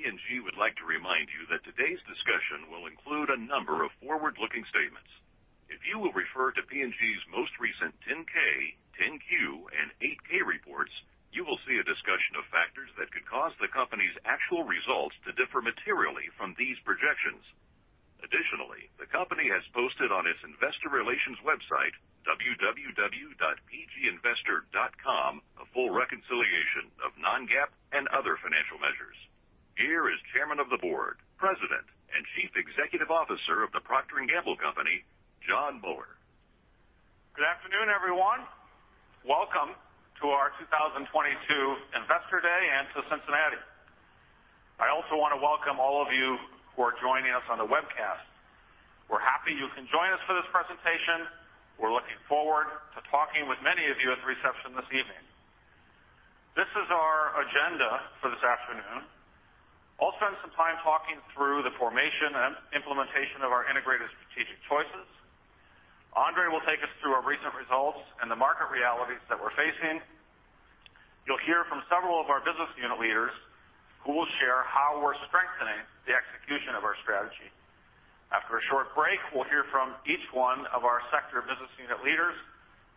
P&G would like to remind you that today's discussion will include a number of forward-looking statements. If you will refer to P&G's most recent 10-K, 10-Q, and 8-K reports, you will see a discussion of factors that could cause the company's actual results to differ materially from these projections. Additionally, the company has posted on its investor relations website, www.pginvestor.com, a full reconciliation of non-GAAP and other financial measures. Here is Chairman of the Board, President, and Chief Executive Officer of The Procter & Gamble Company, Jon Moeller. Good afternoon, everyone. Welcome to our 2022 Investor Day and to Cincinnati. I also wanna welcome all of you who are joining us on the webcast. We're happy you can join us for this presentation. We're looking forward to talking with many of you at the reception this evening. This is our agenda for this afternoon. I'll spend some time talking through the formation and implementation of our integrated strategic choices. Andre will take us through our recent results and the market realities that we're facing. You'll hear from several of our business unit leaders who will share how we're strengthening the execution of our strategy. After a short break, we'll hear from each one of our sector business unit leaders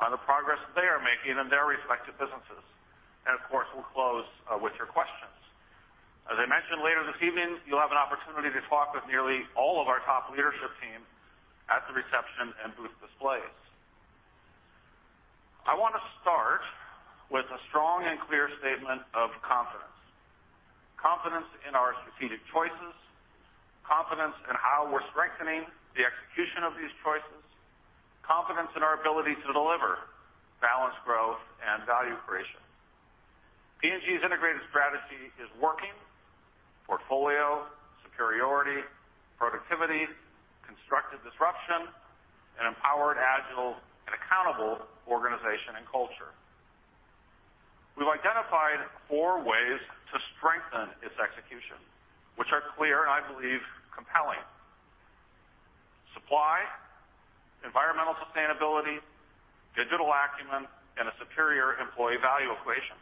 on the progress they are making in their respective businesses. Of course, we'll close with your questions. As I mentioned, later this evening, you'll have an opportunity to talk with nearly all of our top leadership team at the reception and booth displays. I wanna start with a strong and clear statement of confidence. Confidence in our strategic choices, confidence in how we're strengthening the execution of these choices, confidence in our ability to deliver balanced growth and value creation. P&G's integrated strategy is working. Portfolio, superiority, productivity, constructive disruption, and empowered, agile and accountable organization and culture. We've identified four ways to strengthen its execution, which are clear and, I believe, compelling. Supply, environmental sustainability, digital acumen, and a superior employee value equation.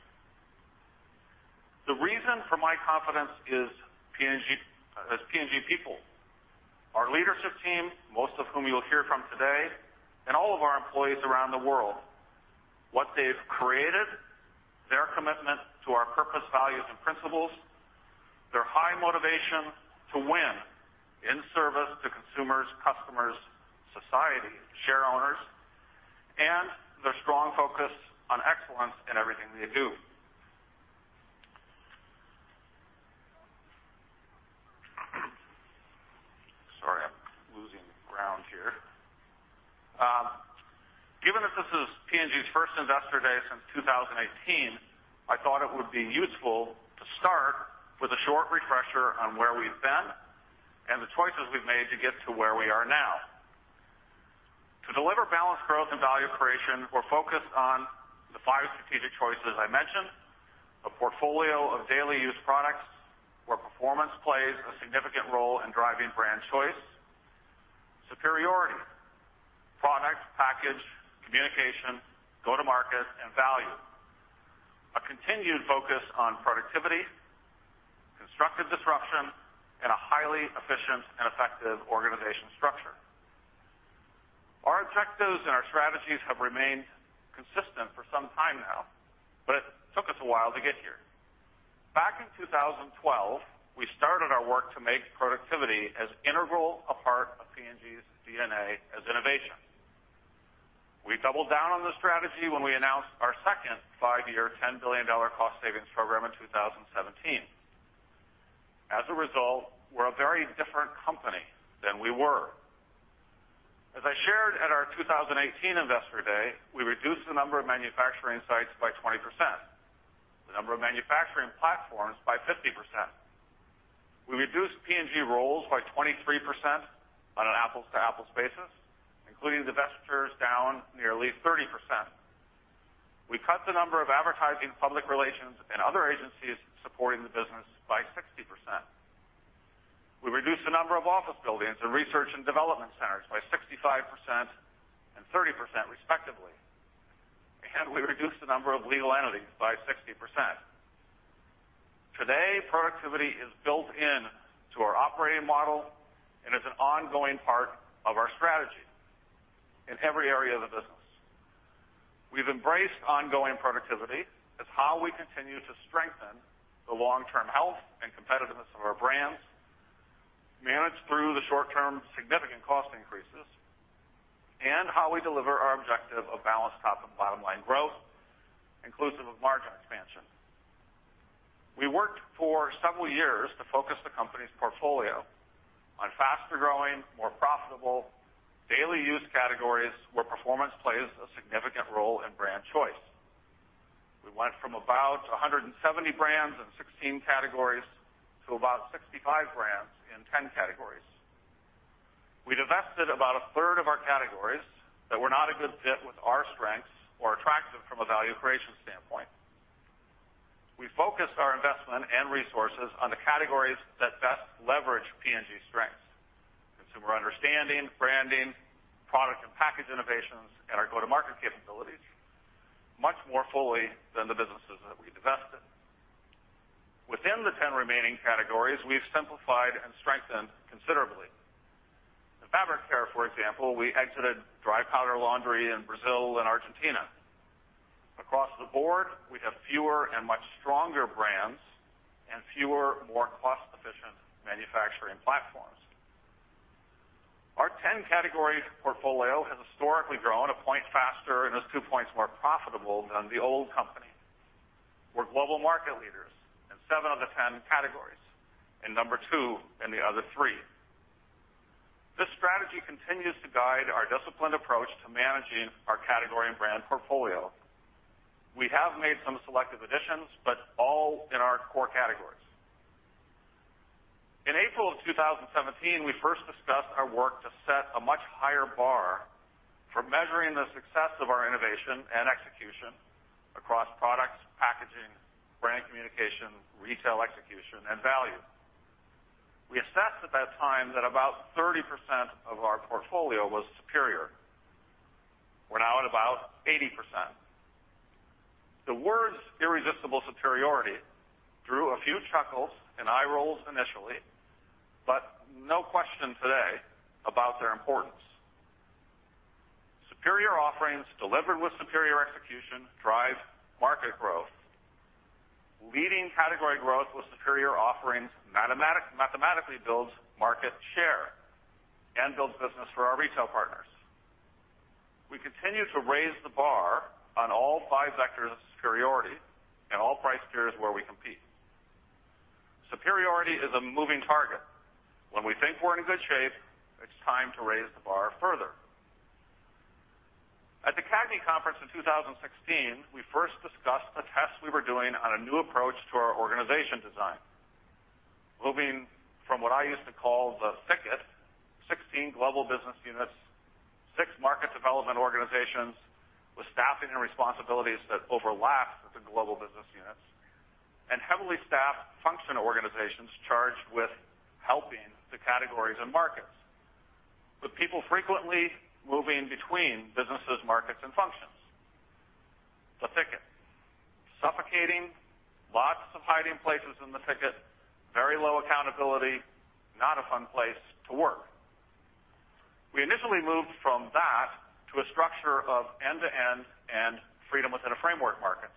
The reason for my confidence is P&G people. Our leadership team, most of whom you'll hear from today, and all of our employees around the world, what they've created, their commitment to our purpose, values, and principles, their high motivation to win in service to consumers, customers, society, shareowners, and their strong focus on excellence in everything they do. Sorry, I'm losing ground here. Given that this is P&G's first Investor Day since 2018, I thought it would be useful to start with a short refresher on where we've been and the choices we've made to get to where we are now. To deliver balanced growth and value creation, we're focused on the five strategic choices I mentioned. A portfolio of daily use products, where performance plays a significant role in driving brand choice. Superiority, product, package, communication, go-to-market and value. A continued focus on productivity, constructive disruption, and a highly efficient and effective organization structure. Our objectives and our strategies have remained consistent for some time now, but it took us a while to get here. Back in 2012, we started our work to make productivity as integral a part of P&G's DNA as innovation. We doubled down on the strategy when we announced our second five-year, $10 billion cost savings program in 2017. As a result, we're a very different company than we were. As I shared at our 2018 Investor Day, we reduced the number of manufacturing sites by 20%, the number of manufacturing platforms by 50%. We reduced P&G roles by 23% on an apples-to-apples basis, including divestitures down nearly 30%. We cut the number of advertising, public relations and other agencies supporting the business by 60%. We reduced the number of office buildings and research and development centers by 65% and 30%, respectively, and we reduced the number of legal entities by 60%. Today, productivity is built into our operating model and is an ongoing part of our strategy in every area of the business. We've embraced ongoing productivity as how we continue to strengthen the long-term health and competitiveness of our brands, manage through the short-term significant cost increases, and how we deliver our objective of balanced top and bottom line growth, inclusive of margin expansion. We worked for several years to focus the company's portfolio on faster growing, more profitable daily use categories where performance plays a significant role in brand choice. We went from about 170 brands in 16 categories to about 65 brands in 10 categories. We divested about 1/3 of our categories that were not a good fit with our strengths or attractive from a value creation standpoint. We focused our investment and resources on the categories that best leverage P&G strengths, consumer understanding, branding, product and package innovations, and our go-to-market capabilities. Much more fully than the businesses that we divested. Within the 10 remaining categories, we've simplified and strengthened considerably. In Fabric Care, for example, we exited dry powder laundry in Brazil and Argentina. Across the board, we have fewer and much stronger brands, and fewer, more cost-efficient manufacturing platforms. Our 10-category portfolio has historically grown a point faster and is two points more profitable than the old company. We're global market leaders in seven of the 10 categories and number two in the other three. This strategy continues to guide our disciplined approach to managing our category and brand portfolio. We have made some selective additions, but all in our core categories. In April of 2017, we first discussed our work to set a much higher bar for measuring the success of our innovation and execution across products, packaging, brand communication, retail execution, and value. We assessed at that time that about 30% of our portfolio was superior. We're now at about 80%. The words irresistible superiority drew a few chuckles and eye rolls initially, but no question today about their importance. Superior offerings delivered with superior execution drive market growth. Leading category growth with superior offerings mathematically builds market share and builds business for our retail partners. We continue to raise the bar on all five vectors of superiority in all price tiers where we compete. Superiority is a moving target. When we think we're in good shape, it's time to raise the bar further. At the CAGNY Conference in 2016, we first discussed the tests we were doing on a new approach to our organization design, moving from what I used to call the thicket, 16 global business units, six market development organizations with staffing and responsibilities that overlapped with the global business units, and heavily staffed function organizations charged with helping the categories and markets, with people frequently moving between businesses, markets, and functions. The thicket. Suffocating, lots of hiding places in the thicket, very low accountability, not a fun place to work. We initially moved from that to a structure of end-to-end and freedom within a framework markets.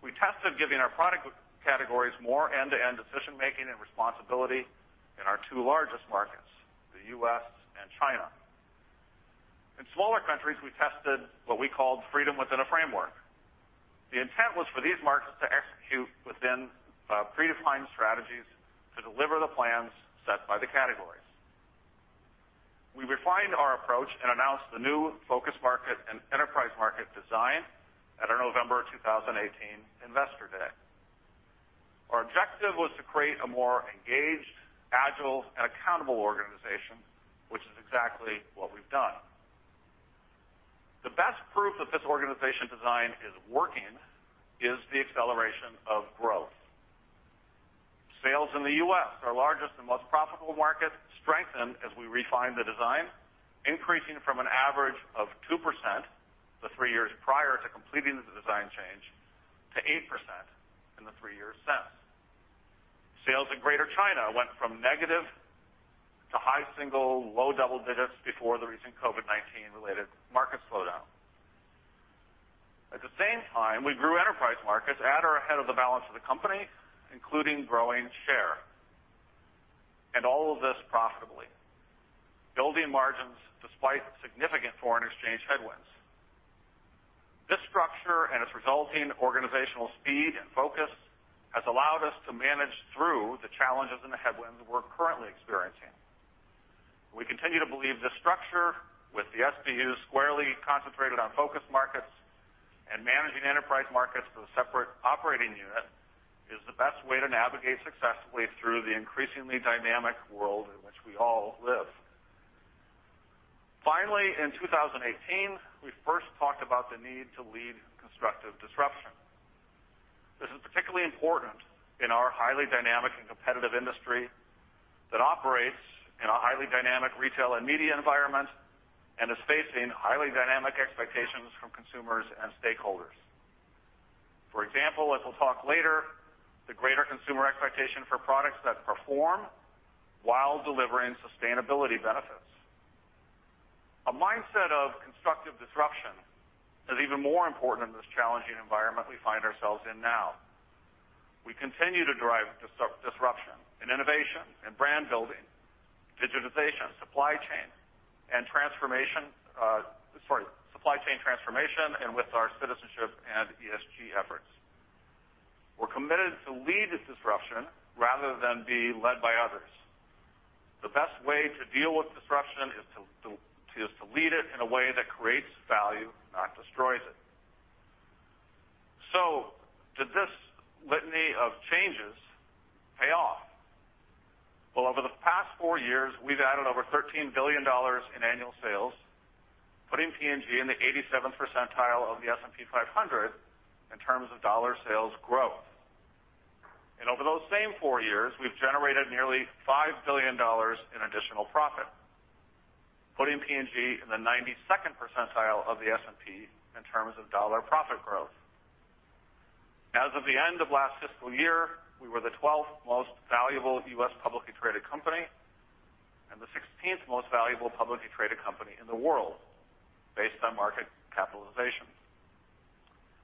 We tested giving our product categories more end-to-end decision-making and responsibility in our two largest markets, the U.S. and China. In smaller countries, we tested what we called freedom within a framework. The intent was for these markets to execute within predefined strategies to deliver the plans set by the categories. We refined our approach and announced the new focus market and enterprise market design at our November 2018 Investor Day. Our objective was to create a more engaged, agile, and accountable organization, which is exactly what we've done. The best proof that this organization design is working is the acceleration of growth. Sales in the U.S., our largest and most profitable market, strengthened as we refined the design, increasing from an average of 2% the three years prior to completing the design change to 8% in the three-year sale. Sales in Greater China went from negative to high single-digit, low double-digit before the recent COVID-19 related market slowdown. At the same time, we grew enterprise markets at or ahead of the balance of the company, including growing share, and all of this profitably, building margins despite significant foreign exchange headwinds. This structure and its resulting organizational speed and focus has allowed us to manage through the challenges and the headwinds we're currently experiencing. We continue to believe this structure with the SBUs squarely concentrated on focus markets and managing enterprise markets with a separate operating unit, is the best way to navigate successfully through the increasingly dynamic world in which we all live. Finally, in 2018, we first talked about the need to lead constructive disruption. This is particularly important in our highly dynamic and competitive industry that operates in a highly dynamic retail and media environment and is facing highly dynamic expectations from consumers and stakeholders. For example, as we'll talk later, the greater consumer expectation for products that perform while delivering sustainability benefits. A mindset of constructive disruption is even more important in this challenging environment we find ourselves in now. We continue to drive disruption in innovation, in brand building, digitization, supply chain, and transformation, supply chain transformation, and with our citizenship and ESG efforts. We're committed to lead this disruption rather than be led by others. The best way to deal with disruption is to is to lead it in a way that creates value, not destroys it. Did this litany of changes pay off? Well, over the past four years, we've added over $13 billion in annual sales, putting P&G in the 87th percentile of the S&P 500 in terms of dollar sales growth. For those same four years, we've generated nearly $5 billion in additional profit, putting P&G in the 92nd percentile of the S&P 500 in terms of dollar profit growth. As of the end of last fiscal year, we were the 12th most valuable U.S. publicly traded company, and the 16th most valuable publicly traded company in the world based on market capitalization.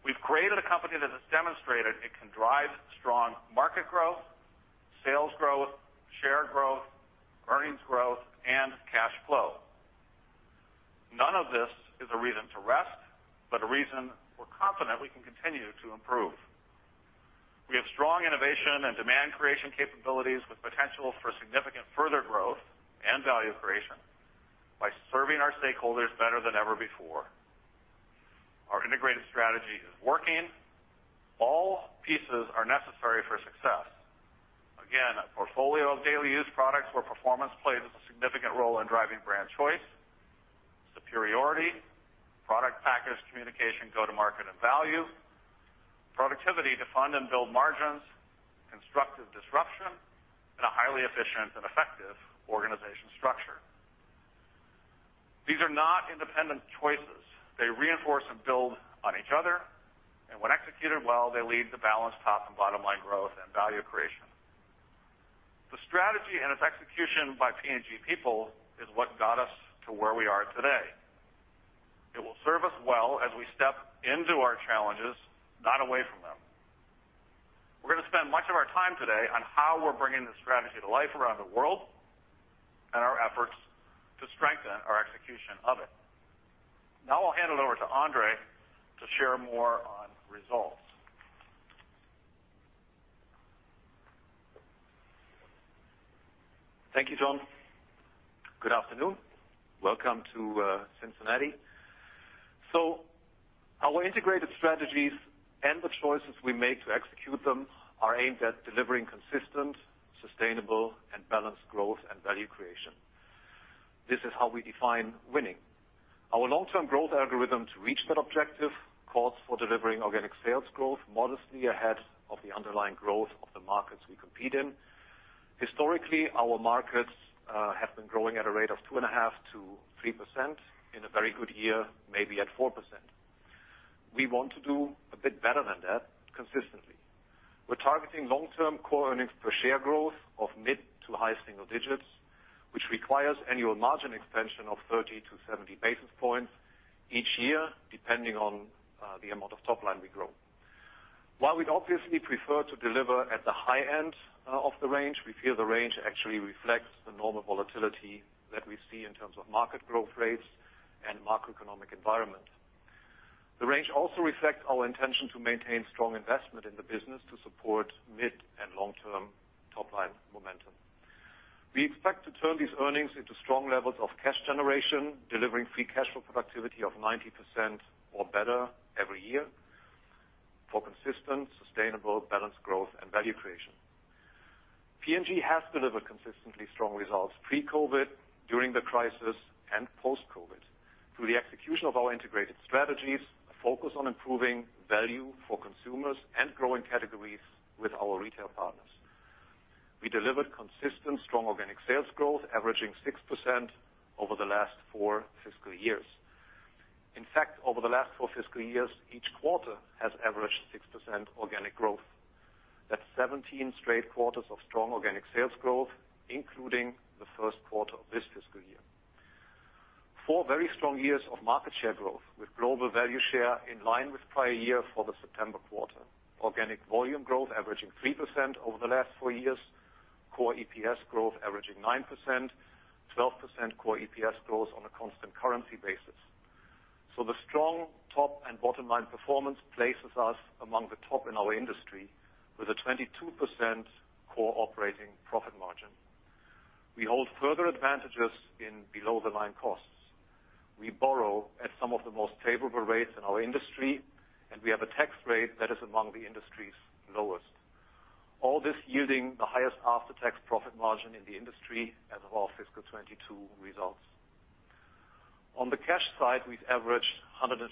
We've created a company that has demonstrated it can drive strong market growth, sales growth, share growth, earnings growth, and cash flow. None of this is a reason to rest, but a reason we're confident we can continue to improve. We have strong innovation and demand creation capabilities with potential for significant further growth and value creation by serving our stakeholders better than ever before. Our integrated strategy is working. All pieces are necessary for success. Again, a portfolio of daily use products where performance plays a significant role in driving brand choice, superiority, product package communication, go-to-market, and value. Productivity to fund and build margins, constructive disruption, and a highly efficient and effective organization structure. These are not independent choices. They reinforce and build on each other, and when executed well, they lead to balanced top and bottom line growth and value creation. The strategy and its execution by P&G people is what got us to where we are today. It will serve us well as we step into our challenges, not away from them. We're gonna spend much of our time today on how we're bringing this strategy to life around the world, and our efforts to strengthen our execution of it. Now I'll hand it over to Andre to share more on results. Thank you, Jon. Good afternoon. Welcome to Cincinnati. Our integrated strategies and the choices we make to execute them are aimed at delivering consistent, sustainable, and balanced growth and value creation. This is how we define winning. Our long-term growth algorithm to reach that objective calls for delivering organic sales growth modestly ahead of the underlying growth of the markets we compete in. Historically, our markets have been growing at a rate of 2.5%-3%. In a very good year, maybe at 4%. We want to do a bit better than that consistently. We're targeting long-term core earnings per share growth of mid to high single digits, which requires annual margin expansion of 30-70 basis points each year, depending on the amount of top line we grow. While we'd obviously prefer to deliver at the high end of the range, we feel the range actually reflects the normal volatility that we see in terms of market growth rates and macroeconomic environment. The range also reflects our intention to maintain strong investment in the business to support mid and long-term top line momentum. We expect to turn these earnings into strong levels of cash generation, delivering free cash flow productivity of 90% or better every year for consistent, sustainable, balanced growth and value creation. P&G has delivered consistently strong results pre-COVID, during the crisis, and post-COVID through the execution of our integrated strategies, a focus on improving value for consumers, and growing categories with our retail partners. We delivered consistently strong organic sales growth, averaging 6% over the last four fiscal years. In fact, over the last four fiscal years, each quarter has averaged 6% organic growth. That's 17 straight quarters of strong organic sales growth, including the first quarter of this fiscal year. Four very strong years of market share growth, with global value share in line with prior year for the September quarter. Organic volume growth averaging 3% over the last four years. Core EPS growth averaging 9%. 12% core EPS growth on a constant currency basis. The strong top and bottom line performance places us among the top in our industry with a 22% core operating profit margin. We hold further advantages in below the line costs. We borrow at some of the most favorable rates in our industry, and we have a tax rate that is among the industry's lowest. All this yielding the highest after-tax profit margin in the industry as of our fiscal 2022 results. On the cash side, we've averaged 105%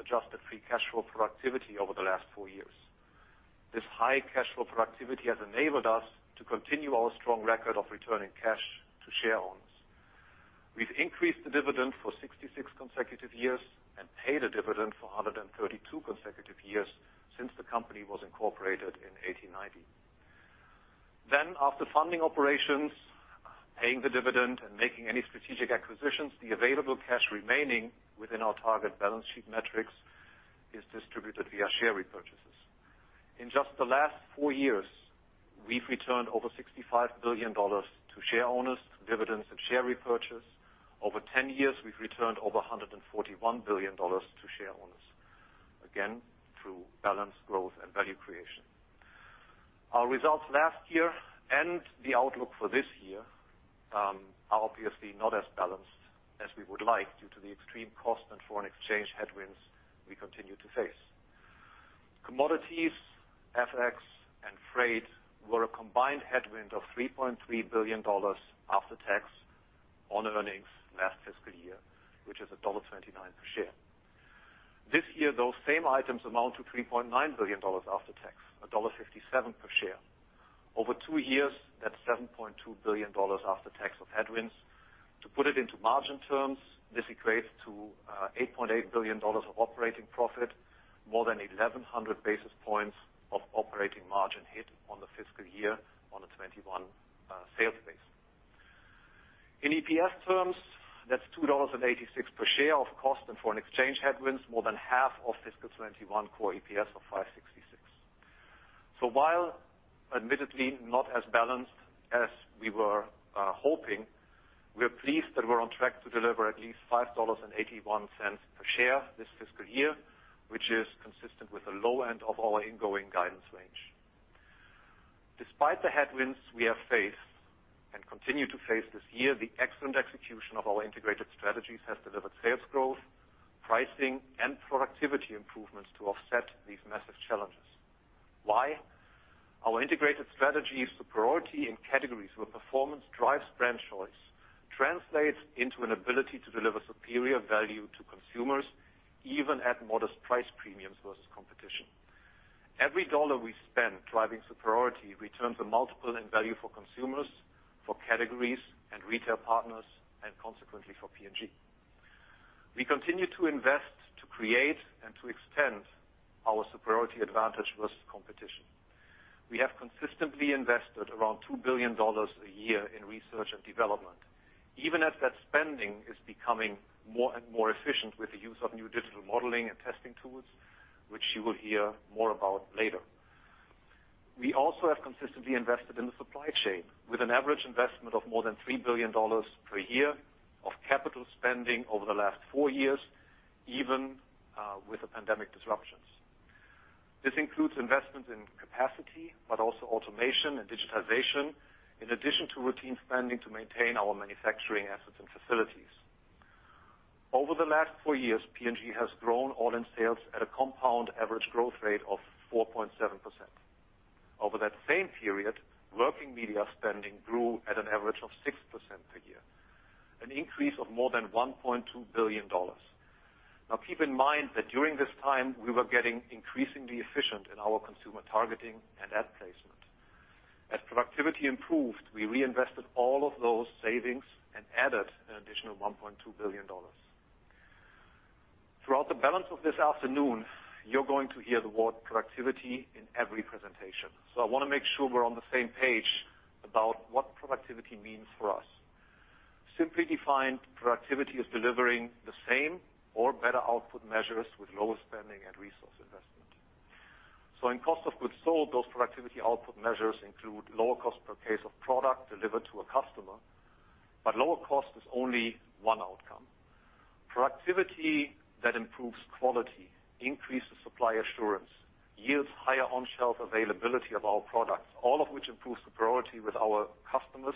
adjusted free cash flow productivity over the last four years. This high cash flow productivity has enabled us to continue our strong record of returning cash to share owners. We've increased the dividend for 66 consecutive years and paid a dividend for 132 consecutive years since the company was incorporated in 1890. After funding operations, paying the dividend, and making any strategic acquisitions, the available cash remaining within our target balance sheet metrics is distributed via share repurchases. In just the last four years, we've returned over $65 billion to share owners through dividends and share repurchase. Over 10 years, we've returned over $141 billion to share owners, again, through balanced growth and value creation. Our results last year and the outlook for this year are obviously not as balanced as we would like due to the extreme cost and foreign exchange headwinds we continue to face. Commodities, FX, and freight were a combined headwind of $3.3 billion after tax on earnings last fiscal year, which is $1.29 per share. This year, those same items amount to $3.9 billion after tax, $1.57 per share. Over two years, that's $7.2 billion after tax of headwinds. To put it into margin terms, this equates to $8.8 billion of operating profit, more than 1,100 basis points of operating margin hit on the fiscal year on a 2021 sales base. In EPS terms, that's $2.86 per share of cost, and from FX exchange headwinds, more than half of fiscal 2021 core EPS of $5.66. While admittedly not as balanced as we were hoping, we're pleased that we're on track to deliver at least $5.81 per share this fiscal year, which is consistent with the low end of our ingoing guidance range. Despite the headwinds we have faced and continue to face this year, the excellent execution of our integrated strategies has delivered sales growth, pricing, and productivity improvements to offset these massive challenges. Why? Our integrated strategies, superiority in categories where performance drives brand choice, translates into an ability to deliver superior value to consumers, even at modest price premiums versus competition. Every dollar we spend driving superiority returns a multiple in value for consumers, for categories and retail partners, and consequently for P&G. We continue to invest, to create, and to extend our superiority advantage versus competition. We have consistently invested around $2 billion a year in research and development. Even as that spending is becoming more and more efficient with the use of new digital modeling and testing tools, which you will hear more about later. We also have consistently invested in the supply chain with an average investment of more than $3 billion per year of capital spending over the last four years, even with the pandemic disruptions. This includes investment in capacity, but also automation and digitization, in addition to routine spending to maintain our manufacturing assets and facilities. Over the last four years, P&G has grown all-in sales at a compound average growth rate of 4.7%. Over that same period, working media spending grew at an average of 6% per year, an increase of more than $1.2 billion. Now, keep in mind that during this time, we were getting increasingly efficient in our consumer targeting and ad placement. As productivity improved, we reinvested all of those savings and added an additional $1.2 billion. Throughout the balance of this afternoon, you're going to hear the word productivity in every presentation, so I wanna make sure we're on the same page about what productivity means for us. Simply defined, productivity is delivering the same or better output measures with lower spending and resource investment. In cost of goods sold, those productivity output measures include lower cost per case of product delivered to a customer, but lower cost is only one outcome. Productivity that improves quality, increases supply assurance, yields higher on-shelf availability of our products, all of which improves superiority with our customers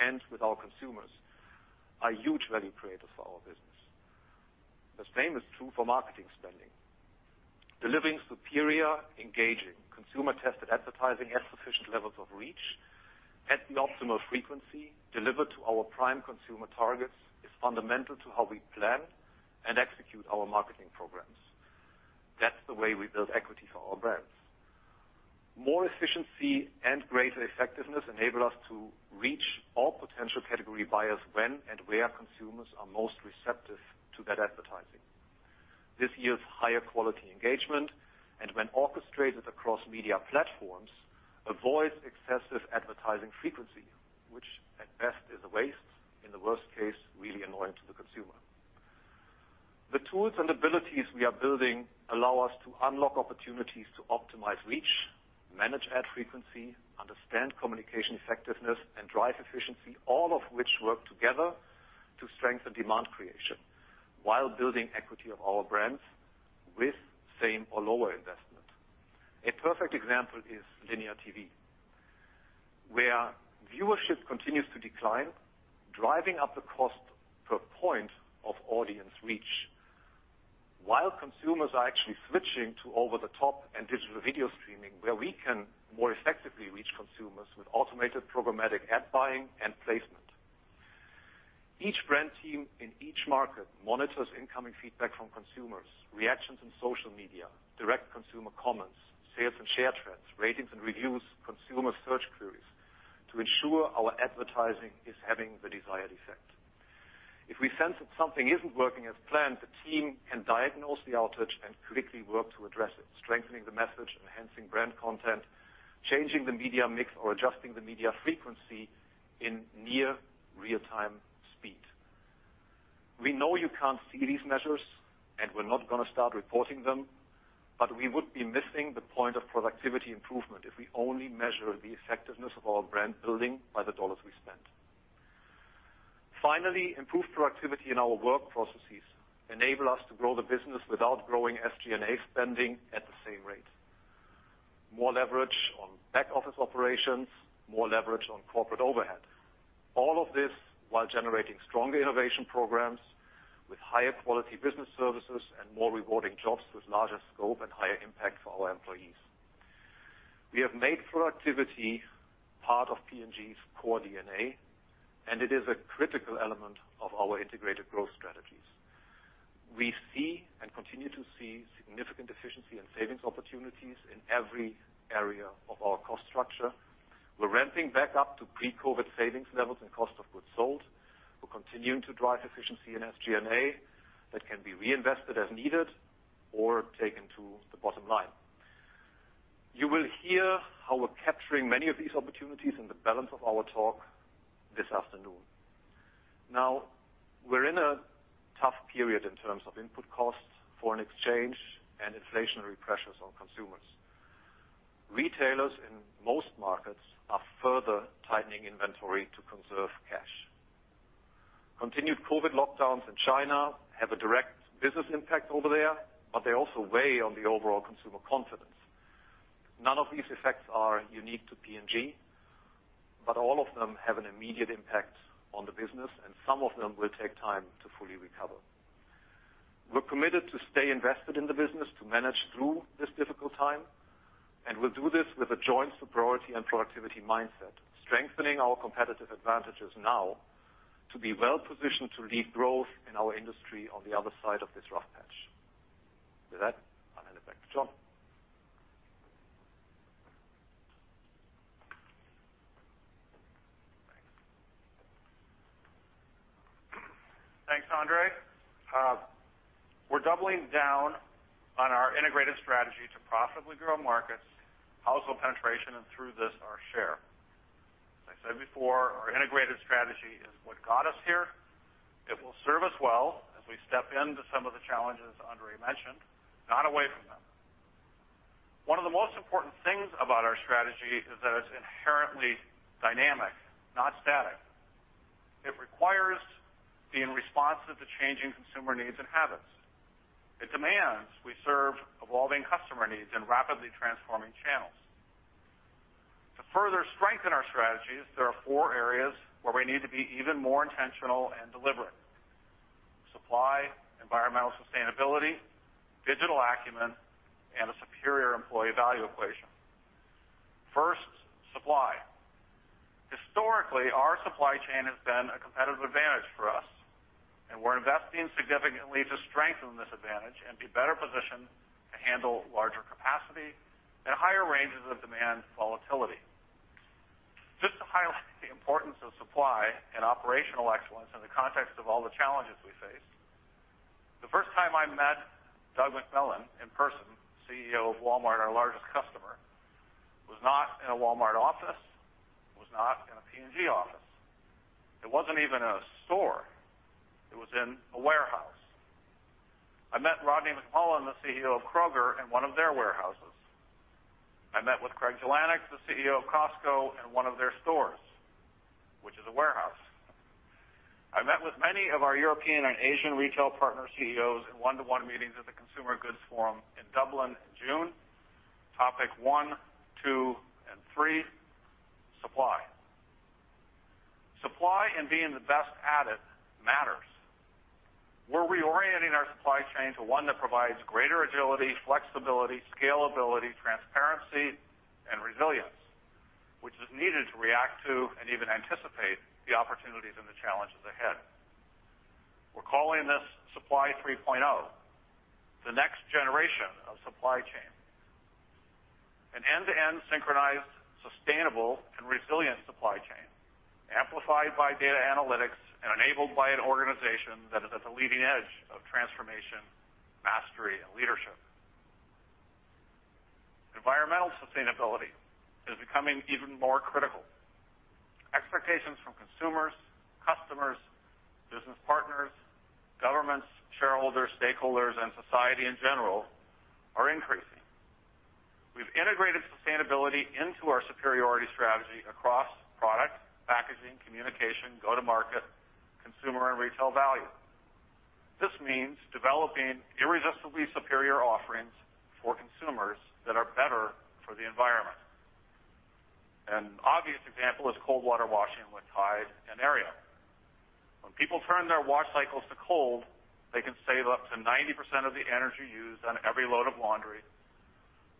and with our consumers, are huge value creators for our business. The same is true for marketing spending. Delivering superior, engaging, consumer-tested advertising at sufficient levels of reach, at the optimal frequency, delivered to our prime consumer targets, is fundamental to how we plan and execute our marketing programs. That's the way we build equity for our brands. More efficiency and greater effectiveness enable us to reach all potential category buyers when and where consumers are most receptive to that advertising. This yields higher quality engagement, and when orchestrated across media platforms, avoids excessive advertising frequency, which at best is a waste, in the worst case, really annoying to the consumer. The tools and abilities we are building allow us to unlock opportunities to optimize reach, manage ad frequency, understand communication effectiveness, and drive efficiency, all of which work together to strengthen demand creation while building equity of our brands with same or lower investment. A perfect example is linear TV, where viewership continues to decline, driving up the cost per point of audience reach while consumers are actually switching to over-the-top and digital video streaming, where we can more effectively reach consumers with automated programmatic ad buying and placement. Each brand team in each market monitors incoming feedback from consumers, reactions in social media, direct consumer comments, sales and share trends, ratings and reviews, consumer search queries to ensure our advertising is having the desired effect. If we sense that something isn't working as planned, the team can diagnose the outage and quickly work to address it, strengthening the message, enhancing brand content, changing the media mix, or adjusting the media frequency in near real-time speed. We know you can't see these measures, and we're not gonna start reporting them, but we would be missing the point of productivity improvement if we only measure the effectiveness of our brand building by the dollars we spend. Finally, improved productivity in our work processes enable us to grow the business without growing SG&A spending at the same rate. More leverage on back-office operations, more leverage on corporate overhead. All of this while generating stronger innovation programs with higher quality business services and more rewarding jobs with larger scope and higher impact for our employees. We have made productivity part of P&G's core DNA, and it is a critical element of our integrated growth strategies. We see and continue to see significant efficiency and savings opportunities in every area of our cost structure. We're ramping back up to pre-COVID savings levels and cost of goods sold. We're continuing to drive efficiency in SG&A that can be reinvested as needed or taken to the bottom line. You will hear how we're capturing many of these opportunities in the balance of our talk this afternoon. Now, we're in a tough period in terms of input costs, foreign exchange, and inflationary pressures on consumers. Retailers in most markets are further tightening inventory to conserve cash. Continued COVID lockdowns in China have a direct business impact over there, but they also weigh on the overall consumer confidence. None of these effects are unique to P&G, but all of them have an immediate impact on the business, and some of them will take time to fully recover. We're committed to stay invested in the business to manage through this difficult time, and we'll do this with a joint superiority and productivity mindset, strengthening our competitive advantages now to be well-positioned to lead growth in our industry on the other side of this rough patch. With that, I hand it back to Jon. Thanks, Andre. We're doubling down on our integrated strategy to profitably grow markets, household penetration, and through this, our share. As I said before, our integrated strategy is what got us here. It will serve us well as we step into some of the challenges Andre mentioned, not away from them. One of the most important things about our strategy is that it's inherently dynamic, not static. It requires being responsive to changing consumer needs and habits. It demands we serve evolving customer needs in rapidly transforming channels. To further strengthen our strategies, there are four areas where we need to be even more intentional and deliberate: supply, environmental sustainability, digital acumen, and a superior employee value equation. First, supply. Historically, our supply chain has been a competitive advantage for us, and we're investing significantly to strengthen this advantage and be better positioned to handle larger capacity and higher ranges of demand volatility. Just to highlight the importance of supply and operational excellence in the context of all the challenges we face, the first time I met Doug McMillon in person, CEO of Walmart, our largest customer, was not in a Walmart office, was not in a P&G office. It wasn't even a store. It was in a warehouse. I met Rodney McMullen, the CEO of Kroger, in one of their warehouses. I met with Craig Jelinek, the CEO of Costco, in one of their stores, which is a warehouse. I met with many of our European and Asian retail partner CEOs in one-to-one meetings at The Consumer Goods Forum in Dublin in June. Topic one, two, and three, supply. Supply and being the best at it matters. We're reorienting our supply chain to one that provides greater agility, flexibility, scalability, transparency, and resilience, which is needed to react to and even anticipate the opportunities and the challenges ahead. We're calling this Supply 3.0, the next generation of supply chain. An end-to-end synchronized, sustainable, and resilient supply chain, amplified by data analytics and enabled by an organization that is at the leading edge of transformation, mastery, and leadership. Environmental sustainability is becoming even more critical. Expectations from consumers, customers, business partners, governments, shareholders, stakeholders, and society, in general, are increasing. We've integrated sustainability into our superiority strategy across product, packaging, communication, go-to-market, consumer and retail value. This means developing irresistibly superior offerings for consumers that are better for the environment. An obvious example is cold water washing with Tide and Ariel. When people turn their wash cycles to cold, they can save up to 90% of the energy used on every load of laundry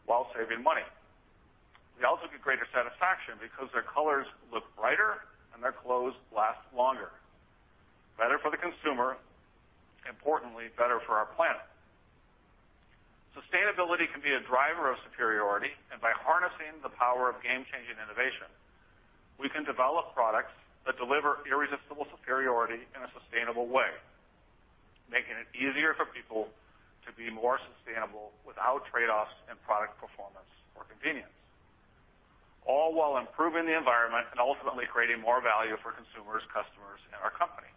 while saving money. They also get greater satisfaction because their colors look brighter and their clothes last longer. Better for the consumer, importantly, better for our planet. Sustainability can be a driver of superiority, and by harnessing the power of game-changing innovation, we can develop products that deliver irresistible superiority in a sustainable way, making it easier for people to be more sustainable without trade-offs in product performance or convenience, all while improving the environment and ultimately creating more value for consumers, customers, and our company.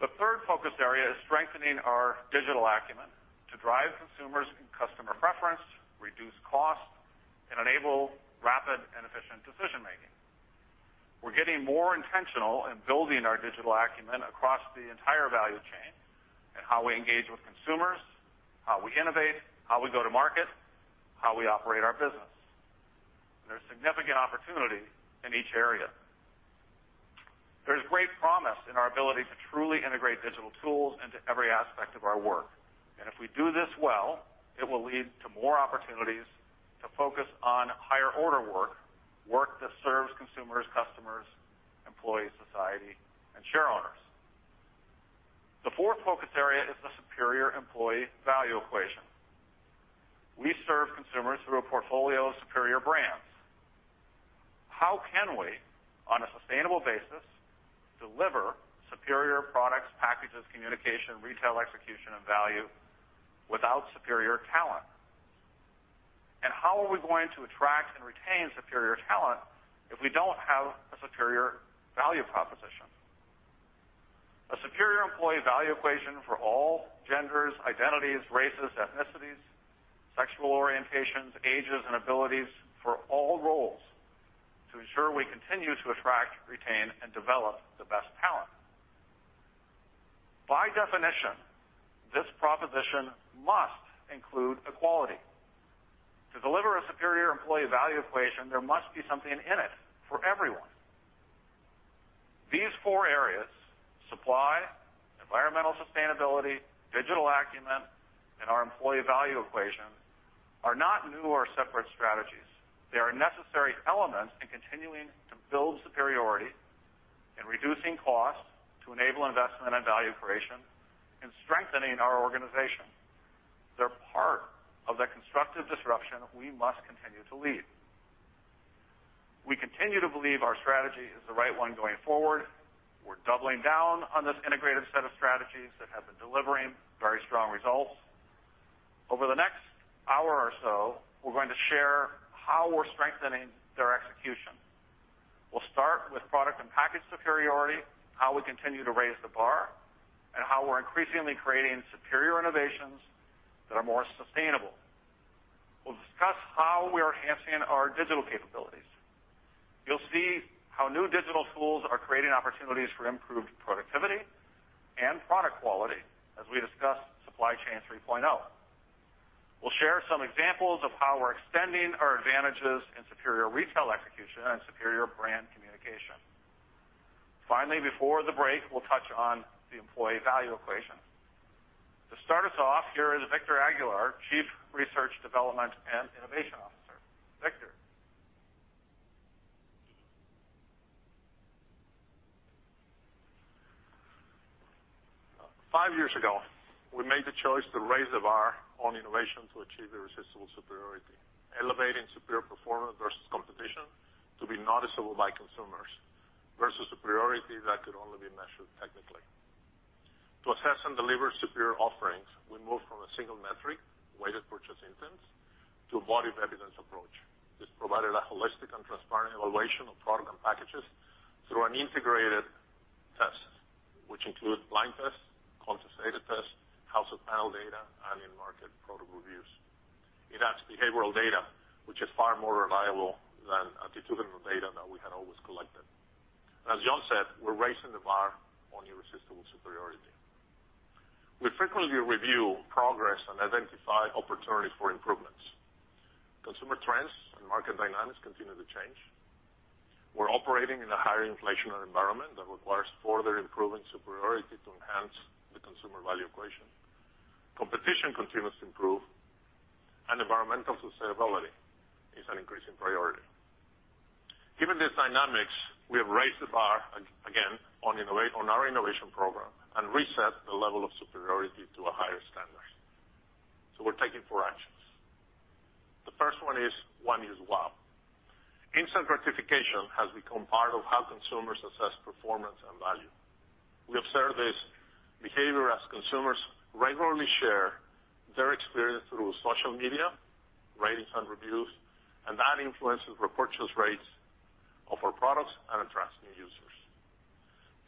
The third focus area is strengthening our digital acumen to drive consumers and customer preference, reduce cost, and enable rapid and efficient decision-making. We're getting more intentional in building our digital acumen across the entire value chain in how we engage with consumers, how we innovate, how we go to market, how we operate our business. There's significant opportunity in each area. There's great promise in our ability to truly integrate digital tools into every aspect of our work. If we do this well, it will lead to more opportunities to focus on higher order work that serves consumers, customers, employees, society, and shareowners. The fourth focus area is the superior employee value equation. We serve consumers through a portfolio of superior brands. How can we, on a sustainable basis, deliver superior products, packages, communication, retail execution, and value without superior talent? How are we going to attract and retain superior talent if we don't have a superior value proposition? A superior employee value equation for all genders, identities, races, ethnicities, sexual orientations, ages, and abilities for all roles to ensure we continue to attract, retain, and develop the best talent. By definition, this proposition must include equality. To deliver a superior employee value equation, there must be something in it for everyone. These four areas, supply, environmental sustainability, digital acumen, and our employee value equation, are not new or separate strategies. They are necessary elements in continuing to build superiority, in reducing costs to enable investment and value creation, in strengthening our organization. They're part of the constructive disruption we must continue to lead. We continue to believe our strategy is the right one going forward. We're doubling down on this integrated set of strategies that have been delivering very strong results. Over the next hour or so, we're going to share how we're strengthening their execution. We'll start with product and package superiority, how we continue to raise the bar, and how we're increasingly creating superior innovations that are more sustainable. We'll discuss how we are enhancing our digital capabilities. You'll see how new digital tools are creating opportunities for improved productivity and product quality as we discuss Supply Chain 3.0. We'll share some examples of how we're extending our advantages in superior retail execution and superior brand communication. Finally, before the break, we'll touch on the employee value equation. To start us off, here is Victor Aguilar, Chief Research, Development and Innovation Officer. Victor. Five years ago, we made the choice to raise the bar on innovation to achieve irresistible superiority, elevating superior performance versus competition to be noticeable by consumers versus superiority that could only be measured technically. To assess and deliver superior offerings, we moved from a single metric, weighted purchase intent, to a body of evidence approach. This provided a holistic and transparent evaluation of product and packages through an integrated test, which include blind tests, conscious data tests, household panel data, and in-market product reviews. It adds behavioral data, which is far more reliable than attitudinal data that we had always collected. As Jon said, we're raising the bar on irresistible superiority. We frequently review progress and identify opportunities for improvements. Consumer trends and market dynamics continue to change. We're operating in a higher inflationary environment that requires further improving superiority to enhance the consumer value equation. Competition continues to improve, and environmental sustainability is an increasing priority. Given these dynamics, we have raised the bar again on our innovation program and reset the level of superiority to a higher standard. We're taking four actions. The first one is one use wow. Instant gratification has become part of how consumers assess performance and value. We observe this behavior as consumers regularly share their experience through social media, ratings, and reviews, and that influences repurchase rates of our products and attracts new users.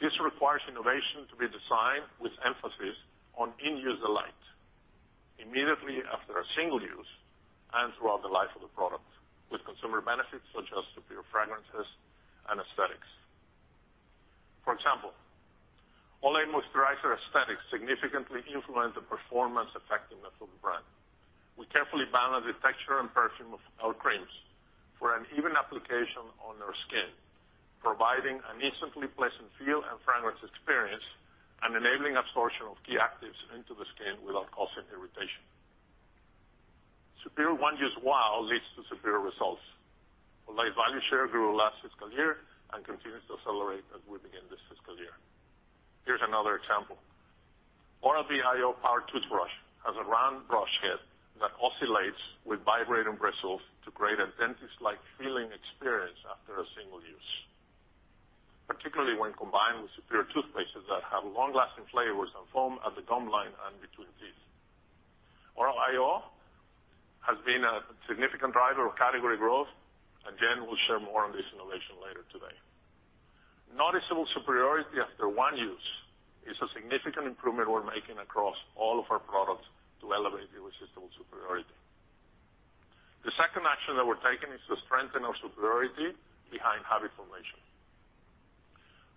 This requires innovation to be designed with emphasis on in-use delight immediately after a single use and throughout the life of the product, with consumer benefits such as superior fragrances and aesthetics. For example, Olay moisturizer aesthetics significantly influence the performance effectiveness of the brand. We carefully balance the texture and perfume of our creams for an even application on our skin, providing an instantly pleasant feel and fragrance experience, and enabling absorption of key actives into the skin without causing irritation. Superior one-use wow leads to superior results. Olay value share grew last fiscal year and continues to accelerate as we begin this fiscal year. Here's another example: Oral-B iO Power toothbrush has a round brush head that oscillates with vibrating bristles to create a dentist-like feeling experience after a single use, particularly when combined with superior toothpastes that have long-lasting flavors and foam at the gum line and between teeth. Oral-B iO has been a significant driver of category growth. Jen will share more on this innovation later today. Noticeable superiority after one use is a significant improvement we're making across all of our products to elevate the irresistible superiority. The second action that we're taking is to strengthen our superiority behind habit formation.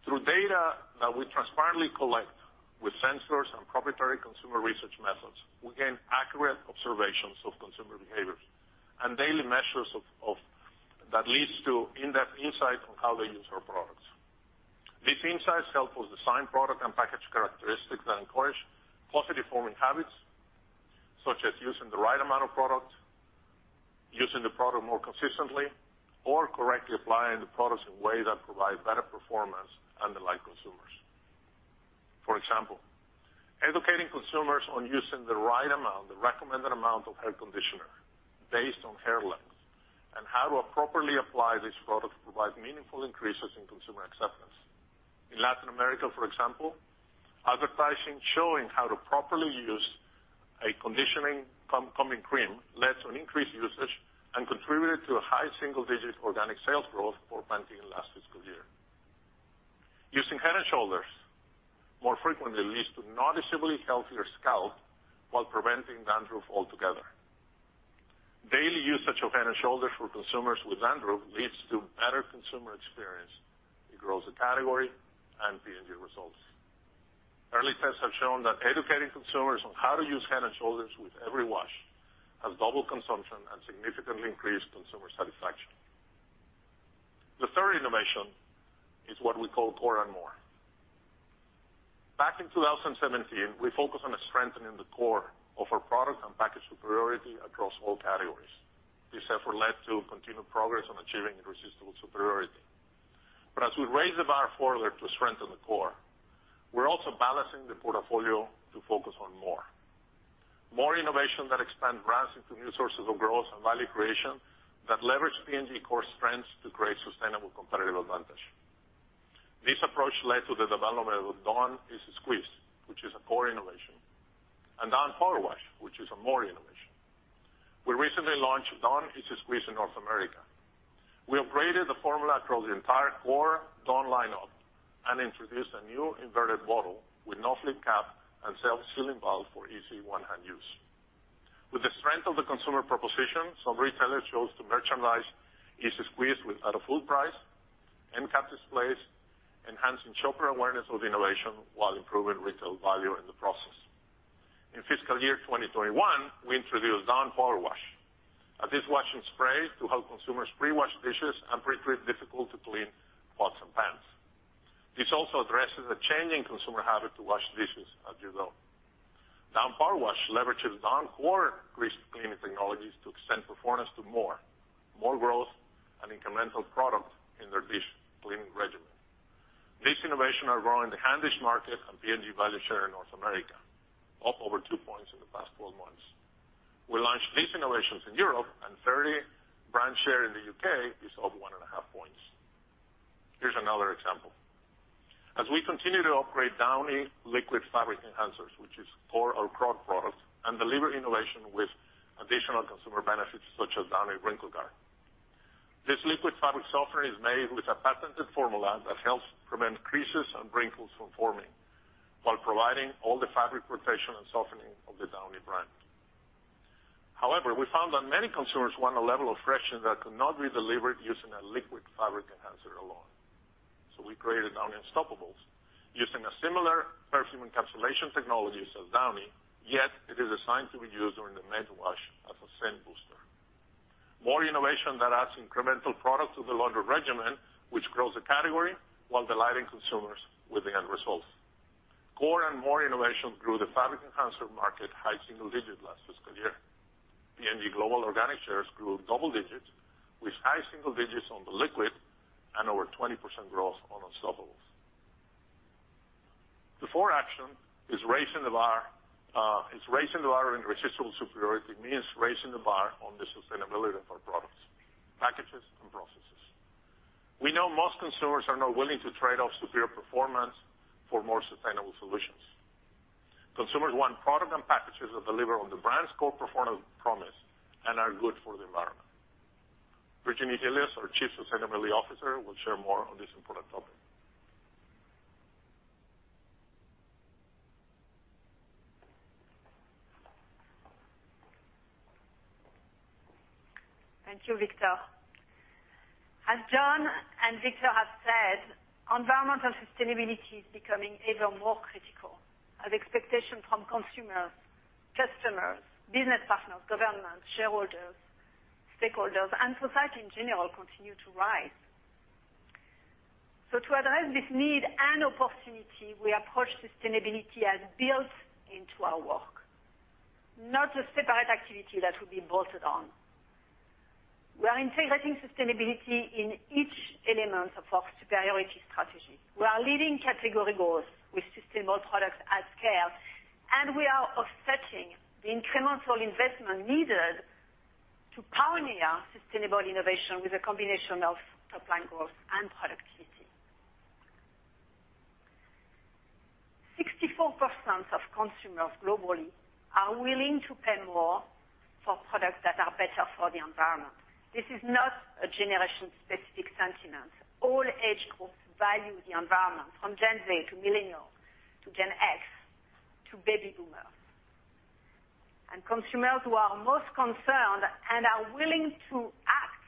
Through data that we transparently collect with sensors and proprietary consumer research methods, we gain accurate observations of consumer behaviors. Daily measures of that leads to in-depth insight on how they use our products. These insights help us design product and package characteristics that encourage positive forming habits, such as using the right amount of product, using the product more consistently, or correctly applying the products in ways that provide better performance and delight consumers. For example, educating consumers on using the right amount, the recommended amount of hair conditioner based on hair length, and how to appropriately apply this product provides meaningful increases in consumer acceptance. In Latin America, for example, advertising showing how to properly use a conditioning combing cream led to an increased usage and contributed to a high single-digit organic sales growth for Pantene last fiscal year. Using Head & Shoulders more frequently leads to noticeably healthier scalp while preventing dandruff altogether. Daily usage of Head & Shoulders for consumers with dandruff leads to better consumer experience. It grows the category and P&G results. Early tests have shown that educating consumers on how to use Head & Shoulders with every wash has doubled consumption and significantly increased consumer satisfaction. The third innovation is what we call core and more. Back in 2017, we focused on strengthening the core of our product and package superiority across all categories. This effort led to continued progress on achieving irresistible superiority. As we raise the bar further to strengthen the core, we're also balancing the portfolio to focus on more innovation that expand brands into new sources of growth and value creation that leverage P&G core strengths to create sustainable competitive advantage. This approach led to the development of Dawn EZ-Squeeze, which is a core innovation, and Dawn Powerwash, which is a more innovation. We recently launched Dawn EZ-Squeeze in North America. We upgraded the formula across the entire core Dawn lineup and introduced a new inverted bottle with no-flip cap and self-sealing valve for easy one-hand use. With the strength of the consumer proposition, some retailers chose to merchandise EZ-Squeeze with end cap displays at full price, enhancing shopper awareness of the innovation while improving retail value in the process. In fiscal year 2021, we introduced Dawn Powerwash. A dishwashing spray to help consumers pre-wash dishes and pre-treat difficult to clean pots and pans. This also addresses the changing consumer habit to wash dishes as you go. Dawn Powerwash leverages Dawn core grease-cleaning technologies to extend performance to more growth and incremental product in their dish-cleaning regimen. These innovations are growing the hand dish market and P&G value share in North America, up over two points in the past 12 months. We launched these innovations in Europe, and Fairy brand share in the U.K. is up 1.5 points. Here's another example. As we continue to upgrade Downy liquid fabric enhancers, which is core product, and deliver innovation with additional consumer benefits, such as Downy WrinkleGuard. This liquid fabric softener is made with a patented formula that helps prevent creases and wrinkles from forming while providing all the fabric protection and softening of the Downy brand. However, we found that many consumers want a level of freshness that could not be delivered using a liquid fabric enhancer alone. We created Downy Unstopables using a similar perfume encapsulation technology as Downy, yet it is assigned to be used during the main wash as a scent booster. More innovation that adds incremental product to the laundry regimen, which grows the category while delighting consumers with the end results. Core and more innovation grew the fabric enhancer market high single digit last fiscal year. P&G global organic shares grew double digits with high single digits on the liquid and over 20% growth on Unstopables. The fourth action is raising the bar in irresistible superiority means raising the bar on the sustainability of our products, packages and processes. We know most consumers are not willing to trade off superior performance for more sustainable solutions. Consumers want products and packages that deliver on the brand's core performance promise and are good for the environment. Virginie Helias, our Chief Sustainability Officer, will share more on this important topic. Thank you, Victor. As Jon and Victor have said, environmental sustainability is becoming even more critical as expectation from consumers, customers, business partners, governments, shareholders, stakeholders, and society in general continue to rise. To address this need and opportunity, we approach sustainability as built into our work, not a separate activity that will be bolted on. We are integrating sustainability in each element of our superiority strategy. We are leading category goals with sustainable products at scale, and we are offsetting the incremental investment needed to pioneer sustainable innovation with a combination of top-line growth and productivity. 64% of consumers globally are willing to pay more for products that are better for the environment. This is not a generation-specific sentiment. All age groups value the environment, from Gen Z to Millennials, to Gen X, to Baby Boomers. Consumers who are most concerned and are willing to act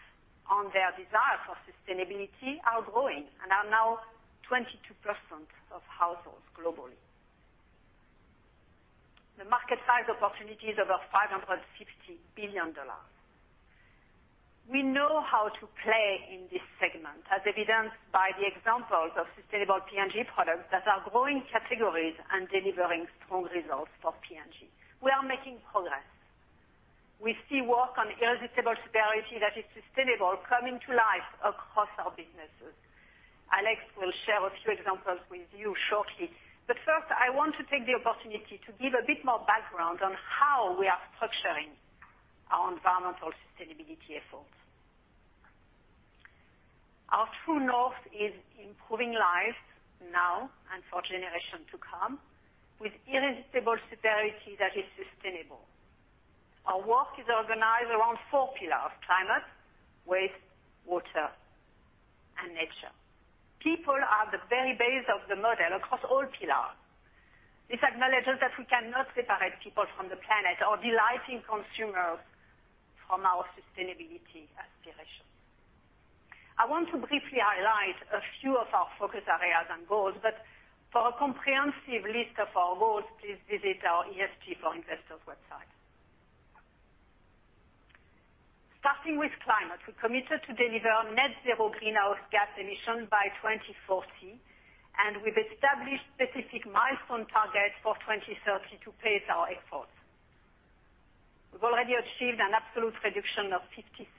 on their desire for sustainability are growing and are now 22% of households globally. The market size opportunity is over $560 billion. We know how to play in this segment, as evidenced by the examples of sustainable P&G products that are growing categories and delivering strong results for P&G. We are making progress. We see work on irresistible superiority that is sustainable coming to life across our businesses. Alex will share a few examples with you shortly. First, I want to take the opportunity to give a bit more background on how we are structuring our environmental sustainability efforts. Our true north is improving lives now and for generations to come with irresistible superiority that is sustainable. Our work is organized around four pillars: climate, waste, water, and nature. People are the very base of the model across all pillars. This acknowledges that we cannot separate people from the planet or delighting consumers from our sustainability aspirations. I want to briefly highlight a few of our focus areas and goals, but for a comprehensive list of our goals, please visit our ESG for Investors website. Starting with climate, we're committed to deliver net zero greenhouse gas emissions by 2040, and we've established specific milestone targets for 2030 to pace our efforts. We've already achieved an absolute reduction of 57%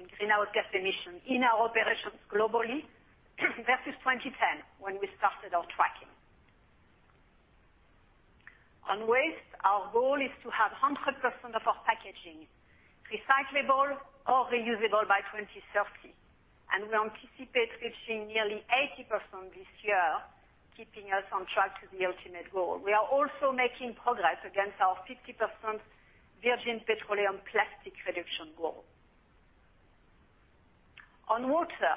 in greenhouse gas emissions in our operations globally versus 2010 when we started our tracking. On waste, our goal is to have 100% of our packaging recyclable or reusable by 2030, and we anticipate reaching nearly 80% this year, keeping us on track to the ultimate goal. We are also making progress against our 50% virgin petroleum plastic reduction goal. On water,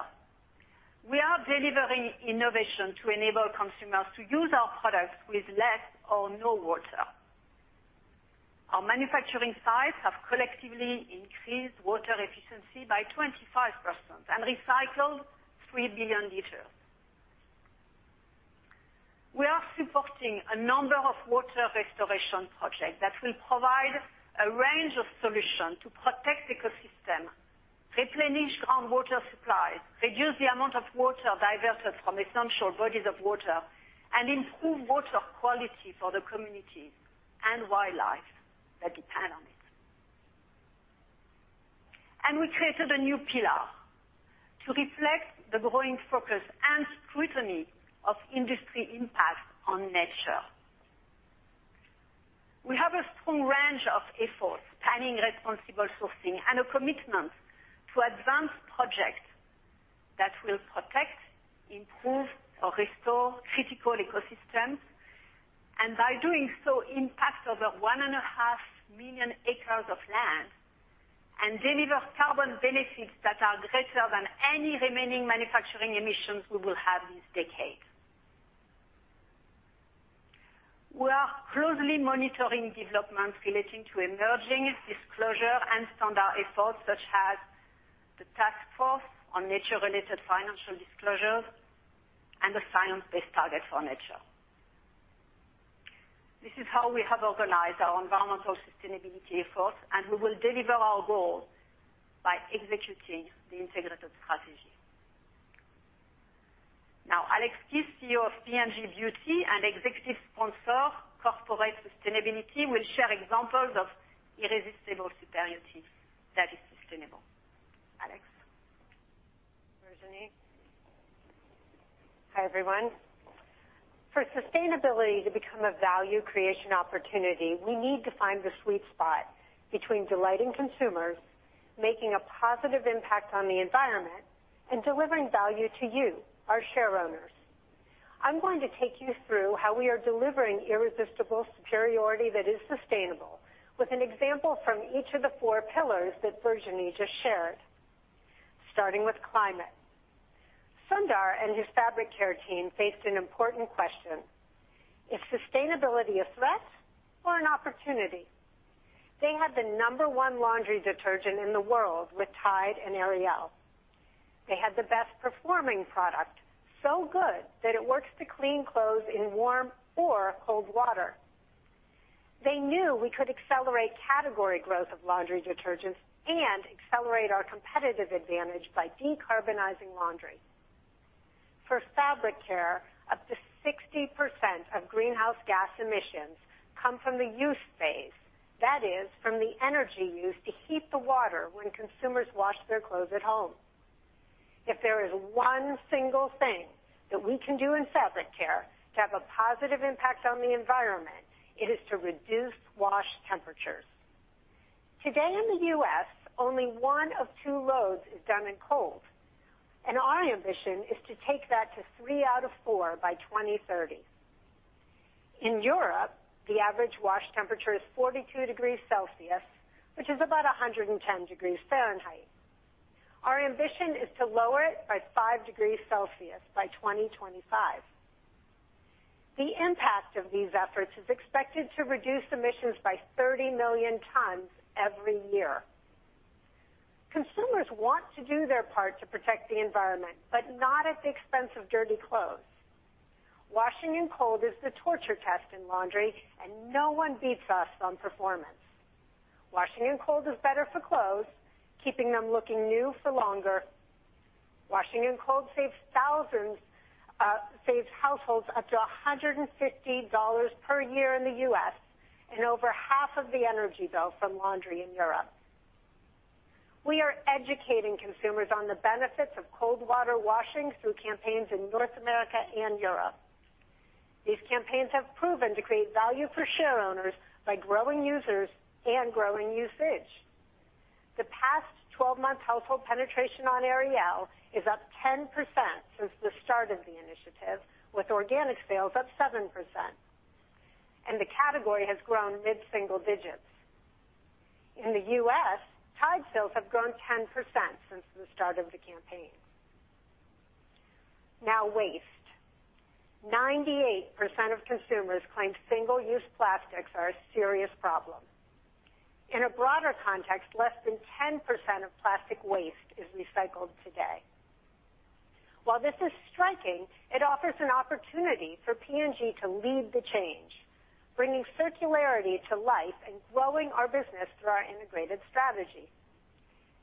we are delivering innovation to enable consumers to use our products with less or no water. Our manufacturing sites have collectively increased water efficiency by 25% and recycled 3 billion L. We are supporting a number of water restoration projects that will provide a range of solutions to protect ecosystems, replenish groundwater supplies, reduce the amount of water diverted from essential bodies of water, and improve water quality for the communities and wildlife that depend on it. We created a new pillar to reflect the growing focus and scrutiny of industry impact on nature. We have a strong range of efforts planning responsible sourcing, and a commitment to advance projects that will protect, improve or restore critical ecosystems. By doing so, impact over 1.5 million acres of land and deliver carbon benefits that are greater than any remaining manufacturing emissions we will have this decade. We are closely monitoring developments relating to emerging disclosure and standard efforts such as the Taskforce on Nature-related Financial Disclosures and the science-based targets for nature. This is how we have organized our environmental sustainability efforts, and we will deliver our goals by executing the integrated strategy. Now, Alex Keith, CEO of P&G Beauty and Executive Sponsor, Corporate Sustainability, will share examples of irresistible superiority that is sustainable. Alex. Virginie. Hi, everyone. For sustainability to become a value creation opportunity, we need to find the sweet spot between delighting consumers, making a positive impact on the environment, and delivering value to you, our shareowners. I'm going to take you through how we are delivering irresistible superiority that is sustainable with an example from each of the four pillars that Virginie just shared. Starting with climate. Sundar and his fabric care team faced an important question: Is sustainability a threat or an opportunity? They have the number one laundry detergent in the world with Tide and Ariel. They had the best-performing product, so good that it works to clean clothes in warm or cold water. They knew we could accelerate category growth of laundry detergents and accelerate our competitive advantage by decarbonizing laundry. For fabric care, up to 60% of greenhouse gas emissions come from the use phase, that is from the energy used to heat the water when consumers wash their clothes at home. If there is one single thing that we can do in fabric care to have a positive impact on the environment, it is to reduce wash temperatures. Today in the U.S., only one of two loads is done in cold, and our ambition is to take that to three out of four by 2030. In Europe, the average wash temperature is 42 degrees Celsius, which is about 110 degrees Fahrenheit. Our ambition is to lower it by 5 degrees Celsius by 2025. The impact of these efforts is expected to reduce emissions by 30 million tons every year. Consumers want to do their part to protect the environment, but not at the expense of dirty clothes. Washing in cold is the torture test in laundry, and no one beats us on performance. Washing in cold is better for clothes, keeping them looking new for longer. Washing in cold saves households up to $150 per year in the U.S., and over half of the energy bill from laundry in Europe. We are educating consumers on the benefits of cold water washing through campaigns in North America and Europe. These campaigns have proven to create value for shareowners by growing users and growing usage. The past 12-month household penetration on Ariel is up 10% since the start of the initiative, with organic sales up 7%. The category has grown mid-single digits. In the U.S., Tide sales have grown 10% since the start of the campaign. Now, waste. 98% of consumers claim single-use plastics are a serious problem. In a broader context, less than 10% of plastic waste is recycled today. While this is striking, it offers an opportunity for P&G to lead the change, bringing circularity to life and growing our business through our integrated strategy.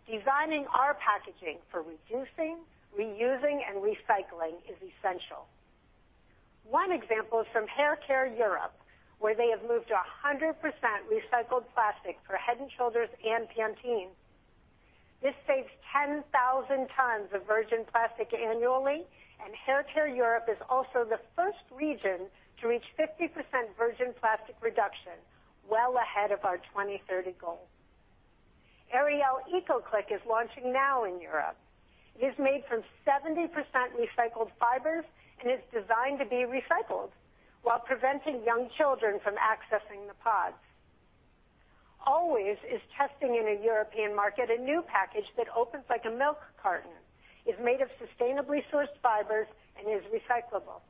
Designing our packaging for reducing, reusing, and recycling is essential. One example is from Hair Care Europe, where they have moved to 100% recycled plastic for Head & Shoulders and Pantene. This saves 10,000 tons of virgin plastic annually, and Hair Care Europe is also the first region to reach 50% virgin plastic reduction, well ahead of our 2030 goal. Ariel ECOCLIC is launching now in Europe. It is made from 70% recycled fibers and is designed to be recycled while preventing young children from accessing the pods. Always is testing in a European market a new package that opens like a milk carton, is made of sustainably sourced fibers, and is recyclable.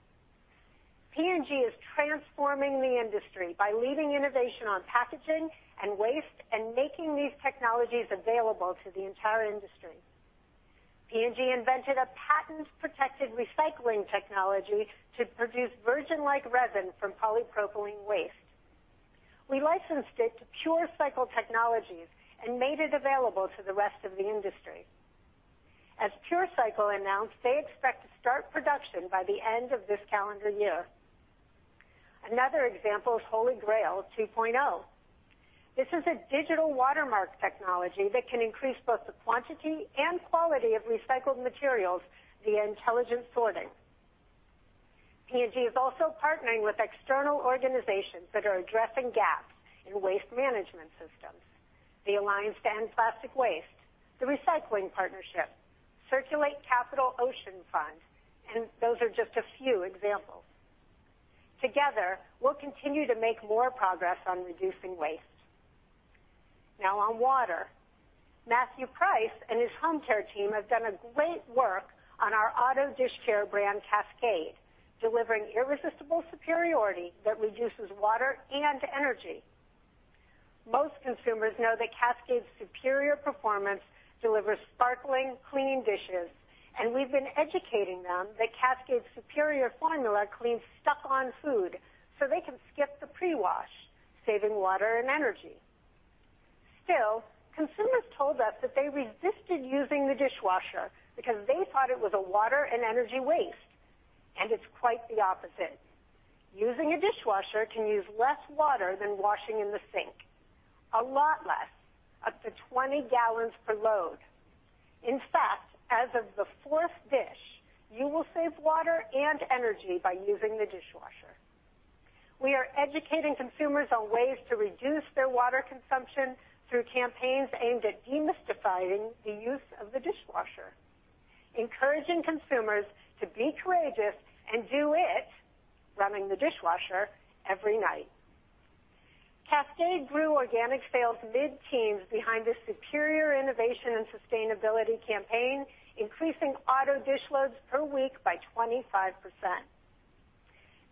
P&G is transforming the industry by leading innovation on packaging and waste and making these technologies available to the entire industry. P&G invented a patent-protected recycling technology to produce virgin-like resin from polypropylene waste. We licensed it to PureCycle Technologies and made it available to the rest of the industry. As PureCycle announced, they expect to start production by the end of this calendar year. Another example is HolyGrail 2.0. This is a digital watermark technology that can increase both the quantity and quality of recycled materials via intelligent sorting. P&G is also partnering with external organizations that are addressing gaps in waste management systems. The Alliance to End Plastic Waste, the Recycling Partnership, Circulate Capital Ocean Fund, and those are just a few examples. Together, we'll continue to make more progress on reducing waste. Now on water. Matthew Price and his home care team have done a great work on our auto dish care brand, Cascade, delivering irresistible superiority that reduces water and energy. Most consumers know that Cascade's superior performance delivers sparkling clean dishes, and we've been educating them that Cascade's superior formula cleans stuck-on food so they can skip the pre-wash, saving water and energy. Still, consumers told us that they resisted using the dishwasher because they thought it was a water and energy waste, and it's quite the opposite. Using a dishwasher can use less water than washing in the sink. A lot less, up to 20 gal per load. In fact, as of the fourth dish, you will save water and energy by using the dishwasher. We are educating consumers on ways to reduce their water consumption through campaigns aimed at demystifying the use of the dishwasher, encouraging consumers to be courageous and do it, running the dishwasher, every night. Cascade grew organic sales mid-teens behind a superior innovation and sustainability campaign, increasing auto dish loads per week by 25%.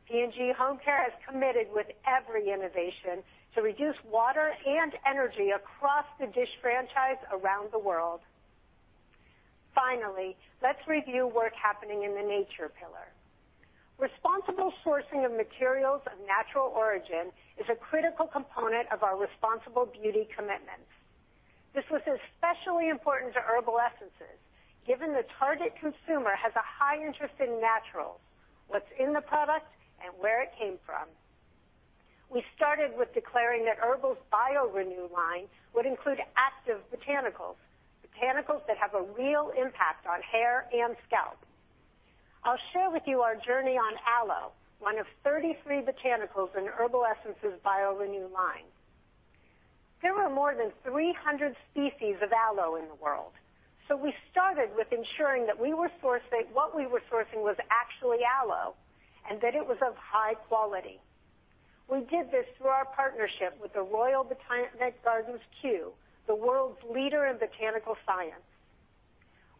P&G Home Care has committed with every innovation to reduce water and energy across the dish franchise around the world. Finally, let's review work happening in the nature pillar. Responsible sourcing of materials of natural origin is a critical component of our Responsible Beauty commitments. This was especially important to Herbal Essences, given the target consumer has a high interest in naturals, what's in the product, and where it came from. We started with declaring that Herbal's bio:renew line would include active botanicals that have a real impact on hair and scalp. I'll share with you our journey on aloe, one of 33 botanicals in Herbal Essences bio:renew line. There are more than 300 species of aloe in the world. We started with ensuring that what we were sourcing was actually aloe, and that it was of high quality. We did this through our partnership with the Royal Botanic Gardens, Kew, the world's leader in botanical science.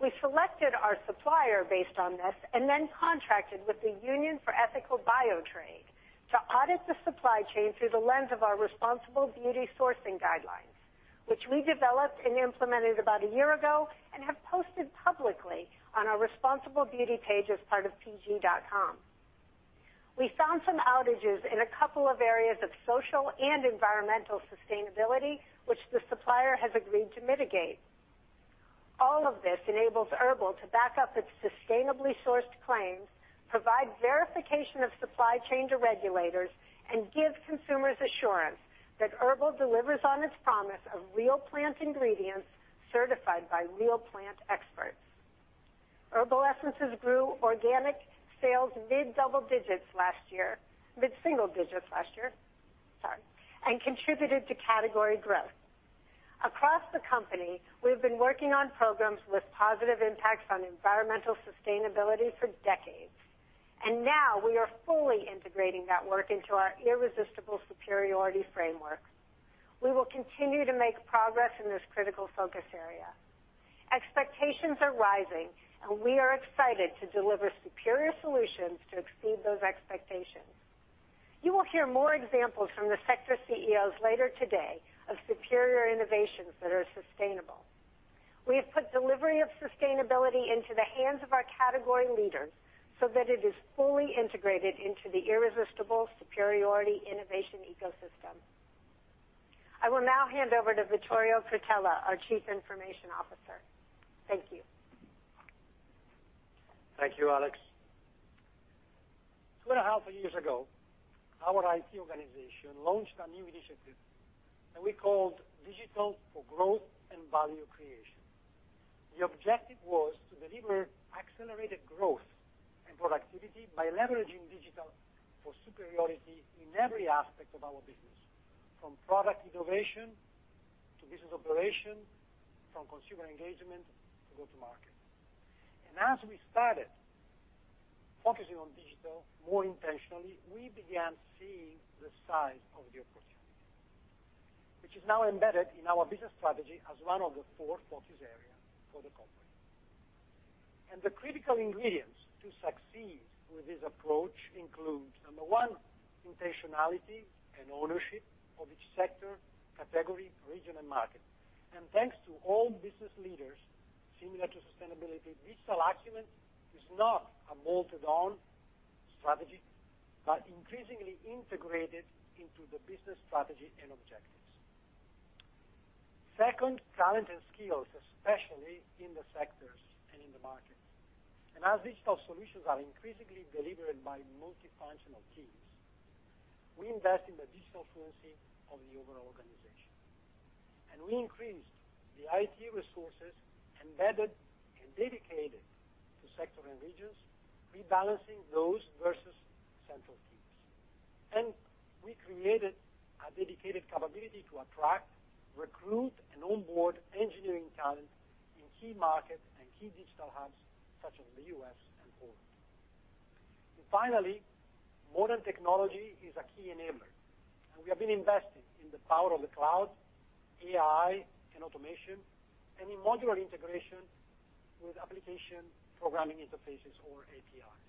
We selected our supplier based on this and then contracted with the Union for Ethical BioTrade to audit the supply chain through the lens of our Responsible Beauty sourcing guidelines, which we developed and implemented about a year ago and have posted publicly on our Responsible Beauty page as part of pg.com. We found some outages in a couple of areas of social and environmental sustainability, which the supplier has agreed to mitigate. All of this enables Herbal Essences to back up its sustainably sourced claims, provide verification of supply chain to regulators, and give consumers assurance that Herbal Essences delivers on its promise of real plant ingredients certified by real plant experts. Herbal Essences grew organic sales mid double digits last year, mid single digits last year, sorry, and contributed to category growth. Across the company, we've been working on programs with positive impacts on environmental sustainability for decades, and now we are fully integrating that work into our irresistible superiority framework. We will continue to make progress in this critical focus area. Expectations are rising, and we are excited to deliver superior solutions to exceed those expectations. You will hear more examples from the sector CEOs later today of superior innovations that are sustainable. We have put delivery of sustainability into the hands of our category leaders so that it is fully integrated into the irresistible superiority innovation ecosystem. I will now hand over to Vittorio Cretella, our Chief Information Officer. Thank you. Thank you, Alex. 2.5 years ago, our IT organization launched a new initiative that we called Digital for Growth and Value Creation. The objective was to deliver accelerated growth and productivity by leveraging digital for superiority in every aspect of our business, from product innovation to business operation, from consumer engagement to go to market. As we started focusing on digital more intentionally, we began seeing the size of the opportunity, which is now embedded in our business strategy as one of the four focus areas for the company. The critical ingredients to succeed with this approach includes, number one, intentionality and ownership of each sector, category, region and market. Thanks to all business leaders, similar to sustainability, digital acumen is not a bolted on strategy, but increasingly integrated into the business strategy and objectives. Second, talent and skills, especially in the sectors and in the markets. As digital solutions are increasingly delivered by multifunctional teams, we invest in the digital fluency of the overall organization. We increased the IT resources embedded and dedicated to sector and regions, rebalancing those versus central teams. We created a dedicated capability to attract, recruit, and onboard engineering talent in key markets and key digital hubs such as the U.S. and Poland. Finally, modern technology is a key enabler, and we have been investing in the power of the cloud, AI and automation, and in modular integration with application programming interfaces or APIs.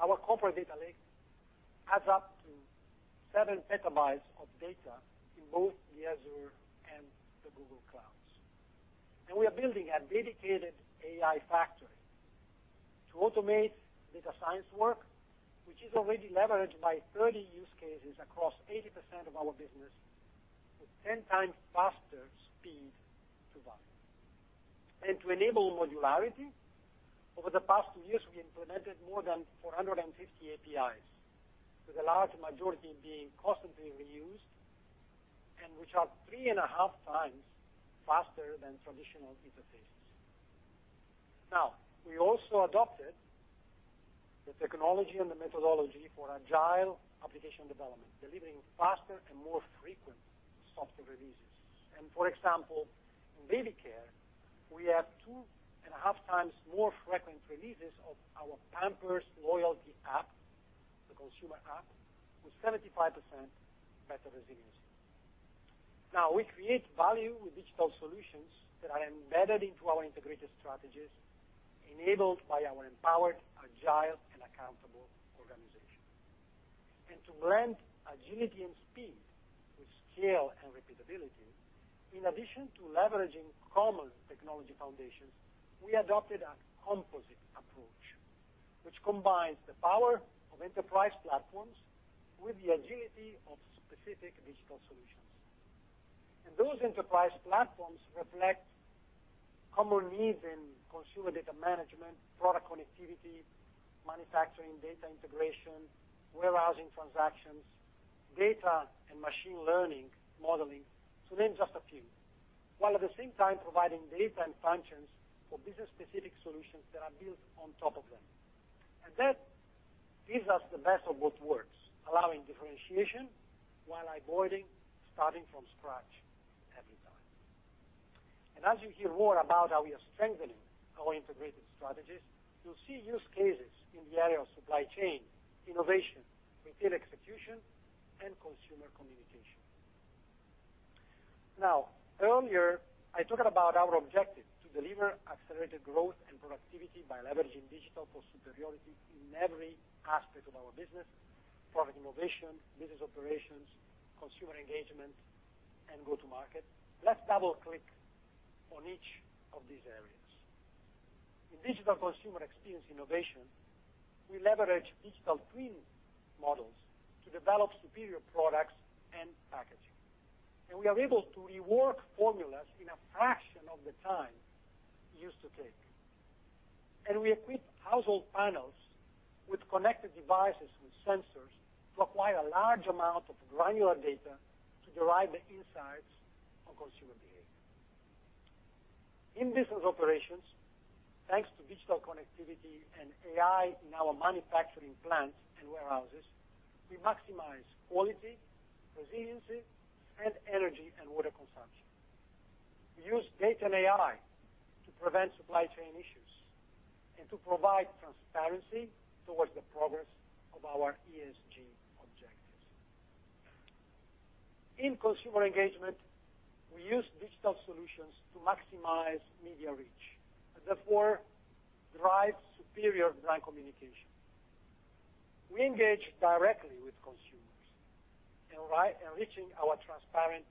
Our corporate data lake adds up to 7 PB of data in both Azure and Google Cloud. We are building a dedicated AI factory to automate data science work, which is already leveraged by 30 use cases across 80% of our business with 10x faster speed to value. To enable modularity, over the past two years, we implemented more than 450 APIs, with a large majority being constantly reused and which are 3.5x faster than traditional interfaces. We also adopted the technology and the methodology for agile application development, delivering faster and more frequent software releases. For example, in baby care, we have 2.5x more frequent releases of our Pampers loyalty app, the consumer app, with 75% better resiliency. We create value with digital solutions that are embedded into our integrated strategies, enabled by our empowered, agile and accountable organization. To blend agility and speed with scale and repeatability, in addition to leveraging common technology foundations, we adopted a composite approach which combines the power of enterprise platforms with the agility of specific digital solutions. Those enterprise platforms reflect common needs in consumer data management, product connectivity, manufacturing data integration, warehousing transactions, data and machine learning modeling, to name just a few, while at the same time providing data and functions for business-specific solutions that are built on top of them. That gives us the best of what works, allowing differentiation while avoiding starting from scratch every time. As you hear more about how we are strengthening our integrated strategies, you'll see use cases in the area of supply chain, innovation, retail execution, and consumer communication. Now, earlier, I talked about our objective to deliver accelerated growth and productivity by leveraging digital for superiority in every aspect of our business, product innovation, business operations, consumer engagement, and go-to-market. Let's double-click on each of these areas. In digital consumer experience innovation, we leverage digital twin models to develop superior products and packaging. We are able to rework formulas in a fraction of the time it used to take. We equip household panels with connected devices and sensors to acquire a large amount of granular data to derive the insights on consumer behavior. In business operations, thanks to digital connectivity and AI in our manufacturing plants and warehouses, we maximize quality, resiliency, and energy and water consumption. We use data and AI to prevent supply chain issues and to provide transparency towards the progress of our ESG objectives. In consumer engagement, we use digital solutions to maximize media reach, and therefore drive superior brand communication. We engage directly with consumers enriching our transparent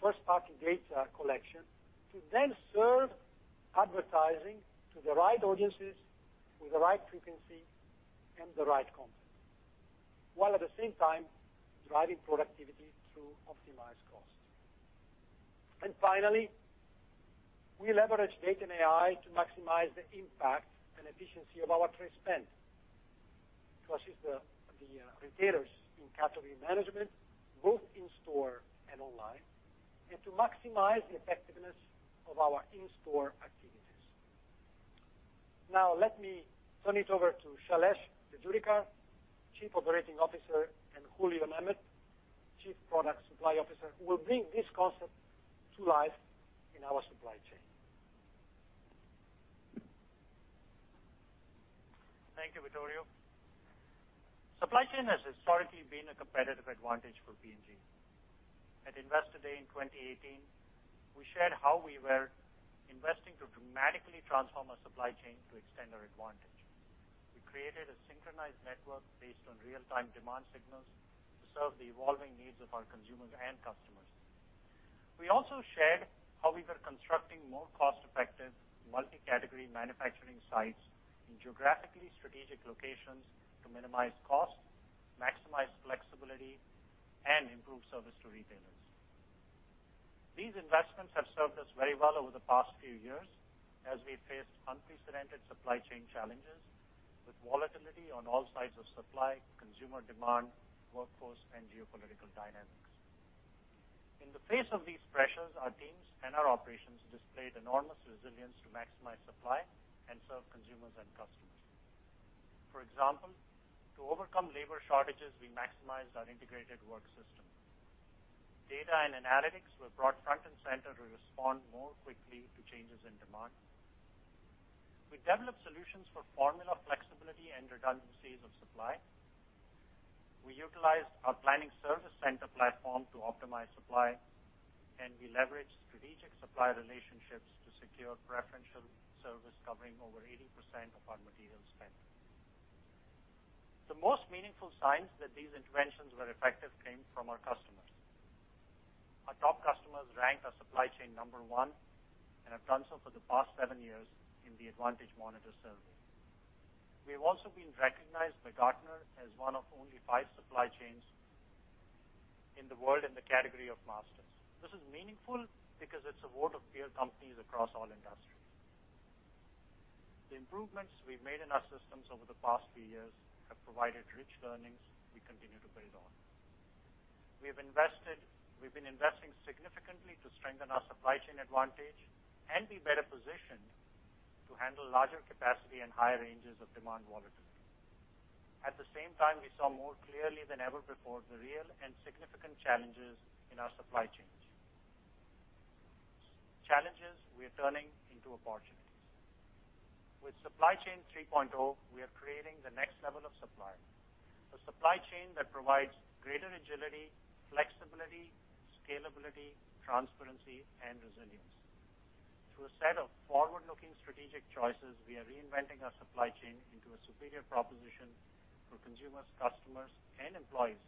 first-party data collection to then serve advertising to the right audiences with the right frequency and the right content, while at the same time driving productivity through optimized costs. Finally, we leverage data and AI to maximize the impact and efficiency of our trade spend to assist the retailers in category management, both in store and online, and to maximize the effectiveness of our in-store activities. Now let me turn it over to Shailesh Jejurikar, Chief Operating Officer, and Julio Nemeth, Chief Product Supply Officer, who will bring this concept to life in our supply chain. Thank you, Vittorio. Supply chain has historically been a competitive advantage for P&G. At Investor Day in 2018, we shared how we were investing to dramatically transform our supply chain to extend our advantage. We created a synchronized network based on real-time demand signals to serve the evolving needs of our consumers and customers. We also shared how we were constructing more cost-effective, multi-category manufacturing sites in geographically strategic locations to minimize costs, maximize flexibility, and improve service to retailers. These investments have served us very well over the past few years as we faced unprecedented supply chain challenges with volatility on all sides of supply, consumer demand, workforce, and geopolitical dynamics. In the face of these pressures, our teams and our operations displayed enormous resilience to maximize supply and serve consumers and customers. For example, to overcome labor shortages, we maximized our integrated work system. Data and analytics were brought front and center to respond more quickly to changes in demand. We developed solutions for formula flexibility and redundancies of supply. We utilized our planning service center platform to optimize supply, and we leveraged strategic supply relationships to secure preferential service covering over 80% of our material spend. The most meaningful signs that these interventions were effective came from our customers. Our top customers rank our supply chain number one and have done so for the past seven years in the Advantage Monitor Survey. We have also been recognized by Gartner as one of only five supply chains in the world in the category of masters. This is meaningful because it's a vote of peer companies across all industries. The improvements we've made in our systems over the past few years have provided rich learnings we continue to build on. We've been investing significantly to strengthen our supply chain advantage and be better positioned to handle larger capacity and higher ranges of demand volatility. At the same time, we saw more clearly than ever before the real and significant challenges in our supply chains. Challenges we are turning into opportunities. With Supply Chain 3.0, we are creating the next level of supply, a supply chain that provides greater agility, flexibility, scalability, transparency, and resilience. Through a set of forward-looking strategic choices, we are reinventing our supply chain into a superior proposition for consumers, customers, and employees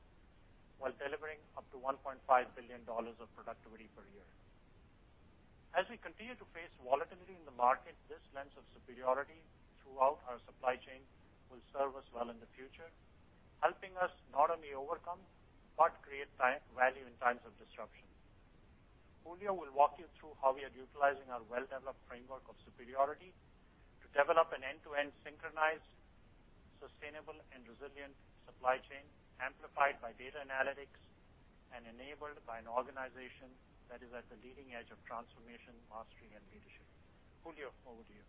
while delivering up to $1.5 billion of productivity per year. As we continue to face volatility in the market, this lens of superiority throughout our supply chain will serve us well in the future, helping us not only overcome, but create value in times of disruption. Julio will walk you through how we are utilizing our well-developed framework of superiority to develop an end-to-end synchronized, sustainable, and resilient supply chain, amplified by data analytics and enabled by an organization that is at the leading edge of transformation, mastery, and leadership. Julio, over to you.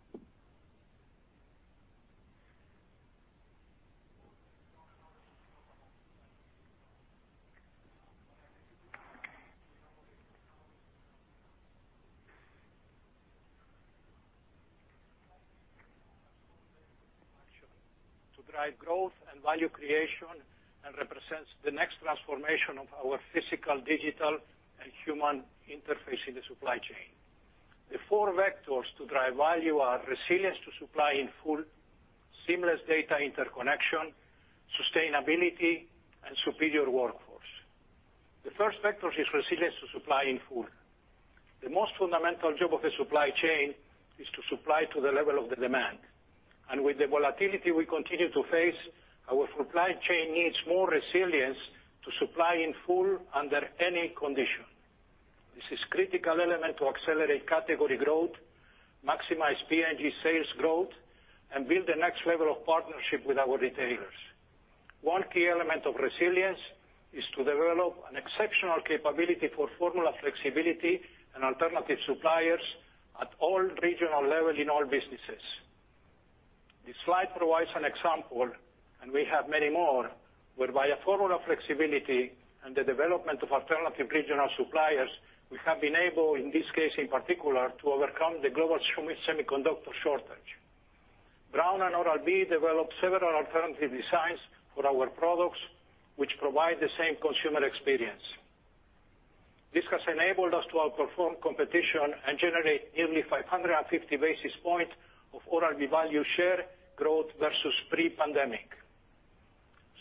Drive growth and value creation and represents the next transformation of our physical, digital, and human interface in the supply chain. The four vectors to drive value are resilience to supply in full, seamless data interconnection, sustainability, and superior workforce. The first vector is resilience to supply in full. The most fundamental job of a supply chain is to supply to the level of the demand. With the volatility we continue to face, our supply chain needs more resilience to supply in full under any condition. This is critical element to accelerate category growth, maximize P&G sales growth, and build the next level of partnership with our retailers. One key element of resilience is to develop an exceptional capability for formula flexibility and alternative suppliers at all regional level in all businesses. This slide provides an example, and we have many more, whereby a formula flexibility and the development of alternative regional suppliers, we have been able, in this case in particular, to overcome the global semiconductor shortage. Braun and Oral-B developed several alternative designs for our products which provide the same consumer experience. This has enabled us to outperform competition and generate nearly 550 basis points of Oral-B value share growth versus pre-pandemic.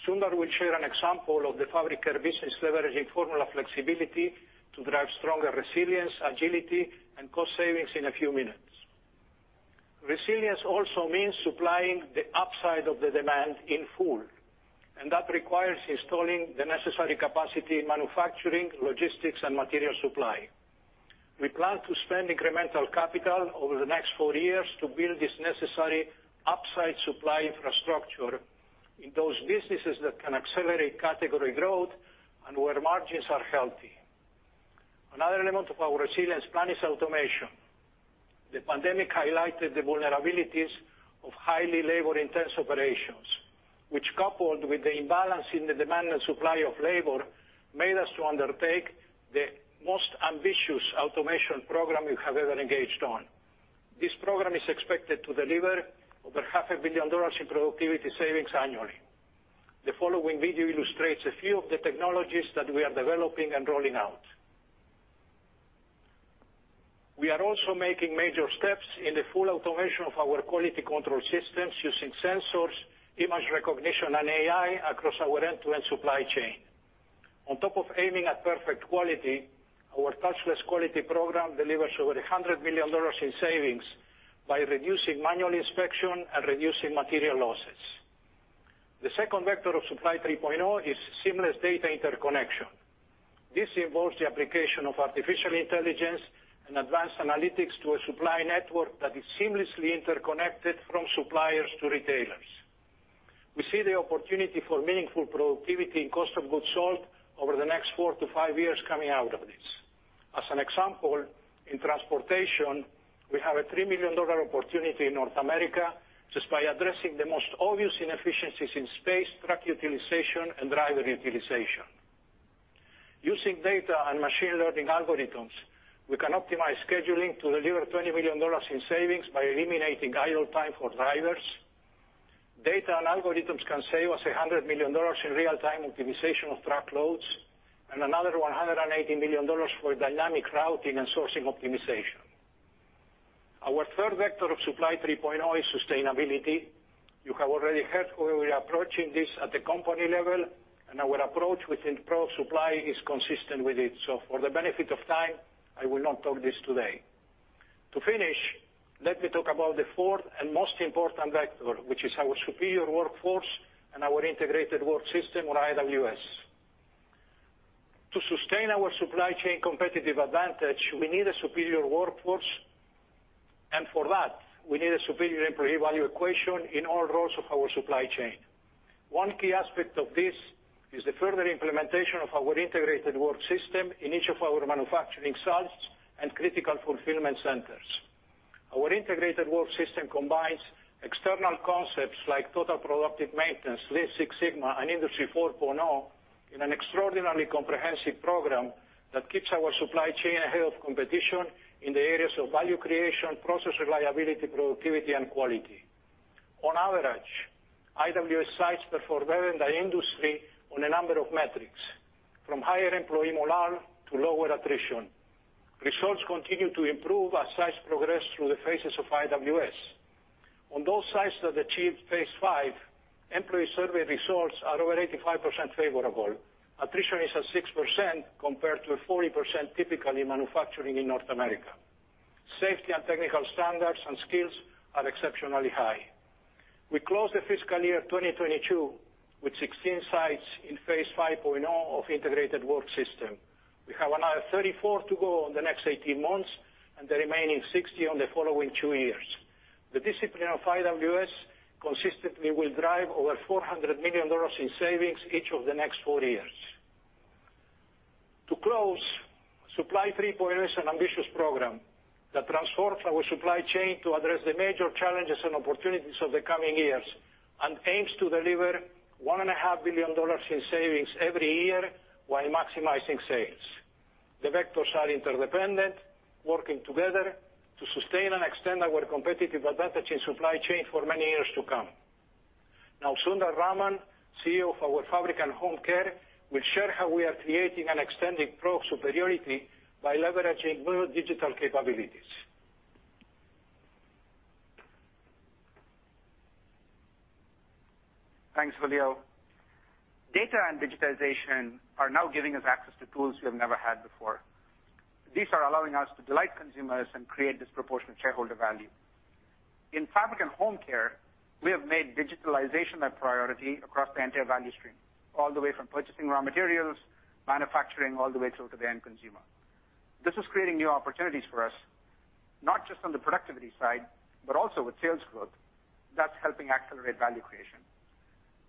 Sundar will share an example of the fabric care business leveraging formula flexibility to drive stronger resilience, agility, and cost savings in a few minutes. Resilience also means supplying the upside of the demand in full, and that requires installing the necessary capacity in manufacturing, logistics, and material supply. We plan to spend incremental capital over the next four years to build this necessary upside supply infrastructure in those businesses that can accelerate category growth and where margins are healthy. Another element of our resilience plan is automation. The pandemic highlighted the vulnerabilities of highly labor-intensive operations, which coupled with the imbalance in the demand and supply of labor, made us to undertake the most ambitious automation program we have ever engaged on. This program is expected to deliver over $500 million in productivity savings annually. The following video illustrates a few of the technologies that we are developing and rolling out. We are also making major steps in the full automation of our quality control systems using sensors, image recognition, and AI across our end-to-end supply chain. On top of aiming at perfect quality, our touchless quality program delivers over $100 million in savings by reducing manual inspection and reducing material losses. The second vector of Supply 3.0 is seamless data interconnection. This involves the application of artificial intelligence and advanced analytics to a supply network that is seamlessly interconnected from suppliers to retailers. We see the opportunity for meaningful productivity in cost of goods sold over the next four to five years coming out of this. As an example, in transportation, we have a $3 million opportunity in North America just by addressing the most obvious inefficiencies in space, truck utilization, and driver utilization. Using data and machine learning algorithms, we can optimize scheduling to deliver $20 million in savings by eliminating idle time for drivers. Data and algorithms can save us $100 million in real-time optimization of truckloads and another $180 million for dynamic routing and sourcing optimization. Our third vector of Supply 3.0 is sustainability. You have already heard how we are approaching this at the company level, and our approach within P&G supply is consistent with it. For the benefit of time, I will not talk about this today. To finish, let me talk about the fourth and most important vector, which is our superior workforce and our Integrated Work System, or IWS. To sustain our supply chain competitive advantage, we need a superior workforce, and for that, we need a superior employee value equation in all roles of our supply chain. One key aspect of this is the further implementation of our integrated work system in each of our manufacturing sites and critical fulfillment centers. Our integrated work system combines external concepts like total productive maintenance, Lean Six Sigma, and Industry 4.0 in an extraordinarily comprehensive program that keeps our supply chain ahead of competition in the areas of value creation, process reliability, productivity, and quality. On average, IWS sites perform better in the industry on a number of metrics, from higher employee morale to lower attrition. Results continue to improve as sites progress through the phases of IWS. On those sites that achieved Phase 5, employee survey results are over 85% favorable. Attrition is at 6% compared to a 40% typically in manufacturing in North America. Safety and technical standards and skills are exceptionally high. We closed the fiscal year 2022 with 16 sites in Phase 5.0 of integrated work system. We have another 34 to go on the next 18 months and the remaining 60 on the following two years. The discipline of IWS consistently will drive over $400 million in savings each of the next four years. To close, Supply 3.0 is an ambitious program that transforms our supply chain to address the major challenges and opportunities of the coming years and aims to deliver $1.5 billion in savings every year while maximizing sales. The vectors are interdependent, working together to sustain and extend our competitive advantage in supply chain for many years to come. Now, Sundar Raman, CEO of our Fabric & Home Care, will share how we are creating and extending product superiority by leveraging new digital capabilities. Thanks, Julio. Data and digitization are now giving us access to tools we have never had before. These are allowing us to delight consumers and create disproportionate shareholder value. In Fabric & Home Care, we have made digitalization a priority across the entire value stream, all the way from purchasing raw materials, manufacturing, all the way through to the end consumer. This is creating new opportunities for us, not just on the productivity side, but also with sales growth that's helping accelerate value creation.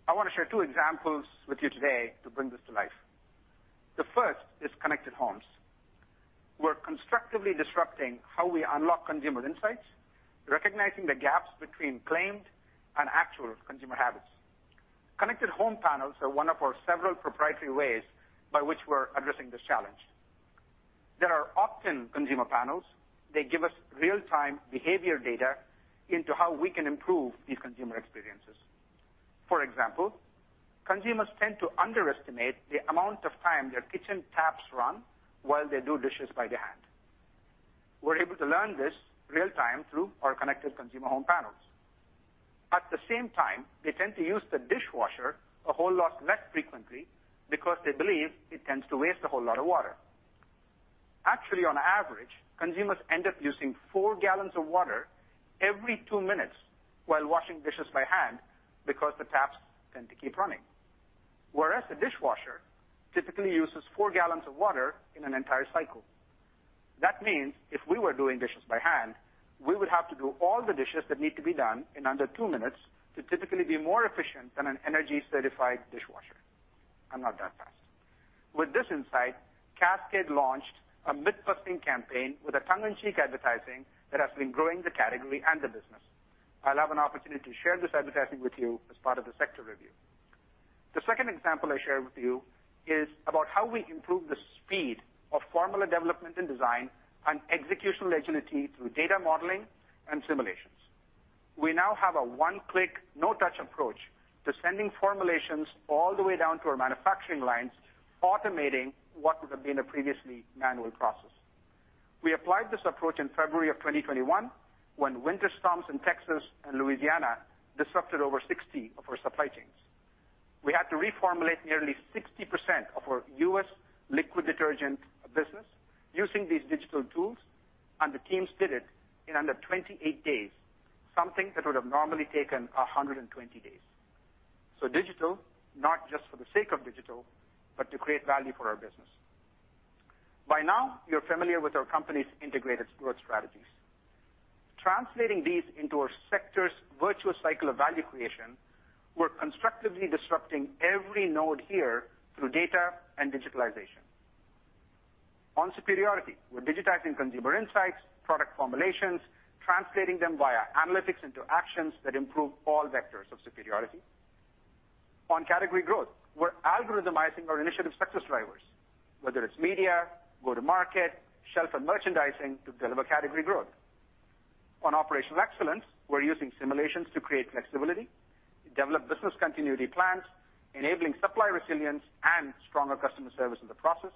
I want to share two examples with you today to bring this to life. The first is connected homes. We're constructively disrupting how we unlock consumer insights, recognizing the gaps between claimed and actual consumer habits. Connected home panels are one of our several proprietary ways by which we're addressing this challenge. There are often consumer panels. They give us real-time behavior data into how we can improve these consumer experiences. For example, consumers tend to underestimate the amount of time their kitchen taps run while they do dishes by hand. We're able to learn this real-time through our connected consumer home panels. At the same time, they tend to use the dishwasher a whole lot less frequently because they believe it tends to waste a whole lot of water. Actually, on average, consumers end up using 4 gal of water every two minutes while washing dishes by hand because the taps tend to keep running. Whereas a dishwasher typically uses 4 gal of water in an entire cycle. That means if we were doing dishes by hand, we would have to do all the dishes that need to be done in under two minutes to typically be more efficient than an energy-certified dishwasher. I'm not that fast. With this insight, Cascade launched a myth-busting campaign with a tongue-in-cheek advertising that has been growing the category and the business. I'll have an opportunity to share this advertising with you as part of the sector review. The second example I share with you is about how we improve the speed of formula development and design, and executional agility through data modeling and simulations. We now have a one-click, no-touch approach to sending formulations all the way down to our manufacturing lines, automating what would have been a previously manual process. We applied this approach in February 2021 when winter storms in Texas and Louisiana disrupted over 60 of our supply chains. We had to reformulate nearly 60% of our U.S. liquid detergent business using these digital tools, and the teams did it in under 28 days, something that would have normally taken 120 days. Digital, not just for the sake of digital, but to create value for our business. By now, you're familiar with our company's integrated growth strategies. Translating these into our sector's virtuous cycle of value creation, we're constructively disrupting every node here through data and digitalization. On superiority, we're digitizing consumer insights, product formulations, translating them via analytics into actions that improve all vectors of superiority. On category growth, we're algorithmizing our initiative success drivers, whether it's media, go-to-market, shelf and merchandising to deliver category growth. On operational excellence, we're using simulations to create flexibility, develop business continuity plans, enabling supply resilience and stronger customer service in the process.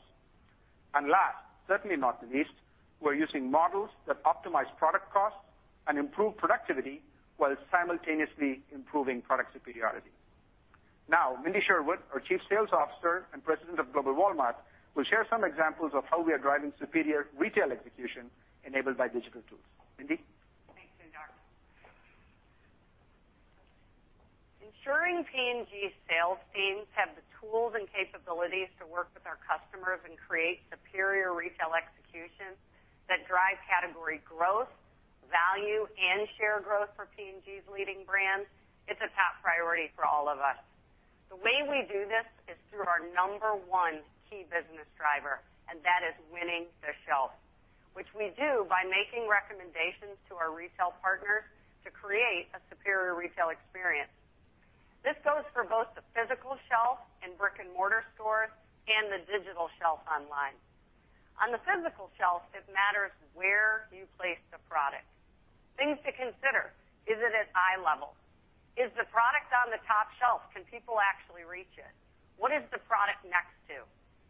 Last, certainly not least, we're using models that optimize product costs and improve productivity while simultaneously improving product superiority. Now, Mindy Sherwood, our Chief Sales Officer and President of Global Walmart, will share some examples of how we are driving superior retail execution enabled by digital tools. Mindy? Thanks, Sundar. Ensuring P&G sales teams have the tools and capabilities to work with our customers and create superior retail execution that drive category growth, value, and share growth for P&G's leading brands, it's a top priority for all of us. The way we do this is through our number one key business driver, and that is winning the shelf, which we do by making recommendations to our retail partners to create a superior retail experience. This goes for both the physical shelf in brick-and-mortar stores and the digital shelf online. On the physical shelf, it matters where you place the product. Things to consider. Is it at eye level? Is the product on the top shelf? Can people actually reach it? What is the product next to?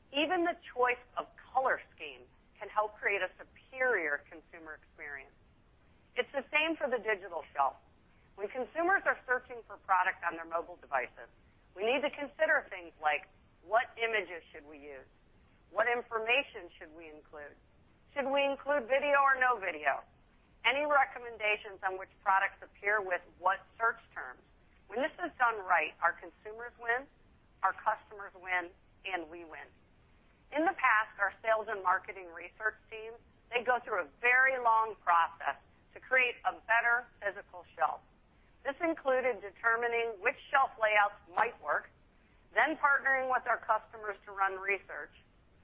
Even the choice of color schemes can help create a superior consumer experience. It's the same for the digital shelf. When consumers are searching for product on their mobile devices, we need to consider things like what images should we use? What information should we include? Should we include video or no video? Any recommendations on which products appear with what search terms. When this is done right, our consumers win, our customers win, and we win. In the past, our sales and marketing research teams, they go through a very long process to create a better physical shelf. This included determining which shelf layouts might work, then partnering with our customers to run research.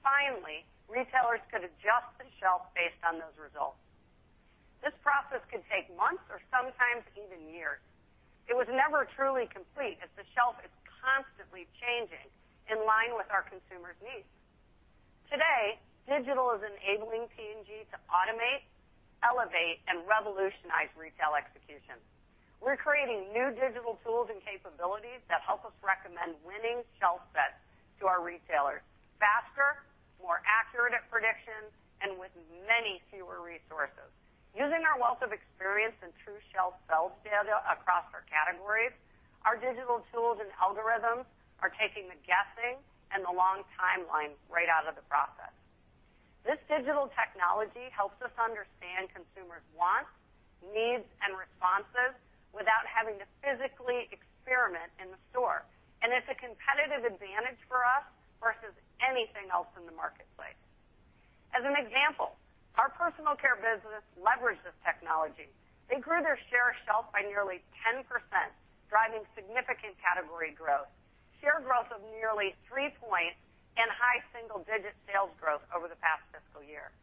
Finally, retailers could adjust the shelf based on those results. This process could take months or sometimes even years. It was never truly complete as the shelf is constantly changing in line with our consumers' needs. Today, digital is enabling P&G to automate, elevate, and revolutionize retail execution. We're creating new digital tools and capabilities that help us recommend winning shelf sets to our retailers faster, more accurate at predictions, and with many fewer resources. Using our wealth of experience and true shelf sales data across our categories, our digital tools and algorithms are taking the guessing and the long timeline right out of the process. This digital technology helps us understand consumers' wants, needs, and responses without having to physically experiment in the store, and it's a competitive advantage for us versus anything else in the marketplace. As an example, our personal care business leveraged this technology. They grew their shelf share by nearly 10%, driving significant category growth, share growth of nearly three points, and high single-digit sales growth over the past fiscal year,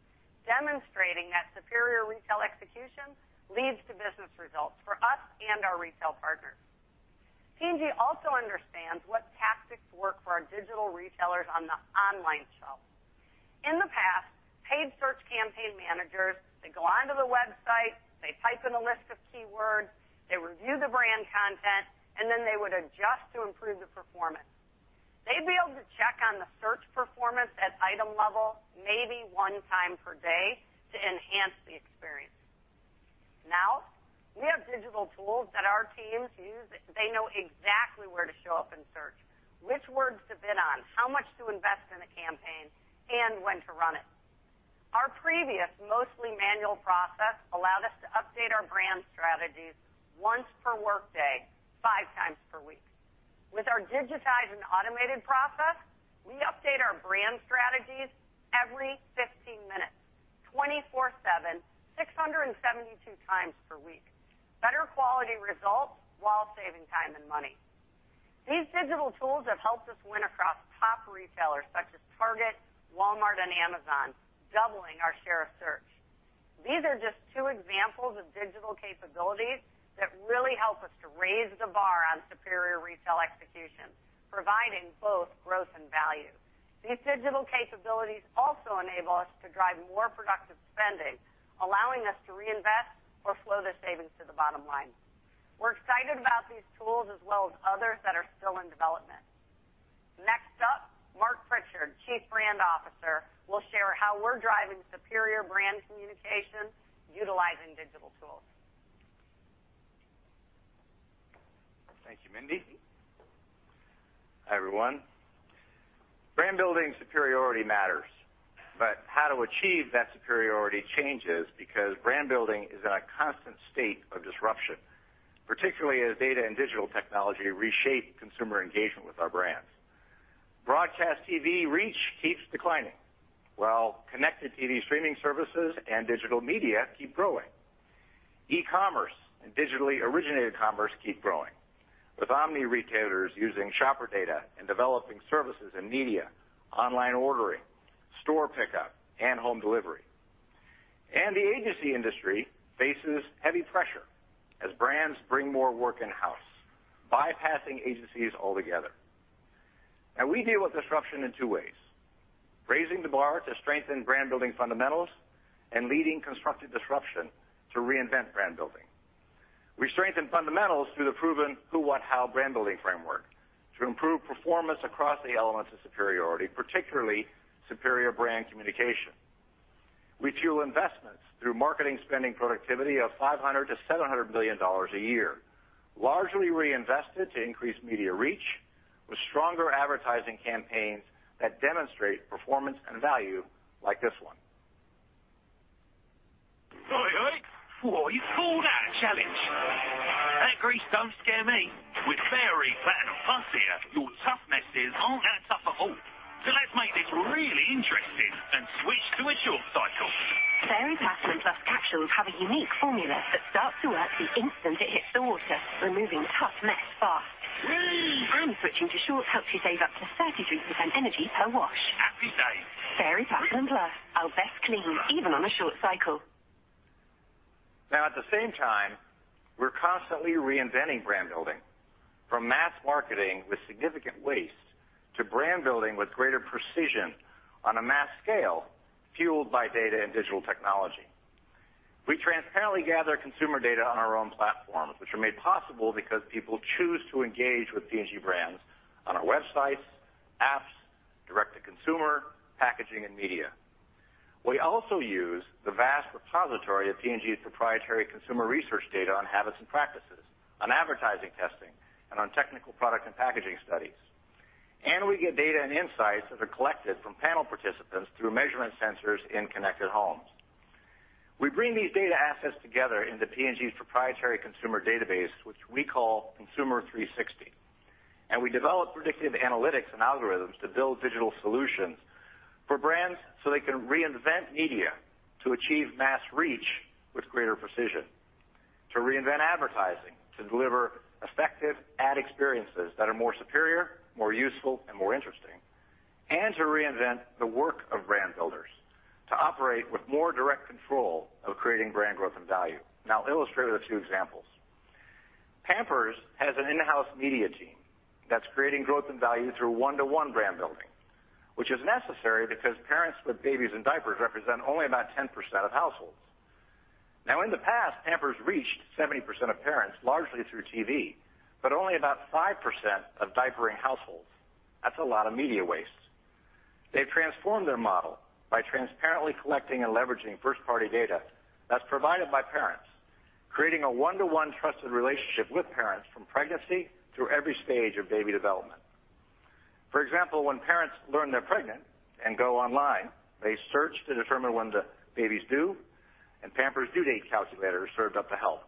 demonstrating that superior retail execution leads to business results for us and our retail partners. P&G also understands what tactics work for our digital retailers on the online shelf. In the past, paid search campaign managers, they go onto the website, they type in a list of keywords, they review the brand content, and then they would adjust to improve the performance. They'd be able to check on the search performance at item level maybe one time per day to enhance the experience. Now we have digital tools that our teams use. They know exactly where to show up in search, which words to bid on, how much to invest in a campaign, and when to run it. Our previous mostly manual process allowed us to update our brand strategies once per workday, five times per week. With our digitized and automated process, we update our brand strategies every 15 minutes, 24/7, 672 times per week. Better quality results while saving time and money. These digital tools have helped us win across top retailers such as Target, Walmart, and Amazon, doubling our share of search. These are just two examples of digital capabilities that really help us to raise the bar on superior retail execution, providing both growth and value. These digital capabilities also enable us to drive more productive spending, allowing us to reinvest or flow the savings to the bottom line. We're excited about these tools as well as others that are still in development. Next up, Marc Pritchard, Chief Brand Officer, will share how we're driving superior brand communication utilizing digital tools. Thank you, Mindy. Hi, everyone. Brand building superiority matters, but how to achieve that superiority changes because brand building is in a constant state of disruption, particularly as data and digital technology reshape consumer engagement with our brands. Broadcast TV reach keeps declining, while connected TV streaming services and digital media keep growing. E-commerce and digitally originated commerce keep growing, with omni-retailers using shopper data and developing services and media, online ordering, store pickup, and home delivery. The agency industry faces heavy pressure as brands bring more work in-house, bypassing agencies altogether. We deal with disruption in two ways. Raising the bar to strengthen brand building fundamentals and leading constructive disruption to reinvent brand building. We strengthen fundamentals through the proven who, what, how brand building framework to improve performance across the elements of superiority, particularly superior brand communication. We fuel investments through marketing spending productivity of $500 billion-$700 billion a year, largely reinvested to increase media reach with stronger advertising campaigns that demonstrate performance and value like this one. Oi, oi. Phwoar, you called out a challenge. That grease don't scare me. With Fairy Platinum Plus here, your tough messes aren't that tough at all. Let's make this really interesting and switch to a short cycle. Fairy Platinum Plus capsules have a unique formula that starts to work the instant it hits the water, removing tough mess fast. Yay. Switching to short helps you save up to 33% energy per wash. Happy days. Fairy Platinum Plus, our best clean, even on a short cycle. Now, at the same time, we're constantly reinventing brand building from mass marketing with significant waste to brand building with greater precision on a mass scale, fueled by data and digital technology. We transparently gather consumer data on our own platforms, which are made possible because people choose to engage with P&G brands on our websites, apps, direct to consumer, packaging, and media. We also use the vast repository of P&G's proprietary consumer research data on habits and practices, on advertising testing, and on technical product and packaging studies. We get data and insights that are collected from panel participants through measurement sensors in connected homes. We bring these data assets together into P&G's proprietary consumer database, which we call Consumer 360, and we develop predictive analytics and algorithms to build digital solutions for brands so they can reinvent media to achieve mass reach with greater precision. To reinvent advertising, to deliver effective ad experiences that are more superior, more useful and more interesting, and to reinvent the work of brand builders to operate with more direct control of creating brand growth and value. I'll illustrate with two examples. Pampers has an in-house media team that's creating growth and value through one-to-one brand building, which is necessary because parents with babies and diapers represent only about 10% of households. Now, in the past, Pampers reached 70% of parents, largely through TV, but only about 5% of diapering households. That's a lot of media waste. They've transformed their model by transparently collecting and leveraging first-party data that's provided by parents, creating a one-to-one trusted relationship with parents from pregnancy through every stage of baby development. For example, when parents learn they're pregnant and go online, they search to determine when the baby's due, and Pampers' due date calculator is served up to help.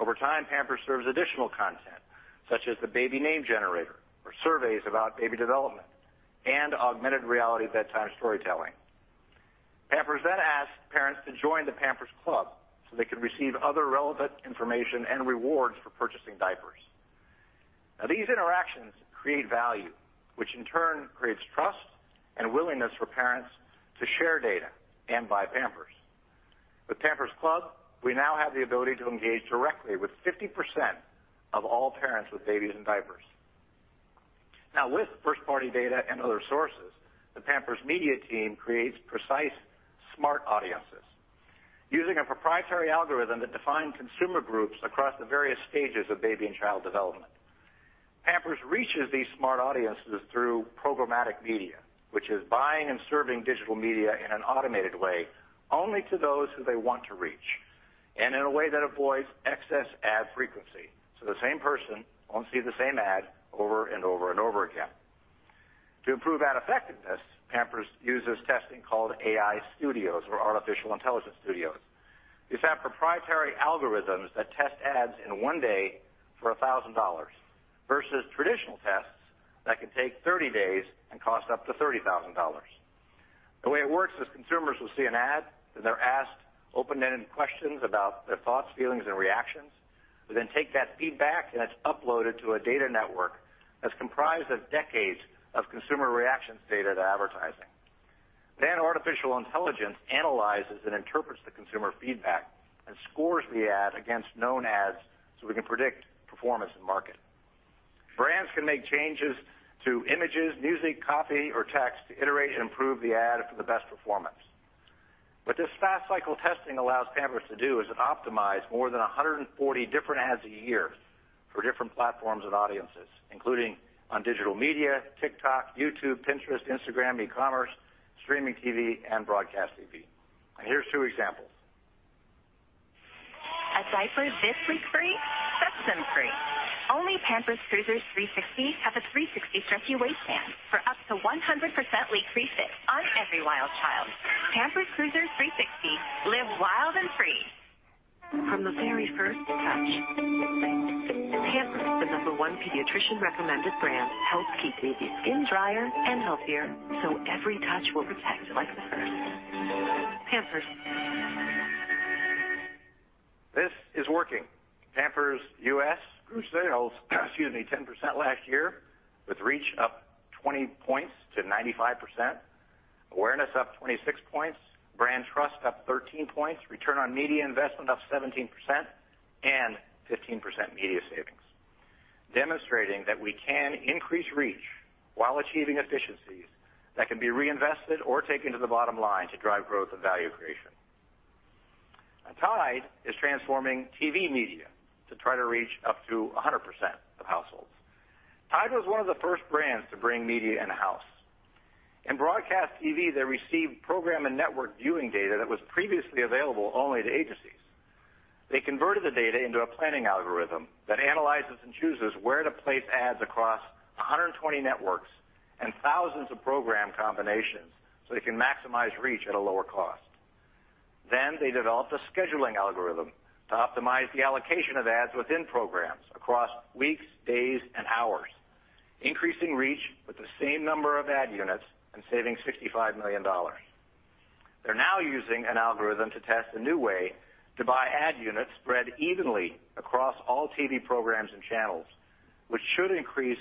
Over time, Pampers serves additional content such as the baby name generator or surveys about baby development and augmented reality bedtime storytelling. Pampers then asks parents to join the Pampers Club so they can receive other relevant information and rewards for purchasing diapers. Now these interactions create value, which in turn creates trust and willingness for parents to share data and buy Pampers. With Pampers Club, we now have the ability to engage directly with 50% of all parents with babies in diapers. Now, with first-party data and other sources, the Pampers media team creates precise, smart audiences using a proprietary algorithm that defines consumer groups across the various stages of baby and child development. Pampers reaches these smart audiences through programmatic media, which is buying and serving digital media in an automated way only to those who they want to reach and in a way that avoids excess ad frequency, so the same person won't see the same ad over and over and over again. To improve ad effectiveness, Pampers uses testing called AI Studios or Artificial Intelligence Studios. These have proprietary algorithms that test ads in one day for $1,000 versus traditional tests that can take 30 days and cost up to $30,000. The way it works is consumers will see an ad, then they're asked open-ended questions about their thoughts, feelings, and reactions. We then take that feedback, and it's uploaded to a data network that's comprised of decades of consumer reactions data to advertising. Artificial intelligence analyzes and interprets the consumer feedback and scores the ad against known ads, so we can predict performance in market. Brands can make changes to images, music, copy, or text to iterate and improve the ad for the best performance. What this fast cycle testing allows Pampers to do is optimize more than 140 different ads a year for different platforms and audiences, including on digital media, TikTok, YouTube, Pinterest, Instagram, e-commerce, streaming TV, and broadcast TV. Here's two examples. A diaper this leak free? That's them free. Only Pampers Cruisers 360 have a 360 stretchy waistband for up to 100% leak free fit on every wild child. Pampers Cruisers 360, live wild and free. From the very first touch, Pampers, the number one pediatrician-recommended brand, helps keep baby's skin drier and healthier, so every touch will protect like the first. Pampers. This is working. Pampers U.S. grew sales, excuse me, 10% last year, with reach up 20 points to 95%, awareness up 26 points, brand trust up 13 points, return on media investment up 17%, and 15% media savings, demonstrating that we can increase reach while achieving efficiencies that can be reinvested or taken to the bottom line to drive growth and value creation. Tide is transforming TV media to try to reach up to 100% of households. Tide was one of the first brands to bring media in-house. In broadcast TV, they received program and network viewing data that was previously available only to agencies. They converted the data into a planning algorithm that analyzes and chooses where to place ads across 120 networks and thousands of program combinations so they can maximize reach at a lower cost. They developed a scheduling algorithm to optimize the allocation of ads within programs across weeks, days, and hours, increasing reach with the same number of ad units and saving $65 million. They're now using an algorithm to test a new way to buy ad units spread evenly across all TV programs and channels, which should increase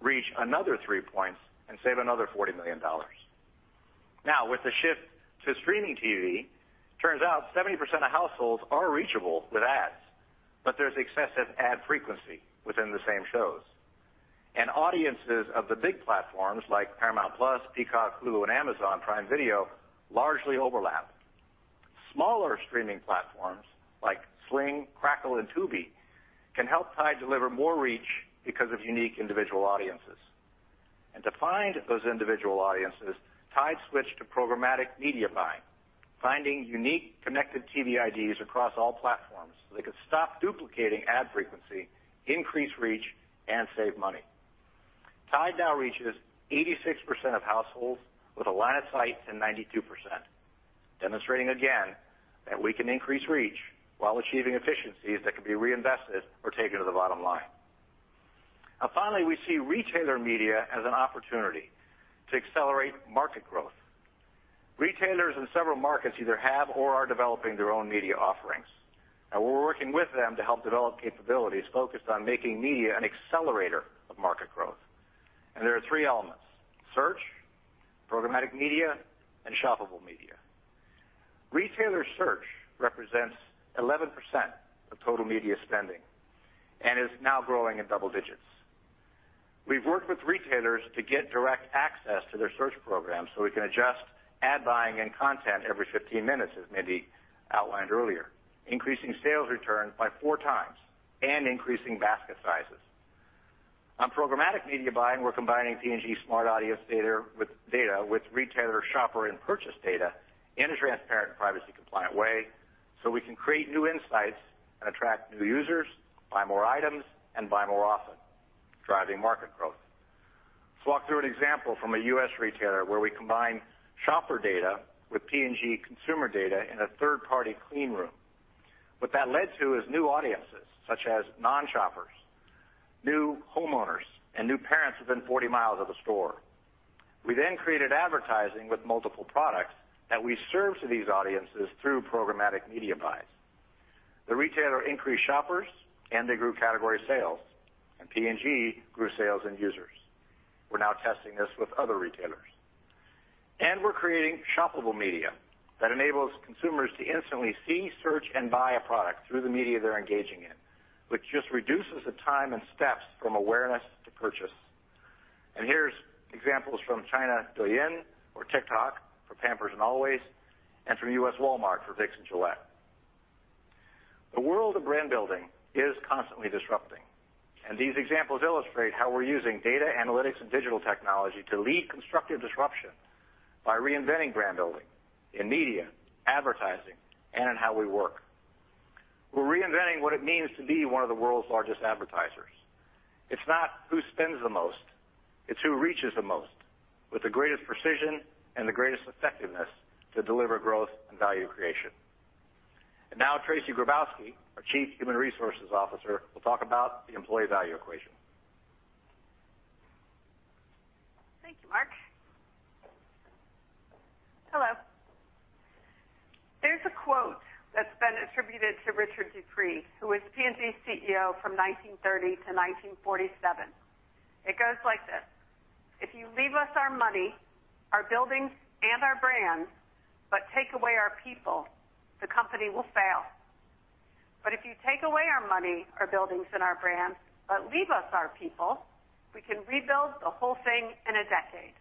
reach another three points and save another $40 million. Now, with the shift to streaming TV, turns out 70% of households are reachable with ads, but there's excessive ad frequency within the same shows. Audiences of the big platforms like Paramount+, Peacock, Hulu, and Amazon Prime Video largely overlap. Smaller streaming platforms like Sling, Crackle, and Tubi can help Tide deliver more reach because of unique individual audiences. To find those individual audiences, Tide switched to programmatic media buying, finding unique connected TV IDs across all platforms, so they could stop duplicating ad frequency, increase reach, and save money. Tide now reaches 86% of households with a line of sight to 92%, demonstrating again that we can increase reach while achieving efficiencies that can be reinvested or taken to the bottom line. Finally, we see retailer media as an opportunity to accelerate market growth. Retailers in several markets either have or are developing their own media offerings. We're working with them to help develop capabilities focused on making media an accelerator of market growth. There are three elements, search, programmatic media, and shoppable media. Retailer search represents 11% of total media spending and is now growing in double digits. We've worked with retailers to get direct access to their search programs so we can adjust ad buying and content every 15 minutes, as Mindy outlined earlier, increasing sales returns by 4x and increasing basket sizes. On programmatic media buying, we're combining P&G smart audience data with retailer shopper and purchase data in a transparent and privacy-compliant way, so we can create new insights and attract new users, buy more items, and buy more often, driving market growth. Let's walk through an example from a U.S. retailer where we combine shopper data with P&G consumer data in a third-party clean room. What that led to is new audiences, such as non-shoppers, new homeowners, and new parents within 40 mi of the store. We then created advertising with multiple products that we serve to these audiences through programmatic media buys. The retailer increased shoppers, and they grew category sales, and P&G grew sales and users. We're now testing this with other retailers. We're creating shoppable media that enables consumers to instantly see, search, and buy a product through the media they're engaging in, which just reduces the time and steps from awareness to purchase. Here's examples from China, Douyin or TikTok for Pampers and Always, and from U.S. Walmart for Vicks and Gillette. The world of brand building is constantly disrupting, and these examples illustrate how we're using data analytics and digital technology to lead constructive disruption by reinventing brand building in media, advertising, and in how we work. We're reinventing what it means to be one of the world's largest advertisers. It's not who spends the most, it's who reaches the most with the greatest precision and the greatest effectiveness to deliver growth and value creation. Now, Tracey Grabowski, our Chief Human Resources Officer, will talk about the employee value equation. Thank you, Marc. Hello. There's a quote that's been attributed to Richard Deupree, who was P&G's CEO from 1930 to 1947. It goes like this. "If you leave us our money, our buildings, and our brands, but take away our people, the company will fail. But if you take away our money, our buildings, and our brands, but leave us our people, we can rebuild the whole thing in a decade."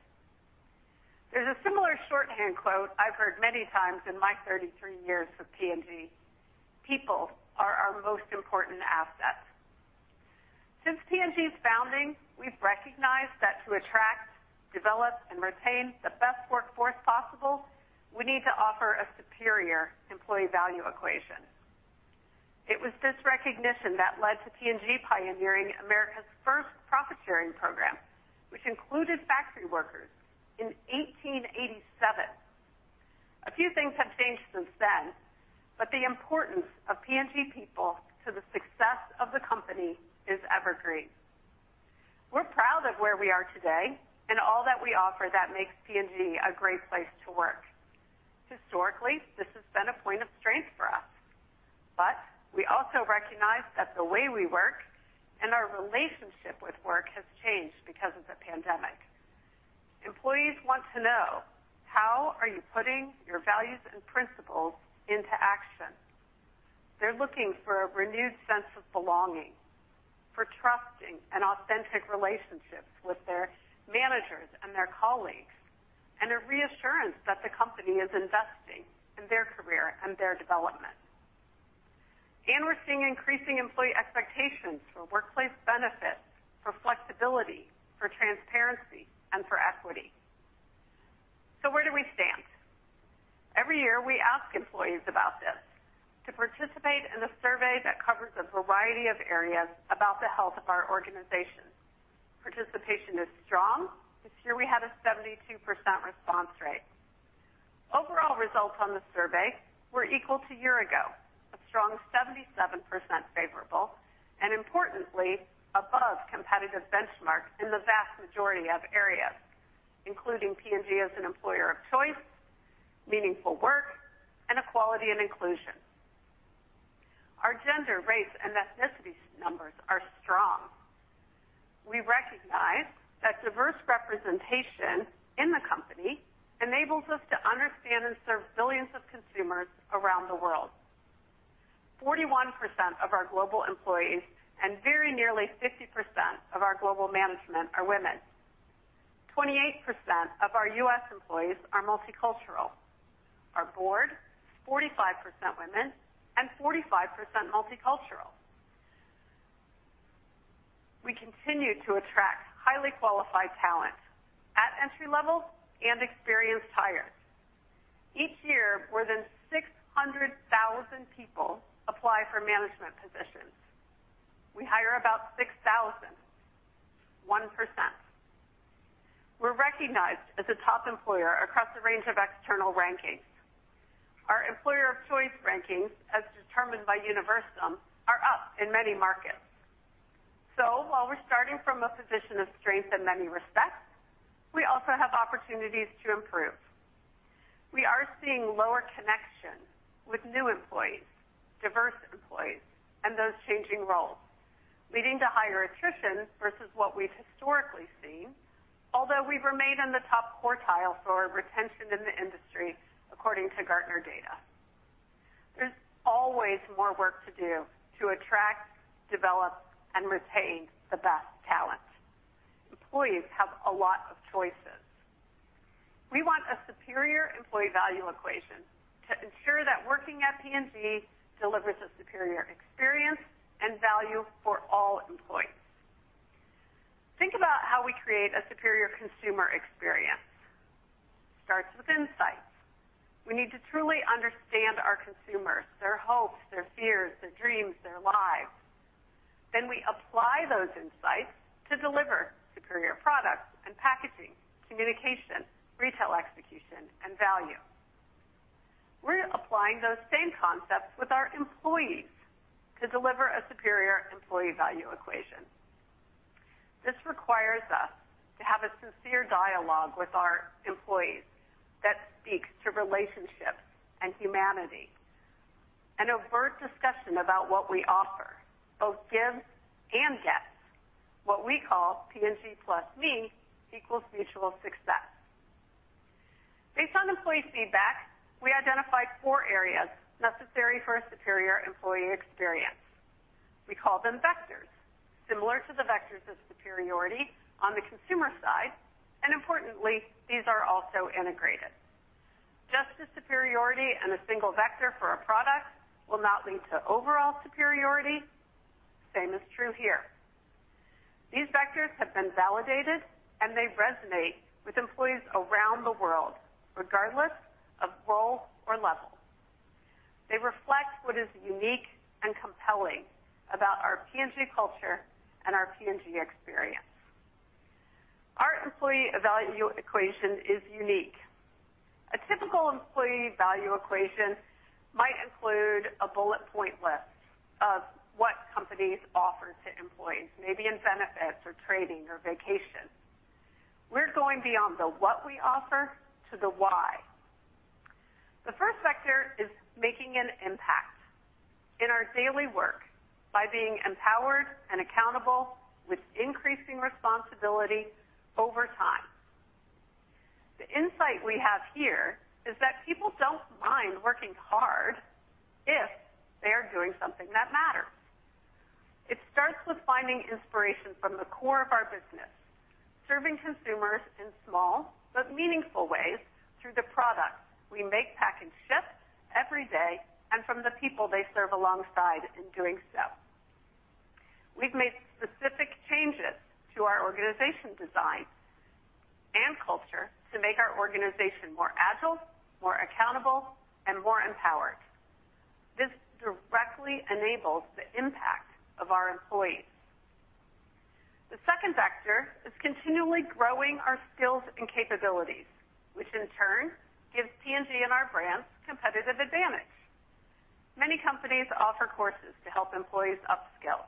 There's a similar shorthand quote I've heard many times in my 33 years with P&G. People are our most important asset. Since P&G's founding, we've recognized that to attract, develop, and retain the best workforce possible, we need to offer a superior employee value equation. It was this recognition that led to P&G pioneering America's first profit-sharing program, which included factory workers in 1887. A few things have changed since then, but the importance of P&G people to the success of the company is evergreen. We're proud of where we are today and all that we offer that makes P&G a great place to work. Historically, this has been a point of strength for us. We also recognize that the way we work and our relationship with work has changed because of the pandemic. Employees want to know, how are you putting your values and principles into action? They're looking for a renewed sense of belonging, for trusting and authentic relationships with their managers and their colleagues, and a reassurance that the company is investing in their career and their development. We're seeing increasing employee expectations for workplace benefits, for flexibility, for transparency, and for equity. Where do we stand? Every year, we ask employees about this to participate in a survey that covers a variety of areas about the health of our organization. Participation is strong. This year, we had a 72% response rate. Overall results on the survey were equal to a year ago, a strong 77% favorable, and importantly, above competitive benchmarks in the vast majority of areas, including P&G as an employer of choice, meaningful work, and equality and inclusion. Our gender, race, and ethnicity numbers are strong. We recognize that diverse representation in the company enables us to understand and serve billions of consumers around the world. 41% of our global employees and very nearly 50% of our global management are women. 28% of our U.S. employees are multicultural. Our board, 45% women and 45% multicultural. We continue to attract highly qualified talent at entry levels and experienced hires. Each year, more than 600,000 people apply for management positions. We hire about 6,000, 1%. We're recognized as a top employer across a range of external rankings. Our employer of choice rankings, as determined by Universum, are up in many markets. While we're starting from a position of strength in many respects, we also have opportunities to improve. We are seeing lower connection with new employees, diverse employees, and those changing roles, leading to higher attrition versus what we've historically seen, although we remain in the top quartile for retention in the industry according to Gartner data. There's always more work to do to attract, develop, and retain the best talent. Employees have a lot of choices. We want a superior employee value equation to ensure that working at P&G delivers a superior experience and value for all employees. Think about how we create a superior consumer experience. Starts with insights. We need to truly understand our consumers, their hopes, their fears, their dreams, their lives. Then we apply those insights to deliver superior products and packaging, communication, retail execution, and value. We're applying those same concepts with our employees to deliver a superior employee value equation. This requires us to have a sincere dialogue with our employees that speaks to relationships and humanity, an overt discussion about what we offer, both give and get, what we call P&G plus me equals mutual success. Based on employee feedback, we identified four areas necessary for a superior employee experience. We call them vectors, similar to the vectors of superiority on the consumer side, and importantly, these are also integrated. Just as superiority and a single vector for a product will not lead to overall superiority, same is true here. These vectors have been validated, and they resonate with employees around the world, regardless of role or level. They reflect what is unique and compelling about our P&G culture and our P&G experience. Our employee value equation is unique. A typical employee value equation might include a bullet point list of what companies offer to employees, maybe in benefits or training or vacation. We're going beyond the what we offer to the why. The first vector is making an impact in our daily work by being empowered and accountable with increasing responsibility over time. The insight we have here is that people don't mind working hard if they are doing something that matters. It starts with finding inspiration from the core of our business, serving consumers in small but meaningful ways through the products we make, pack, and ship every day and from the people they serve alongside in doing so. We've made specific changes to our organization design and culture to make our organization more agile, more accountable, and more empowered. This directly enables the impact of our employees. The second vector is continually growing our skills and capabilities, which in turn gives P&G and our brands competitive advantage. Many companies offer courses to help employees upskill.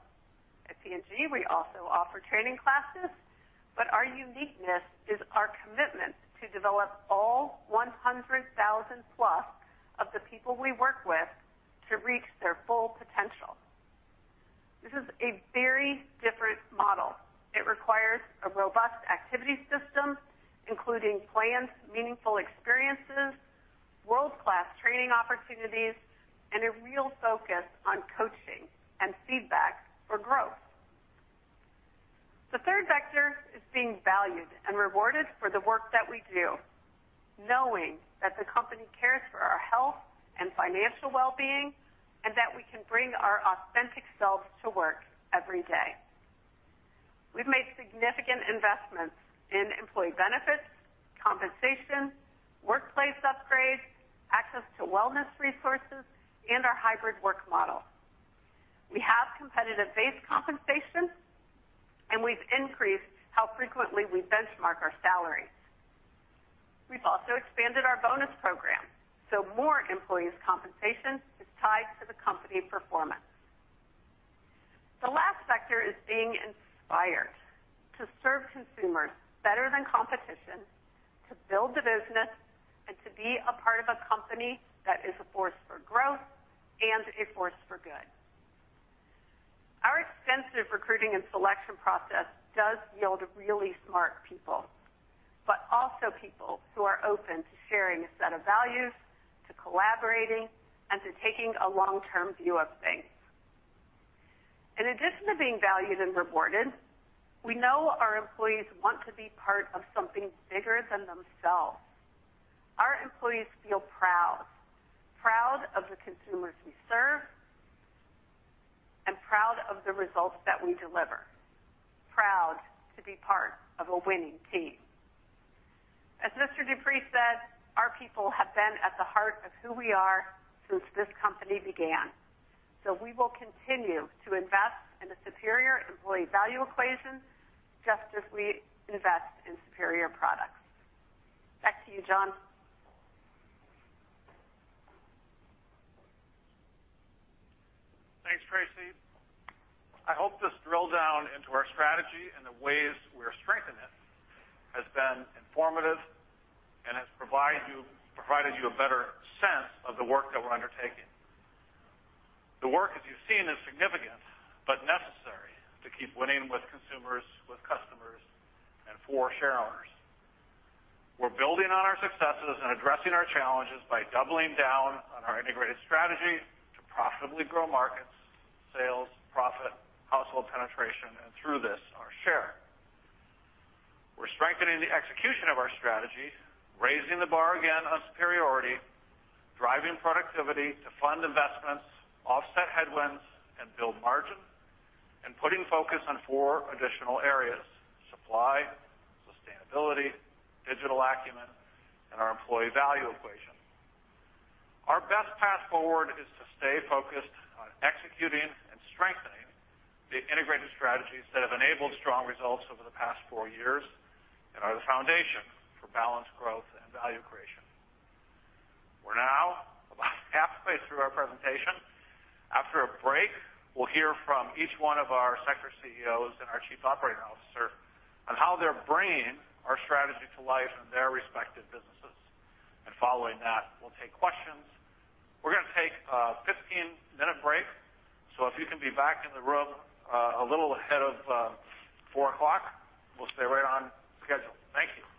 At P&G, we also offer training classes, but our uniqueness is our commitment to develop all 100,000+ of the people we work with to reach their full potential. This is a very different model. It requires a robust activity system, including planned, meaningful experiences, world-class training opportunities, and a real focus on coaching and feedback for growth. The third vector is being valued and rewarded for the work that we do, knowing that the company cares for our health and financial well-being, and that we can bring our authentic selves to work every day. We've made significant investments in employee benefits, compensation, workplace upgrades, access to wellness resources, and our hybrid work model. We have competitive base compensation, and we've increased how frequently we benchmark our salaries. We've also expanded our bonus program so more employees' compensation is tied to the company performance. The last vector is being inspired to serve consumers better than competition, to build the business, and to be a part of a company that is a force for growth and a force for good. Our extensive recruiting and selection process does yield really smart people, but also people who are open to sharing a set of values, to collaborating, and to taking a long-term view of things. In addition to being valued and rewarded, we know our employees want to be part of something bigger than themselves. Our employees feel proud of the consumers we serve, and proud of the results that we deliver, proud to be part of a winning team. As Mr. Deupree said, our people have been at the heart of who we are since this company began. We will continue to invest in a superior employee value equation just as we invest in superior products. Back to you, Jon. Thanks, Tracey. I hope this drill down into our strategy and the ways we're strengthening it has been informative and has provided you a better sense of the work that we're undertaking. The work, as you've seen, is significant, but necessary to keep winning with consumers, with customers, and for shareowners. We're building on our successes and addressing our challenges by doubling down on our integrated strategy to profitably grow markets, sales, profit, household penetration, and through this, our share. We're strengthening the execution of our strategy, raising the bar again on superiority, driving productivity to fund investments, offset headwinds, and build margin, and putting focus on four additional areas, supply, sustainability, digital acumen, and our employee value equation. Our best path forward is to stay focused on executing and strengthening the integrated strategies that have enabled strong results over the past four years and are the foundation for balanced growth and value creation. We're now about halfway through our presentation. After a break, we'll hear from each one of our sector CEOs and our chief operating officer on how they're bringing our strategy to life in their respective businesses. Following that, we'll take questions. We're gonna take a 15-minute break, so if you can be back in the room, a little ahead of 4:00 P.M., we'll stay right on schedule. Thank you.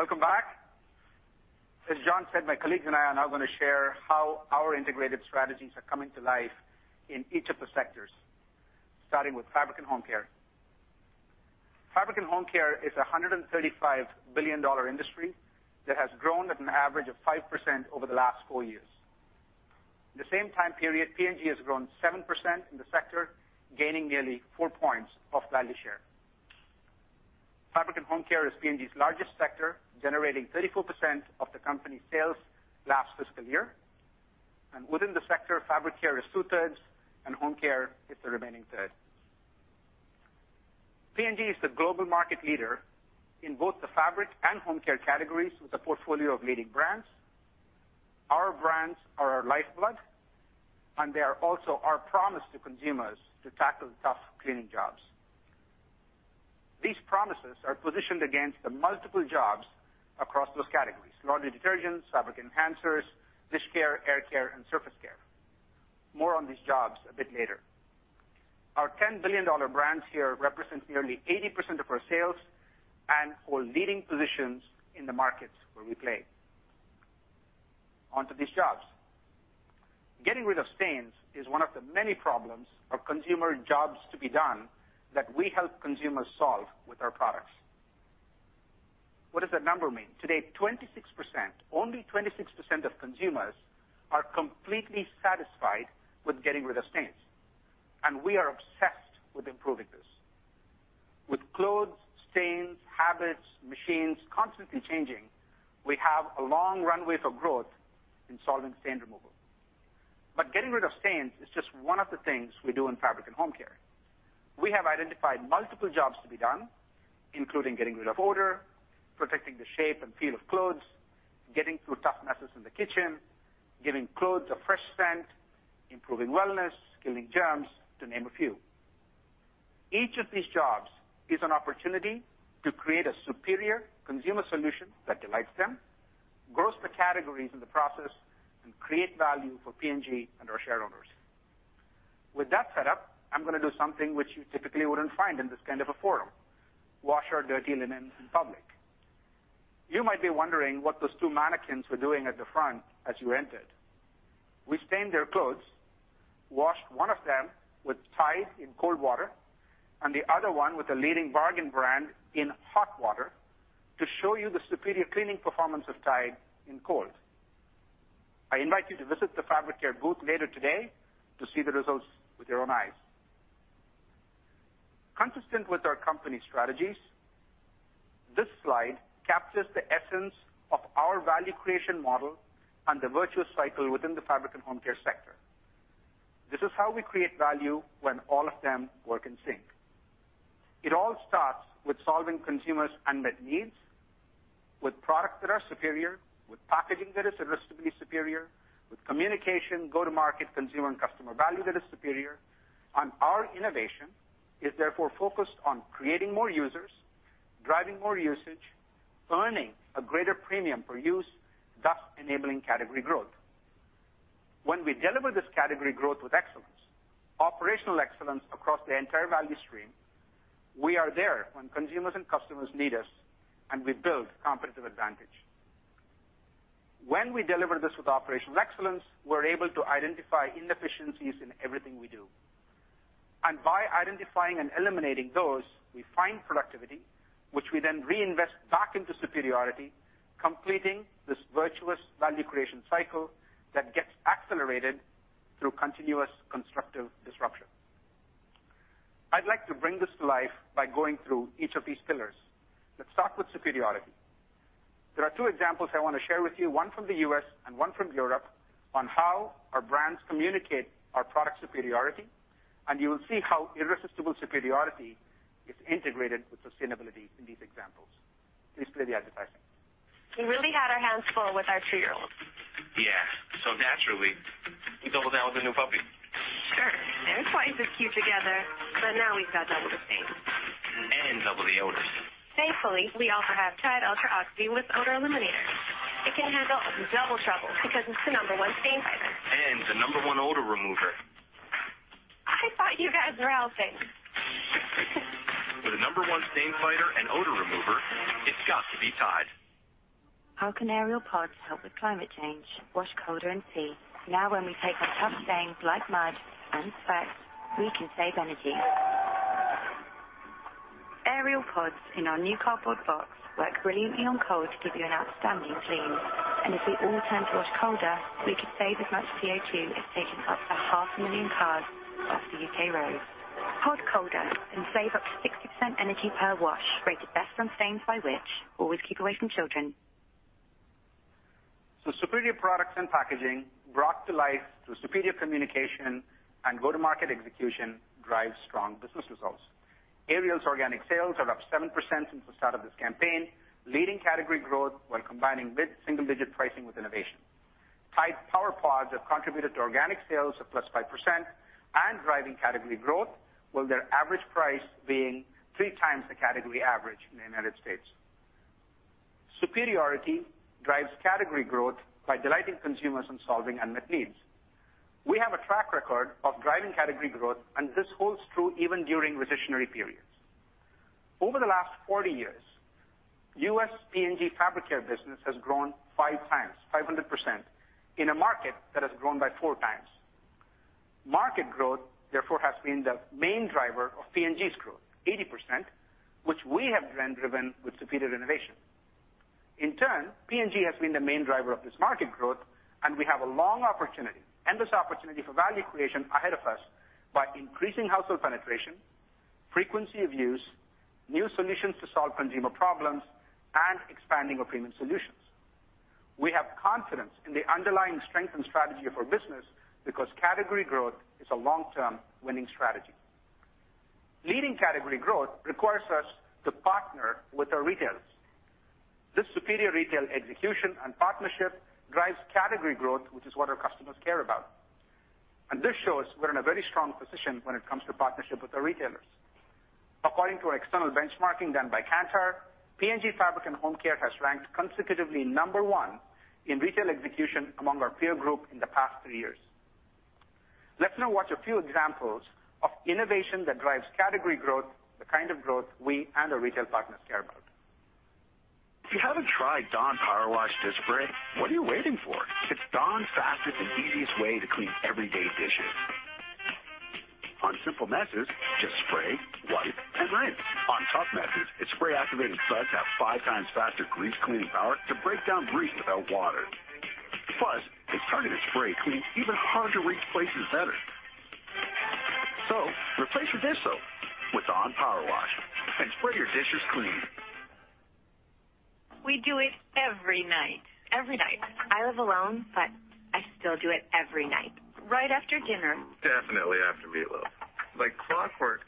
Welcome back. As Jon said, my colleagues and I are now going to share how our integrated strategies are coming to life in each of the sectors, starting with Fabric and Home Care. Fabric and Home Care is a $135 billion industry that has grown at an average of 5% over the last four years. In the same time period, P&G has grown 7% in the sector, gaining nearly four points of value share. Fabric and Home Care is P&G's largest sector, generating 34% of the company's sales last fiscal year. Within the sector, fabric care is 2/3 and home care is the remaining 1/3. P&G is the global market leader in both the fabric and home care categories with a portfolio of leading brands. Our brands are our lifeblood, and they are also our promise to consumers to tackle the tough cleaning jobs. These promises are positioned against the multiple jobs across those categories, laundry detergent, fabric enhancers, dish care, air care, and surface care. More on these jobs a bit later. Our $10 billion brands here represent nearly 80% of our sales and hold leading positions in the markets where we play. On to these jobs. Getting rid of stains is one of the many problems of consumer jobs to be done that we help consumers solve with our products. What does that number mean? Today, 26%, only 26% of consumers are completely satisfied with getting rid of stains, and we are obsessed with improving this. With clothes, stains, habits, machines constantly changing, we have a long runway for growth in solving stain removal. Getting rid of stains is just one of the things we do in Fabric and Home Care. We have identified multiple jobs to be done, including getting rid of odor, protecting the shape and feel of clothes, getting through tough messes in the kitchen, giving clothes a fresh scent, improving wellness, killing germs, to name a few. Each of these jobs is an opportunity to create a superior consumer solution that delights them, grows the categories in the process, and create value for P&G and our shareholders. With that set up, I'm gonna do something which you typically wouldn't find in this kind of a forum, wash our dirty linen in public. You might be wondering what those two mannequins were doing at the front as you entered. We stained their clothes, washed one of them with Tide in cold water, and the other one with a leading bargain brand in hot water to show you the superior cleaning performance of Tide in cold. I invite you to visit the Fabric Care booth later today to see the results with your own eyes. Consistent with our company strategies, this slide captures the essence of our value creation model and the virtuous cycle within the fabric and home care sector. This is how we create value when all of them work in sync. It all starts with solving consumers' unmet needs with products that are superior, with packaging that is irresistibly superior, with communication, go-to-market consumer and customer value that is superior. Our innovation is therefore focused on creating more users, driving more usage, earning a greater premium per use, thus enabling category growth. When we deliver this category growth with excellence, operational excellence across the entire value stream, we are there when consumers and customers need us, and we build competitive advantage. When we deliver this with operational excellence, we're able to identify inefficiencies in everything we do. By identifying and eliminating those, we find productivity, which we then reinvest back into superiority, completing this virtuous value creation cycle that gets accelerated through continuous constructive disruption. I'd like to bring this to life by going through each of these pillars. Let's start with superiority. There are two examples I wanna share with you, one from the U.S. and one from Europe, on how our brands communicate our product superiority, and you will see how irresistible superiority is integrated with sustainability in these examples. Please play the advertisement. We really had our hands full with our two-year-old. Yeah. Naturally, we doubled down with a new puppy. Sure. They're twice as cute together, but now we've got double the stains. Double the odors. Thankfully, we also have Tide Ultra Oxi with odor eliminator. It can handle double trouble because it's the number one stain fighter. The number one odor remover. I thought you guys were house trained. With the number one stain fighter and odor remover, it's got to be Tide. How can Ariel pods help with climate change? Wash colder and see. Now when we take on tough stains like mud and sweat, we can save energy. Ariel pods in our new cardboard box work brilliantly on cold to give you an outstanding clean. If we all turn to wash colder, we could save as much CO2 as taking 500,000 cars off the freeways. Wash colder and save up to 60% energy per wash. Rated best on stains by Which? Always keep away from children. Superior products and packaging brought to life through superior communication and go-to-market execution drives strong business results. Ariel's organic sales are up 7% since the start of this campaign, leading category growth while combining single-digit pricing with innovation. Tide Power PODS have contributed to organic sales of +5% and driving category growth, with their average price being 3x the category average in the United States. Superiority drives category growth by delighting consumers and solving unmet needs. We have a track record of driving category growth, and this holds true even during recessionary periods. Over the last 40 years, U.S. P&G Fabric Care business has grown 5x, 500%, in a market that has grown by 4x. Market growth, therefore, has been the main driver of P&G's growth, 80%, which we have driven with superior innovation. In turn, P&G has been the main driver of this market growth, and we have a long opportunity, endless opportunity for value creation ahead of us by increasing household penetration, frequency of use, new solutions to solve consumer problems, and expanding our premium solutions. We have confidence in the underlying strength and strategy of our business because category growth is a long-term winning strategy. Leading category growth requires us to partner with our retailers. This superior retail execution and partnership drives category growth, which is what our customers care about. This shows we're in a very strong position when it comes to partnership with our retailers. According to our external benchmarking done by Kantar, P&G Fabric & Home Care has ranked consecutively number one in retail execution among our peer group in the past three years. Let's now watch a few examples of innovation that drives category growth, the kind of growth we and our retail partners care about. If you haven't tried Dawn Powerwash Dish Spray, what are you waiting for? It's Dawn's fastest and easiest way to clean everyday dishes. On simple messes, just spray, wipe, and rinse. On tough messes, its spray-activating suds have five times faster grease cleaning power to break down grease without water. Plus, its targeted spray cleans even hard-to-reach places better. Replace your dish soap with Dawn Powerwash and spray your dishes clean. We do it every night. Every night. I live alone, but I still do it every night. Right after dinner. Definitely after Mila. Like clockwork.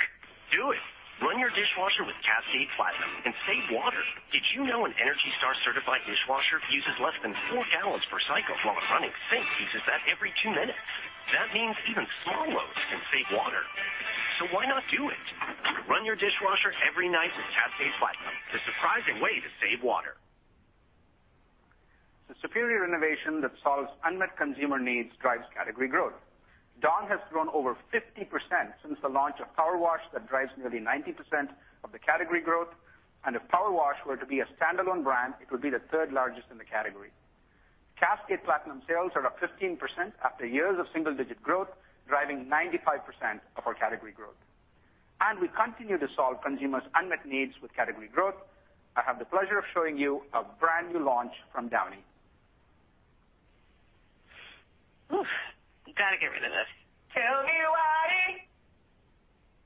Do it Run your dishwasher with Cascade Platinum and save water. Did you know an ENERGY STAR certified dishwasher uses less than four gallons per cycle while a running sink uses that every two minutes? That means even small loads can save water. Why not do it? Run your dishwasher every night with Cascade Platinum, the surprising way to save water. The superior innovation that solves unmet consumer needs drives category growth. Dawn has grown over 50% since the launch of Powerwash. That drives nearly 90% of the category growth. If Powerwash were to be a standalone brand, it would be the third-largest in the category. Cascade Platinum sales are up 15% after years of single-digit growth, driving 95% of our category growth. We continue to solve consumers' unmet needs with category growth. I have the pleasure of showing you a brand-new launch from Downy. Oof. Gotta get rid of this. Tell me why.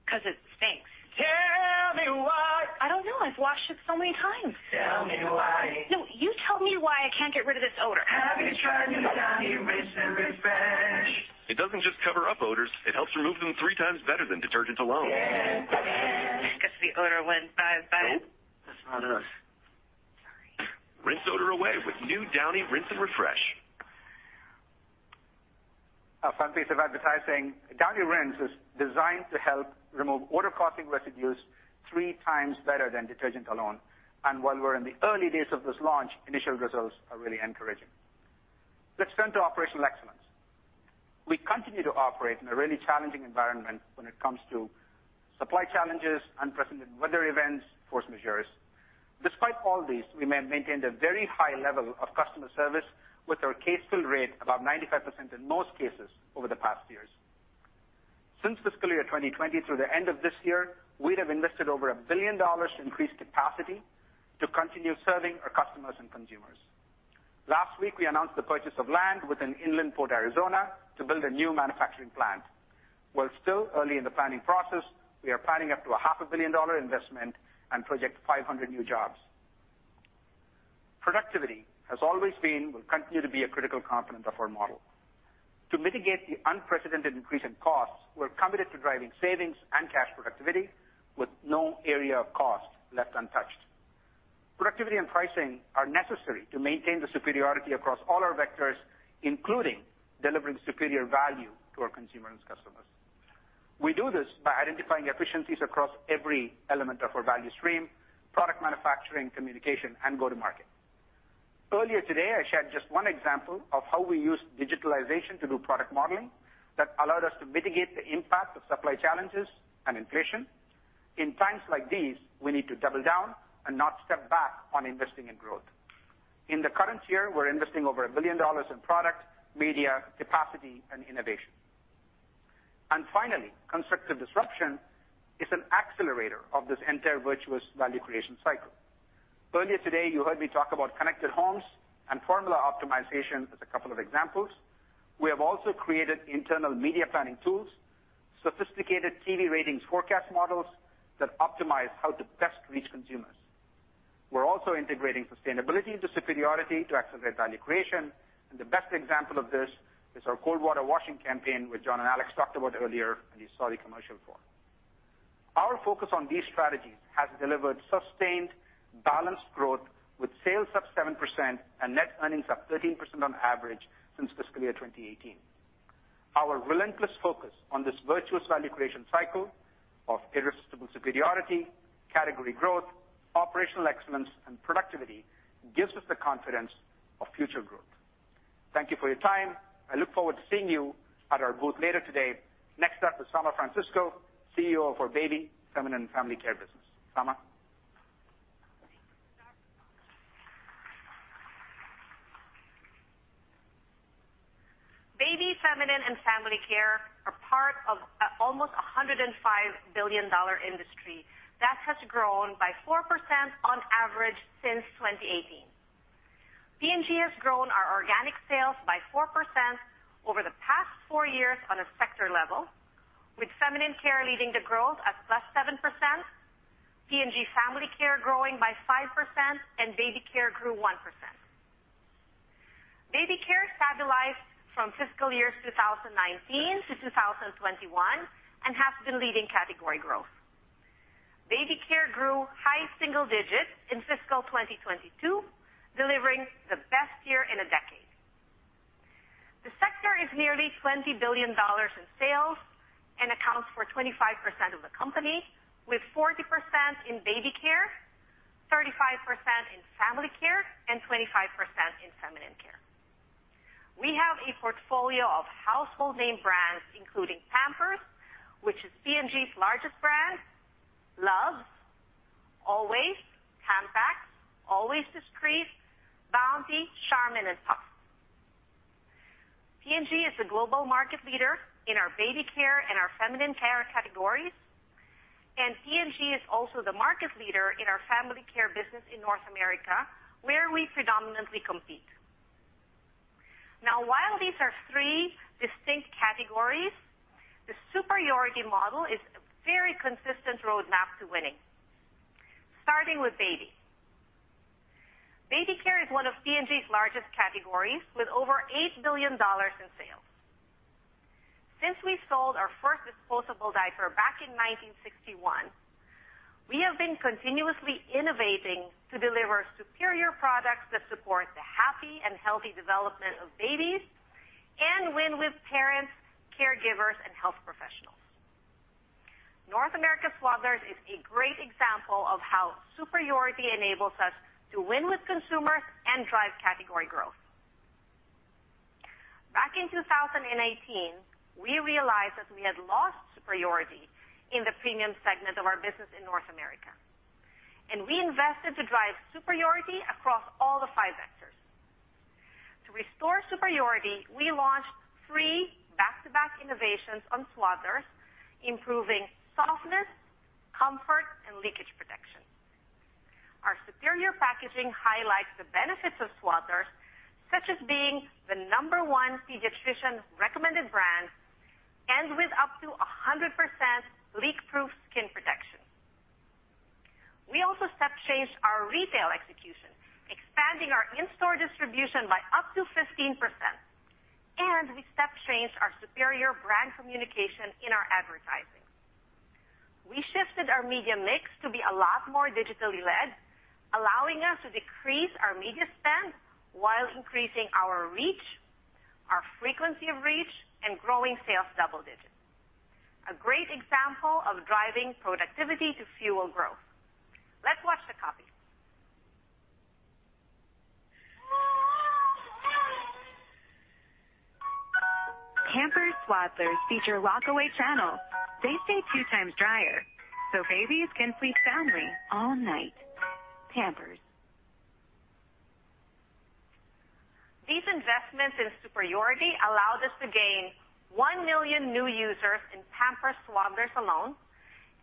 'Cause it stinks. Tell me why. I don't know. I've washed it so many times. Tell me why. No, you tell me why I can't get rid of this odor. Have you tried new Downy Rinse & Refresh? It doesn't just cover up odors, it helps remove them three times better than detergents alone. It can. Guess the odor wins. Bye-bye. Nope. That's not us. Sorry. Rinse odor away with new Downy Rinse & Refresh. A fun piece of advertising. Downy Rinse is designed to help remove odor-causing residues three times better than detergent alone. While we're in the early days of this launch, initial results are really encouraging. Let's turn to operational excellence. We continue to operate in a really challenging environment when it comes to supply challenges, unprecedented weather events, force majeures. Despite all these, we maintained a very high level of customer service with our case fill rate about 95% in most cases over the past years. Since fiscal year 2020 through the end of this year, we'd have invested over $1 billion to increase capacity to continue serving our customers and consumers. Last week, we announced the purchase of land within Inland Port, Arizona, to build a new manufacturing plant. While still early in the planning process, we are planning up to $500 million investment and project 500 new jobs. Productivity has always been, will continue to be a critical component of our model. To mitigate the unprecedented increase in costs, we're committed to driving savings and cash productivity with no area of cost left untouched. Productivity and pricing are necessary to maintain the superiority across all our vectors, including delivering superior value to our consumers and customers. We do this by identifying efficiencies across every element of our value stream, product manufacturing, communication, and go-to-market. Earlier today, I shared just one example of how we use digitalization to do product modeling that allowed us to mitigate the impact of supply challenges and inflation. In times like these, we need to double down and not step back on investing in growth. In the current year, we're investing over $1 billion in product, media, capacity, and innovation. Finally, constructive disruption is an accelerator of this entire virtuous value creation cycle. Earlier today, you heard me talk about connected homes and formula optimization as a couple of examples. We have also created internal media planning tools, sophisticated TV ratings forecast models that optimize how to best reach consumers. We're also integrating sustainability into superiority to accelerate value creation, and the best example of this is our cold water washing campaign, which Jon and Alex talked about earlier, and you saw the commercial for. Our focus on these strategies has delivered sustained, balanced growth with sales up 7% and net earnings up 13% on average since fiscal year 2018. Our relentless focus on this virtuous value creation cycle of irresistible superiority, category growth, operational excellence, and productivity gives us the confidence of future growth. Thank you for your time. I look forward to seeing you at our booth later today. Next up is Fama Francisco, CEO of our Baby, Feminine and Family Care business. Fama? Baby, Feminine, and Family Care are part of almost a $105 billion industry that has grown by 4% on average since 2018. P&G has grown our organic sales by 4% over the past four years on a sector level, with Feminine Care leading the growth at +7%, P&G Family Care growing by 5%, and Baby Care grew 1%. Baby Care stabilized from fiscal years 2019 to 2021 and has been leading category growth. Baby Care grew high single digits in fiscal 2022, delivering the best year in a decade. The sector is nearly $20 billion in sales and accounts for 25% of the company, with 40% in Baby Care, 35% in Family Care, and 25% in Feminine Care. We have a portfolio of household name brands including Pampers, which is P&G's largest brand, Luvs, Always, Tampax, Always Discreet, Bounty, Charmin, and Puffs. P&G is the global market leader in our Baby Care and our Feminine Care categories, and P&G is also the market leader in our Family Care business in North America, where we predominantly compete. Now, while these are three distinct categories, the superiority model is a very consistent roadmap to winning. Starting with Baby Care. Here is one of P&G's largest categories with over $8 billion in sales. Since we sold our first disposable diaper back in 1961, we have been continuously innovating to deliver superior products that support the happy and healthy development of babies and win with parents, caregivers, and health professionals. North America Swaddlers is a great example of how superiority enables us to win with consumers and drive category growth. Back in 2018, we realized that we had lost superiority in the premium segment of our business in North America, and we invested to drive superiority across all the five vectors. To restore superiority, we launched three back-to-back innovations on Swaddlers, improving softness, comfort, and leakage protection. Our superior packaging highlights the benefits of Swaddlers, such as being the Number one pediatrician-recommended brand and with up to 100% leak-proof skin protection. We also step-changed our retail execution, expanding our in-store distribution by up to 15%, and we step-changed our superior brand communication in our advertising. We shifted our media mix to be a lot more digitally led, allowing us to decrease our media spend while increasing our reach, our frequency of reach, and growing sales double digits. A great example of driving productivity to fuel growth. Let's watch the copy. Pampers Swaddlers feature lockaway channels. They stay 2x drier, so babies can sleep soundly all night. Pampers. These investments in superiority allowed us to gain 1 million new users in Pampers Swaddlers alone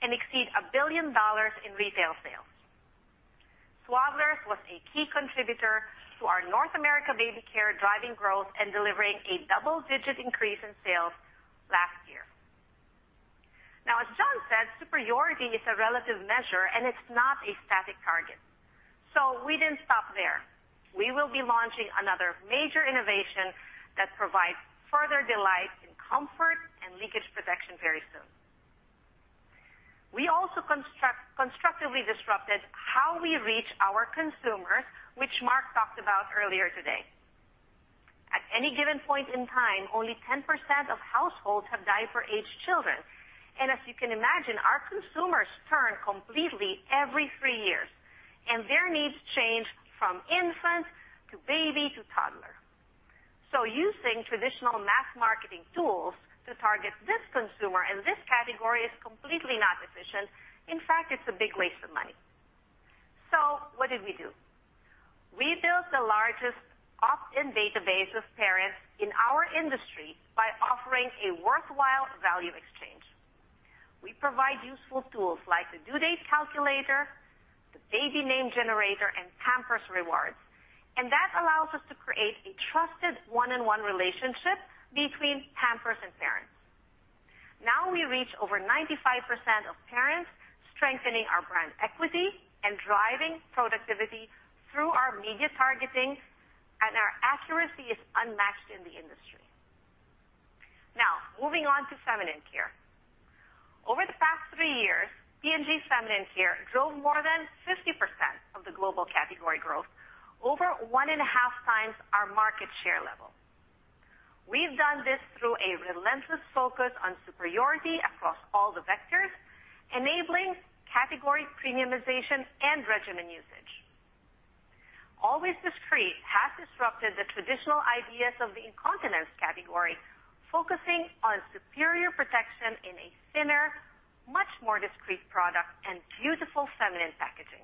and exceed $1 billion in retail sales. Swaddlers was a key contributor to our North America baby care, driving growth and delivering a double-digit increase in sales last year. Now, as Jon said, superiority is a relative measure, and it's not a static target, so we didn't stop there. We will be launching another major innovation that provides further delight in comfort and leakage protection very soon. We also constructively disrupted how we reach our consumers, which Marc talked about earlier today. At any given point in time, only 10% of households have diaper-aged children. As you can imagine, our consumers turn over completely every three years, and their needs change from infant to baby to toddler. Using traditional mass marketing tools to target this consumer and this category is completely not efficient. In fact, it's a big waste of money. What did we do? We built the largest opt-in database of parents in our industry by offering a worthwhile value exchange. We provide useful tools like the due date calculator, the baby name generator, and Pampers rewards, and that allows us to create a trusted one-on-one relationship between Pampers and parents. Now we reach over 95% of parents, strengthening our brand equity and driving productivity through our media targeting, and our accuracy is unmatched in the industry. Now, moving on to feminine care. Over the past three years, P&G feminine care drove more than 50% of the global category growth, over 1.5x our market share level. We've done this through a relentless focus on superiority across all the vectors, enabling category premiumization and regimen usage. Always Discreet has disrupted the traditional ideas of the incontinence category, focusing on superior protection in a thinner, much more discreet product and beautiful feminine packaging.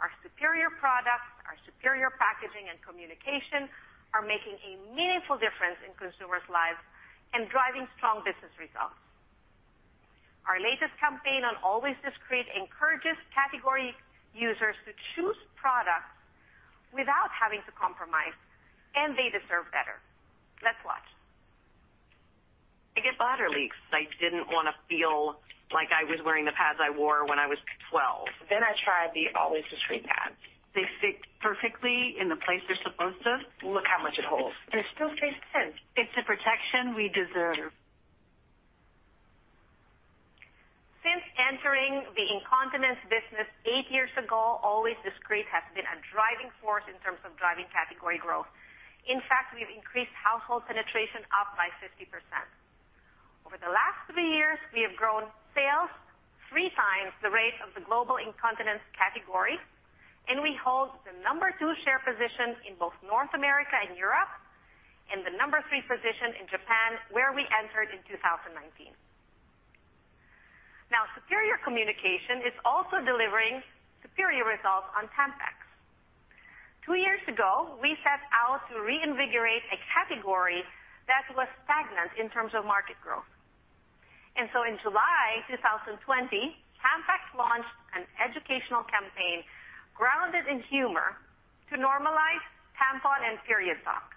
Our superior products, our superior packaging and communication are making a meaningful difference in consumers' lives and driving strong business results. Our latest campaign on Always Discreet encourages category users to choose products without having to compromise, and they deserve better. Let's watch. I get bladder leaks. I didn't want to feel like I was wearing the pads I wore when I was 12. I tried the Always Discreet pads. They fit perfectly in the place they're supposed to. Look how much it holds, and it still stays thin. It's a protection we deserve. Since entering the incontinence business eight years ago, Always Discreet has been a driving force in terms of driving category growth. In fact, we've increased household penetration up by 50%. Over the last three years, we have grown sales 3x the rate of the global incontinence category, and we hold the number two share position in both North America and Europe and the number three position in Japan, where we entered in 2019. Now, superior communication is also delivering superior results on Tampax. Two years ago, we set out to reinvigorate a category that was stagnant in terms of market growth. In July 2020, Tampax launched an educational campaign grounded in humor to normalize tampon and period talk.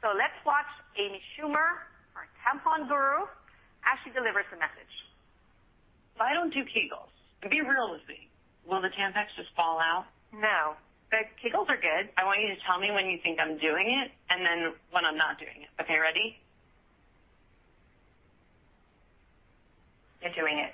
Let's watch Amy Schumer, our tampon guru. I don't do Kegels. Be real with me. Will the Tampax just fall out? No, but Kegels are good. I want you to tell me when you think I'm doing it and then when I'm not doing it. Okay, ready? You're doing it.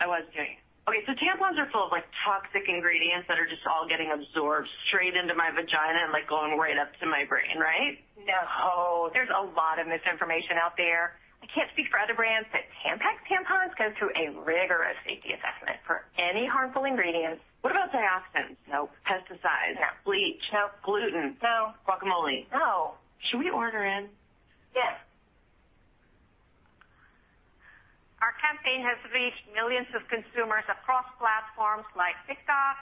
I was doing it. Okay, tampons are filled with, like, toxic ingredients that are just all getting absorbed straight into my vagina and, like, going right up to my brain, right? No. Oh, there's a lot of misinformation out there. I can't speak for other brands, but Tampax tampons go through a rigorous safety assessment for any harmful ingredients. What about dioxins? Nope. Pesticides? Nope. Bleach? Nope. Gluten? No. Guacamole. No. Should we order in? Yes. Our campaign has reached millions of consumers across platforms like TikTok,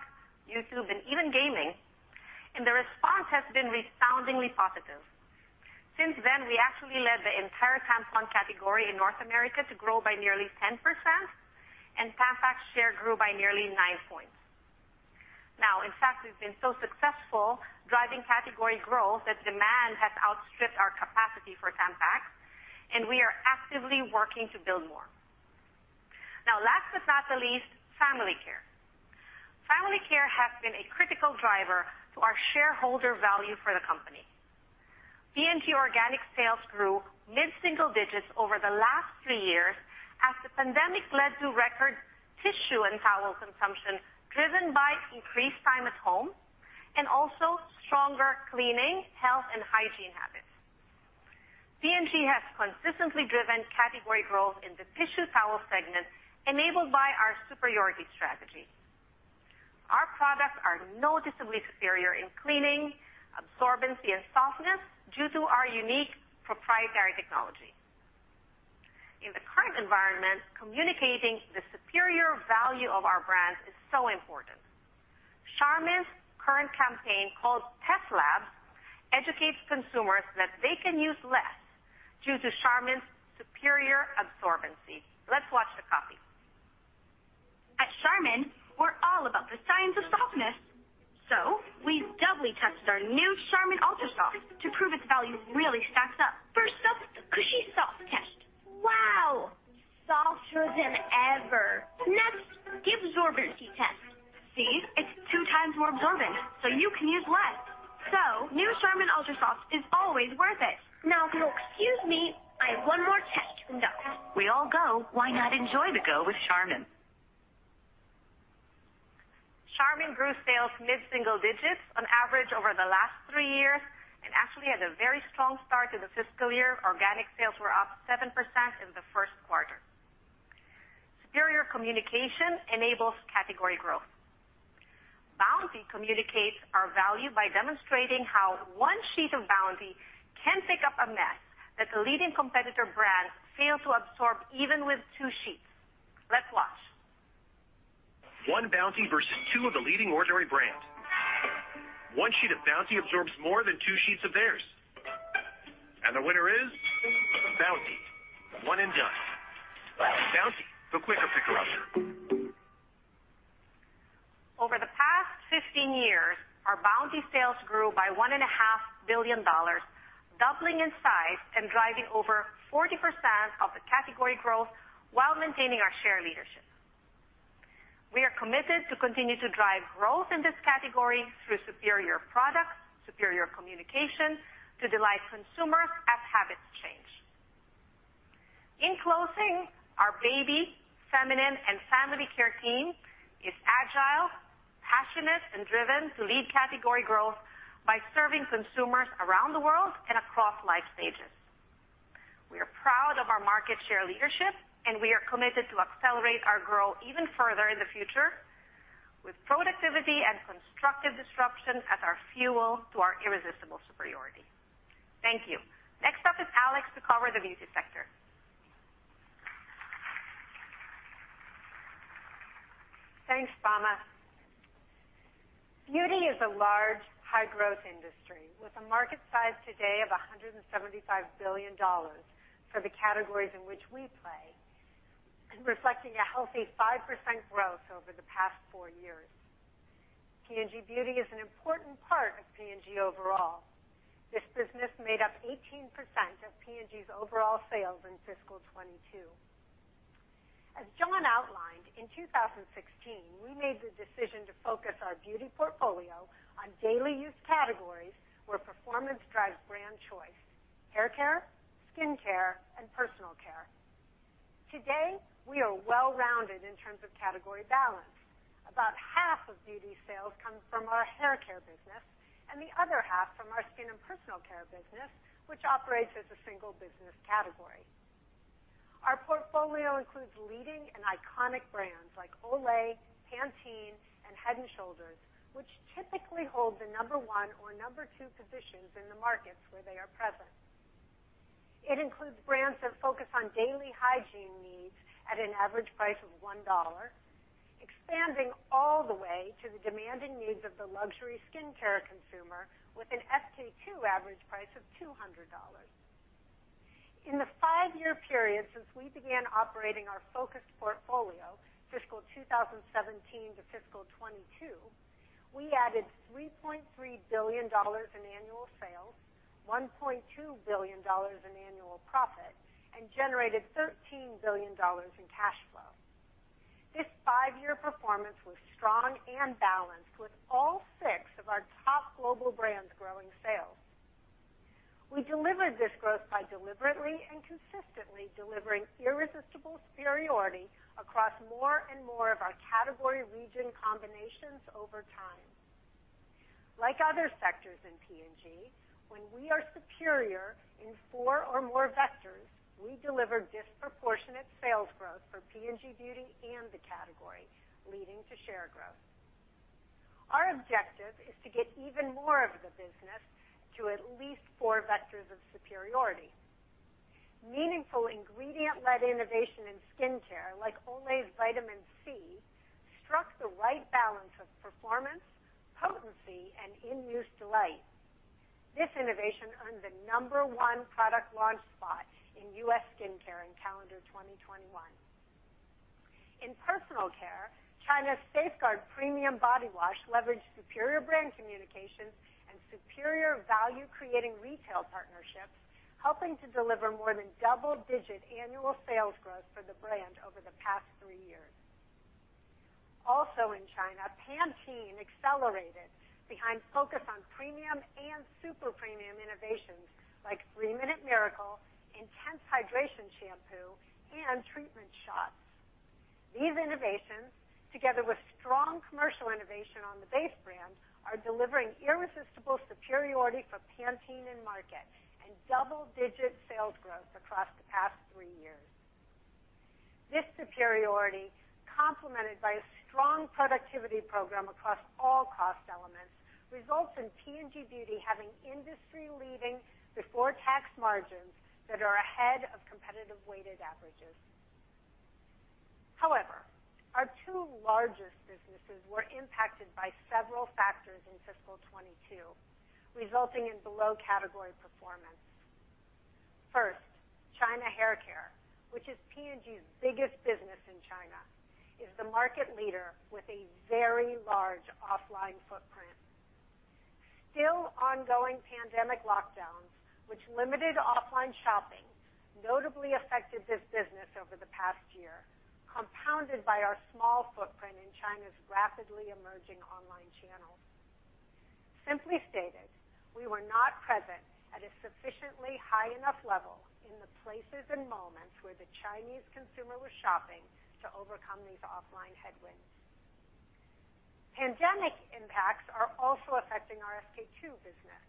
YouTube, and even gaming, and the response has been resoundingly positive. Since then, we actually led the entire tampon category in North America to grow by nearly 10%, and Tampax share grew by nearly nine points. Now, in fact, we've been so successful driving category growth that demand has outstripped our capacity for Tampax, and we are actively working to build more. Now, last but not least, Family Care. Family Care has been a critical driver to our shareholder value for the company. P&G organic sales grew mid-single digits over the last three years as the pandemic led to record tissue and towel consumption, driven by increased time at home and also stronger cleaning, health, and hygiene habits. P&G has consistently driven category growth in the tissue towel segment, enabled by our superiority strategy. Our products are noticeably superior in cleaning, absorbency, and softness due to our unique proprietary technology. In the current environment, communicating the superior value of our brands is so important. Charmin's current campaign, called Test Lab, educates consumers that they can use less due to Charmin's superior absorbency. Let's watch the copy. At Charmin, we're all about the science of softness. We've doubly tested our new Charmin Ultra Soft to prove its value really stacks up. First up, the cushy soft test. Wow. Softer than ever. Next, the absorbency test. See? It's 2x more absorbent, so you can use less. New Charmin Ultra Soft is always worth it. Now, if you'll excuse me, I have one more test to conduct. We all go. Why not enjoy the go with Charmin? Charmin grew sales mid-single digits on average over the last three years and actually had a very strong start to the fiscal year. Organic sales were up 7% in the first quarter. Superior communication enables category growth. Bounty communicates our value by demonstrating how one sheet of Bounty can pick up a mess that the leading competitor brands fail to absorb, even with two sheets. Let's watch. One Bounty versus two of the leading ordinary brands. One sheet of Bounty absorbs more than two sheets of theirs. The winner is Bounty. One and done. Bounty, the quicker picker upper. Over the past 15 years, our Bounty sales grew by $1.5 billion, doubling in size and driving over 40% of the category growth while maintaining our share leadership. We are committed to continue to drive growth in this category through superior products, superior communication to delight consumers as habits change. In closing, our baby, feminine, and family care team is agile, passionate, and driven to lead category growth by serving consumers around the world and across life stages. We are proud of our market share leadership, and we are committed to accelerate our growth even further in the future with productivity and constructive disruption as our fuel to our irresistible superiority. Thank you. Next up is Alex Keith to cover the beauty sector. Thanks, Fama. Beauty is a large, high-growth industry with a market size today of $175 billion for the categories in which we play, reflecting a healthy 5% growth over the past four years. P&G Beauty is an important part of P&G overall. This business made up 18% of P&G's overall sales in fiscal 2022. As Jon outlined, in 2016, we made the decision to focus our beauty portfolio on daily use categories where performance drives brand choice, haircare, skincare, and personal care. Today, we are well-rounded in terms of category balance. About half of beauty sales come from our haircare business and the other half from our skin and personal care business, which operates as a single business category. Our portfolio includes leading and iconic brands like Olay, Pantene, and Head & Shoulders, which typically hold the number one or number two positions in the markets where they are present. It includes brands that focus on daily hygiene needs at an average price of $1, expanding all the way to the demanding needs of the luxury skincare consumer with an SK-II average price of $200. In the five-year period since we began operating our focused portfolio, fiscal 2017 to fiscal 2022. We added $3.3 billion in annual sales, $1.2 billion in annual profit, and generated $13 billion in cash flow. This five-year performance was strong and balanced with all six of our top global brands growing sales. We delivered this growth by deliberately and consistently delivering irresistible superiority across more and more of our category region combinations over time. Like other sectors in P&G, when we are superior in four or more vectors, we deliver disproportionate sales growth for P&G Beauty and the category, leading to share growth. Our objective is to get even more of the business to at least four vectors of superiority. Meaningful ingredient-led innovation in skincare, like Olay's Vitamin C, struck the right balance of performance, potency, and in-use delight. This innovation earned the number one product launch spot in U.S. Skincare in calendar 2021. In personal care, China's Safeguard Premium Body Wash leveraged superior brand communications and superior value-creating retail partnerships, helping to deliver more than double-digit annual sales growth for the brand over the past three years. Also in China, Pantene accelerated its focus on premium and super-premium innovations like 3 Minute Miracle, Intense Hydration Shampoo, and Treatment Shots. These innovations, together with strong commercial innovation on the base brand, are delivering irresistible superiority for Pantene in market and double-digit sales growth across the past three years. This superiority, complemented by a strong productivity program across all cost elements, results in P&G Beauty having industry-leading before-tax margins that are ahead of competitive weighted averages. However, our two largest businesses were impacted by several factors in fiscal 2022, resulting in below-category performance. First, China Hair Care, which is P&G's biggest business in China, is the market leader with a very large offline footprint. Still, ongoing pandemic lockdowns, which limited offline shopping, notably affected this business over the past year, compounded by our small footprint in China's rapidly emerging online channels. Simply stated, we were not present at a sufficiently high enough level in the places and moments where the Chinese consumer was shopping to overcome these offline headwinds. Pandemic impacts are also affecting our SK-II business,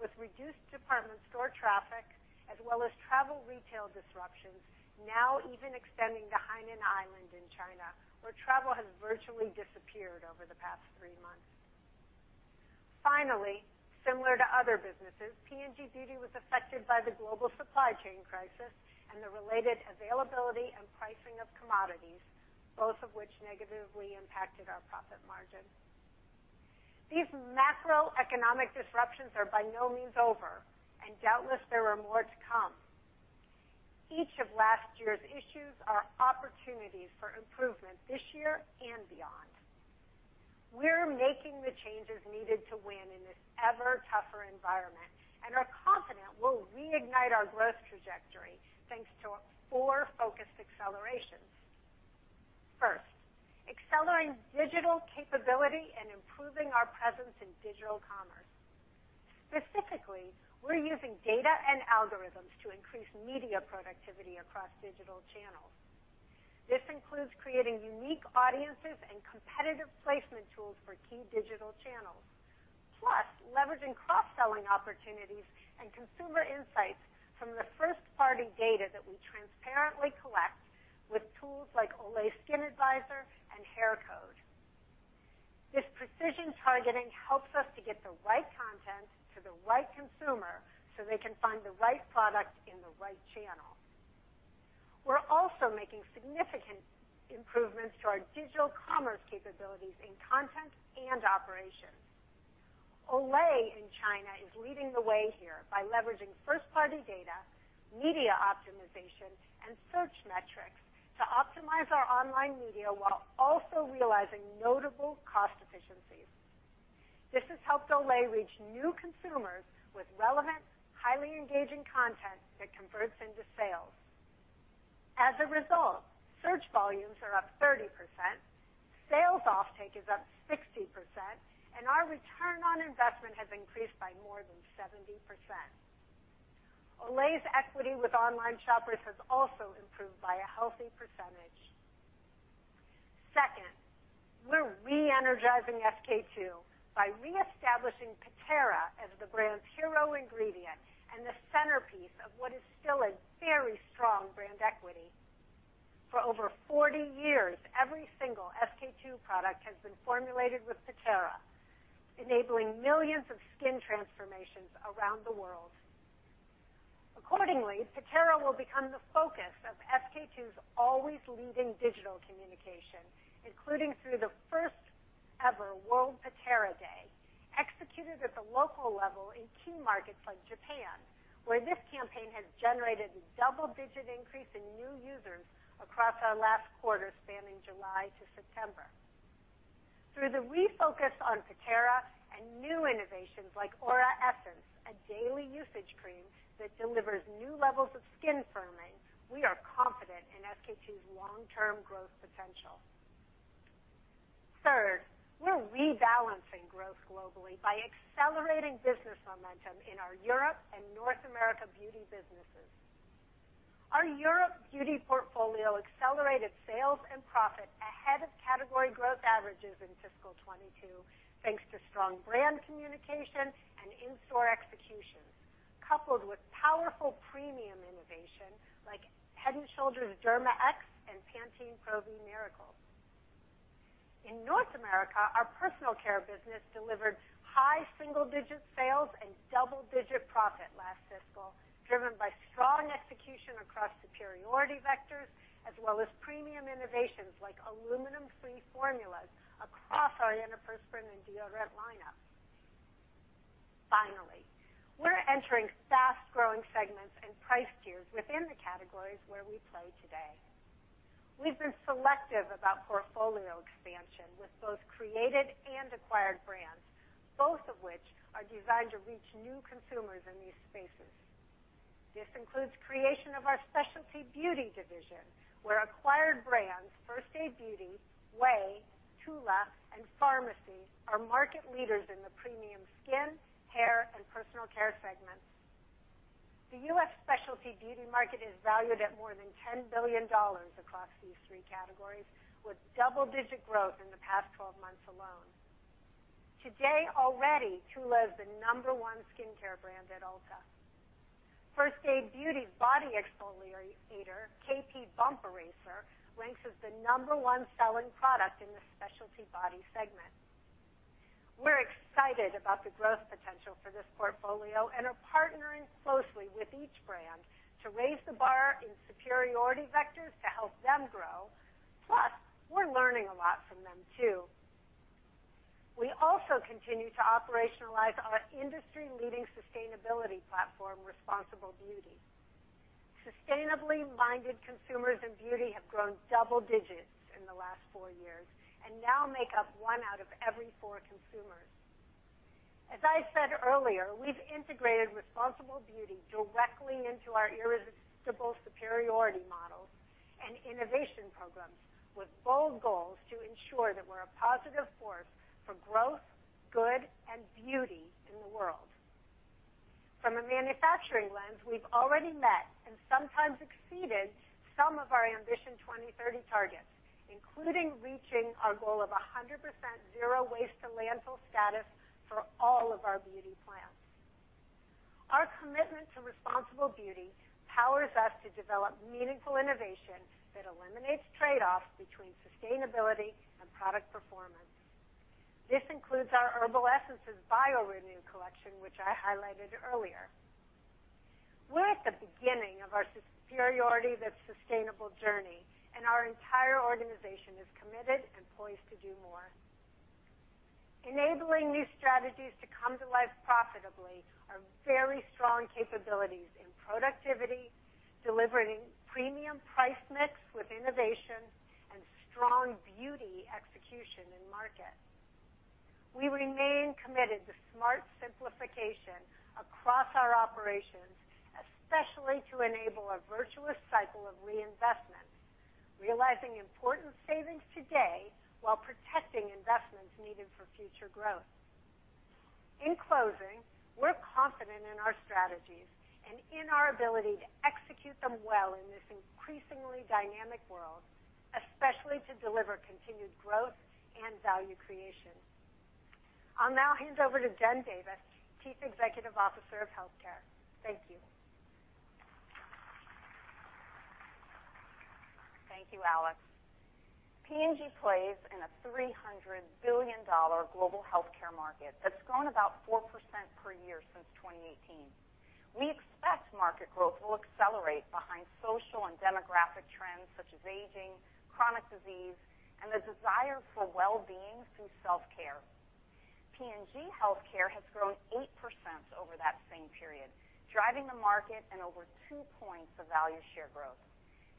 with reduced department store traffic as well as travel retail disruptions now even extending to Hainan Island in China, where travel has virtually disappeared over the past three months. Finally, similar to other businesses, P&G Beauty was affected by the global supply chain crisis and the related availability and pricing of commodities, both of which negatively impacted our profit margin. These macroeconomic disruptions are by no means over, and doubtless, there are more to come. Each of last year's issues are opportunities for improvement this year and beyond. We're making the changes needed to win in this ever tougher environment and are confident we'll reignite our growth trajectory thanks to our four focused accelerations. First, accelerating digital capability and improving our presence in digital commerce. Specifically, we're using data and algorithms to increase media productivity across digital channels. This includes creating unique audiences and competitive placement tools for key digital channels, plus leveraging cross-selling opportunities and consumer insights from the first-party data that we transparently collect with tools like Olay Skin Advisor and HairCode. This precision targeting helps us to get the right content to the right consumer, so they can find the right product in the right channel. We're also making significant improvements to our digital commerce capabilities in content and operations. Olay in China is leading the way here by leveraging first-party data, media optimization, and search metrics to optimize our online media while also realizing notable cost efficiencies. This has helped Olay reach new consumers with relevant, highly engaging content that converts into sales. As a result, search volumes are up 30%, sales offtake is up 60%, and our return on investment has increased by more than 70%. Olay's equity with online shoppers has also improved by a healthy percentage. Second, we're re-energizing SK-II by reestablishing PITERA as the brand's hero ingredient and the centerpiece of what is still a very strong brand equity. For over 40 years, every single SK-II product has been formulated with PITERA, enabling millions of skin transformations around the world. Accordingly, PITERA will become the focus of SK-II's always leading digital communication, including through the first ever World PITERA Day, executed at the local level in key markets like Japan, where this campaign has generated a double-digit increase in new users across our last quarter spanning July to September. Through the refocus on PITERA and new innovations like GenOptics Aura Essence, a daily usage cream that delivers new levels of skin firming, we are confident in SK-II's long-term growth potential. Third, we're rebalancing growth globally by accelerating business momentum in our Europe and North America beauty businesses. Our Europe beauty portfolio accelerated sales and profit ahead of category growth averages in fiscal 2022, thanks to strong brand communication and in-store executions, coupled with powerful premium innovation like Head & Shoulders Derma X and Pantene Pro-V Miracle. In North America, our personal care business delivered high single-digit sales and double-digit profit last fiscal, driven by strong execution across superiority vectors, as well as premium innovations like aluminum-free formulas across our antiperspirant and deodorant lineup. Finally, we're entering fast-growing segments and price tiers within the categories where we play today. We've been selective about portfolio expansion with both created and acquired brands, both of which are designed to reach new consumers in these spaces. This includes creation of our specialty beauty division, where acquired brands First Aid Beauty, Ouai, Tula, and Farmacy are market leaders in the premium skin, hair, and personal care segments. The U.S. specialty beauty market is valued at more than $10 billion across these three categories, with double-digit growth in the past 12 months alone. Today already, Tula is the number one skincare brand at Ulta. First Aid Beauty's body exfoliator, KP Bump Eraser, ranks as the number one selling product in the specialty body segment. We're excited about the growth potential for this portfolio and are partnering closely with each brand to raise the bar in superiority vectors to help them grow. Plus, we're learning a lot from them, too. We also continue to operationalize our industry-leading sustainability platform, Responsible Beauty. Sustainably-minded consumers in beauty have grown double digits in the last four years and now make up one out of every four consumers. As I said earlier, we've integrated Responsible Beauty directly into our irresistible superiority models and innovation programs with bold goals to ensure that we're a positive force for growth, good, and beauty in the world. From a manufacturing lens, we've already met and sometimes exceeded some of our Ambition 2030 targets, including reaching our goal of 100% zero waste to landfill status for all of our beauty plants. Our commitment to Responsible Beauty powers us to develop meaningful innovation that eliminates trade-offs between sustainability and product performance. This includes our Herbal Essences bio:renew collection, which I highlighted earlier. We're at the beginning of our superiority that's sustainable journey, and our entire organization is committed and poised to do more. Enabling new strategies to come to life profitably are very strong capabilities in productivity, delivering premium price mix with innovation, and strong beauty execution in market. We remain committed to smart simplification across our operations, especially to enable a virtuous cycle of reinvestment, realizing important savings today while protecting investments needed for future growth. In closing, we're confident in our strategies and in our ability to execute them well in this increasingly dynamic world, especially to deliver continued growth and value creation. I'll now hand over to Jen Davis, Chief Executive Officer of Health Care. Thank you. Thank you, Alex. P&G plays in a $300 billion global healthcare market that's grown about 4% per year since 2018. We expect market growth will accelerate behind social and demographic trends such as aging, chronic disease, and the desire for well-being through self-care. P&G Health Care has grown 8% over that same period, driving the market and over two points of value share growth.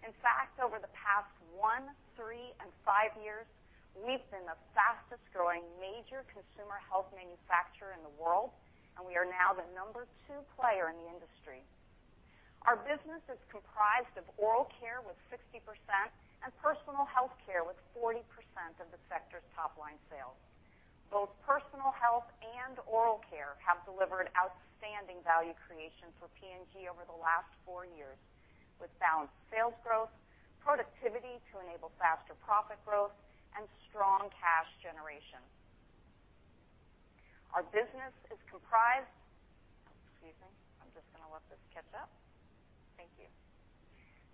In fact, over the past one, three, and five years, we've been the fastest-growing major consumer health manufacturer in the world, and we are now the number two player in the industry. Our business is comprised of oral care with 60% and personal health care with 40% of the sector's top-line sales. Both personal health and oral care have delivered outstanding value creation for P&G over the last four years, with balanced sales growth, productivity to enable faster profit growth, and strong cash generation.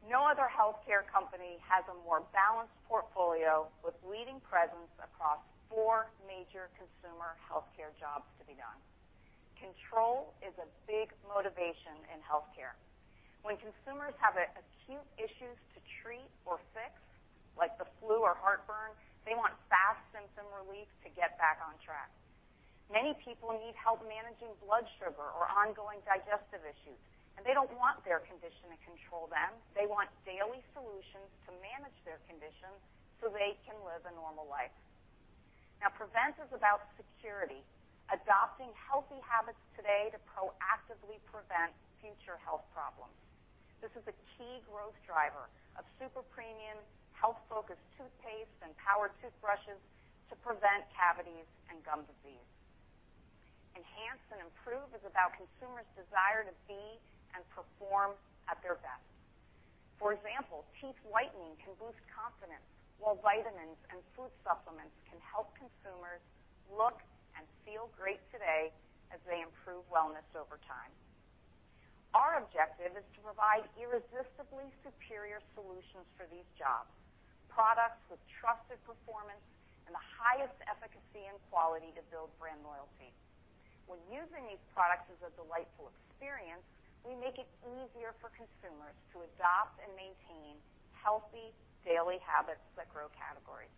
No other healthcare company has a more balanced portfolio with leading presence across four major consumer healthcare jobs to be done. Control is a big motivation in healthcare. When consumers have acute issues to treat or fix, like the flu or heartburn, they want fast symptom relief to get back on track. Many people need help managing blood sugar or ongoing digestive issues, and they don't want their condition to control them. They want daily solutions to manage their conditions so they can live a normal life. Now prevent is about security, adopting healthy habits today to proactively prevent future health problems. This is a key growth driver of super premium health-focused toothpaste and power toothbrushes to prevent cavities and gum disease. Enhance and improve is about consumers' desire to be and perform at their best. For example, teeth whitening can boost confidence, while vitamins and food supplements can help consumers look and feel great today as they improve wellness over time. Our objective is to provide irresistibly superior solutions for these jobs, products with trusted performance and the highest efficacy and quality to build brand loyalty. When using these products is a delightful experience, we make it easier for consumers to adopt and maintain healthy daily habits that grow categories.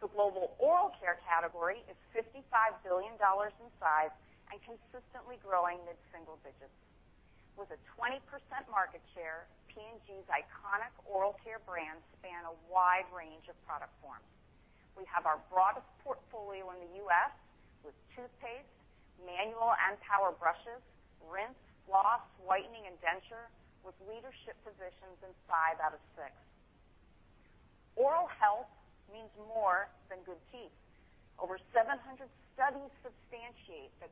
The global oral care category is $55 billion in size and consistently growing mid-single digits. With a 20% market share, P&G's iconic oral care brands span a wide range of product forms. We have our broadest portfolio in the U.S. with toothpaste, manual and power brushes, rinse, floss, whitening, and denture, with leadership positions in five out of six. Oral health means more than good teeth. Over 700 studies substantiate that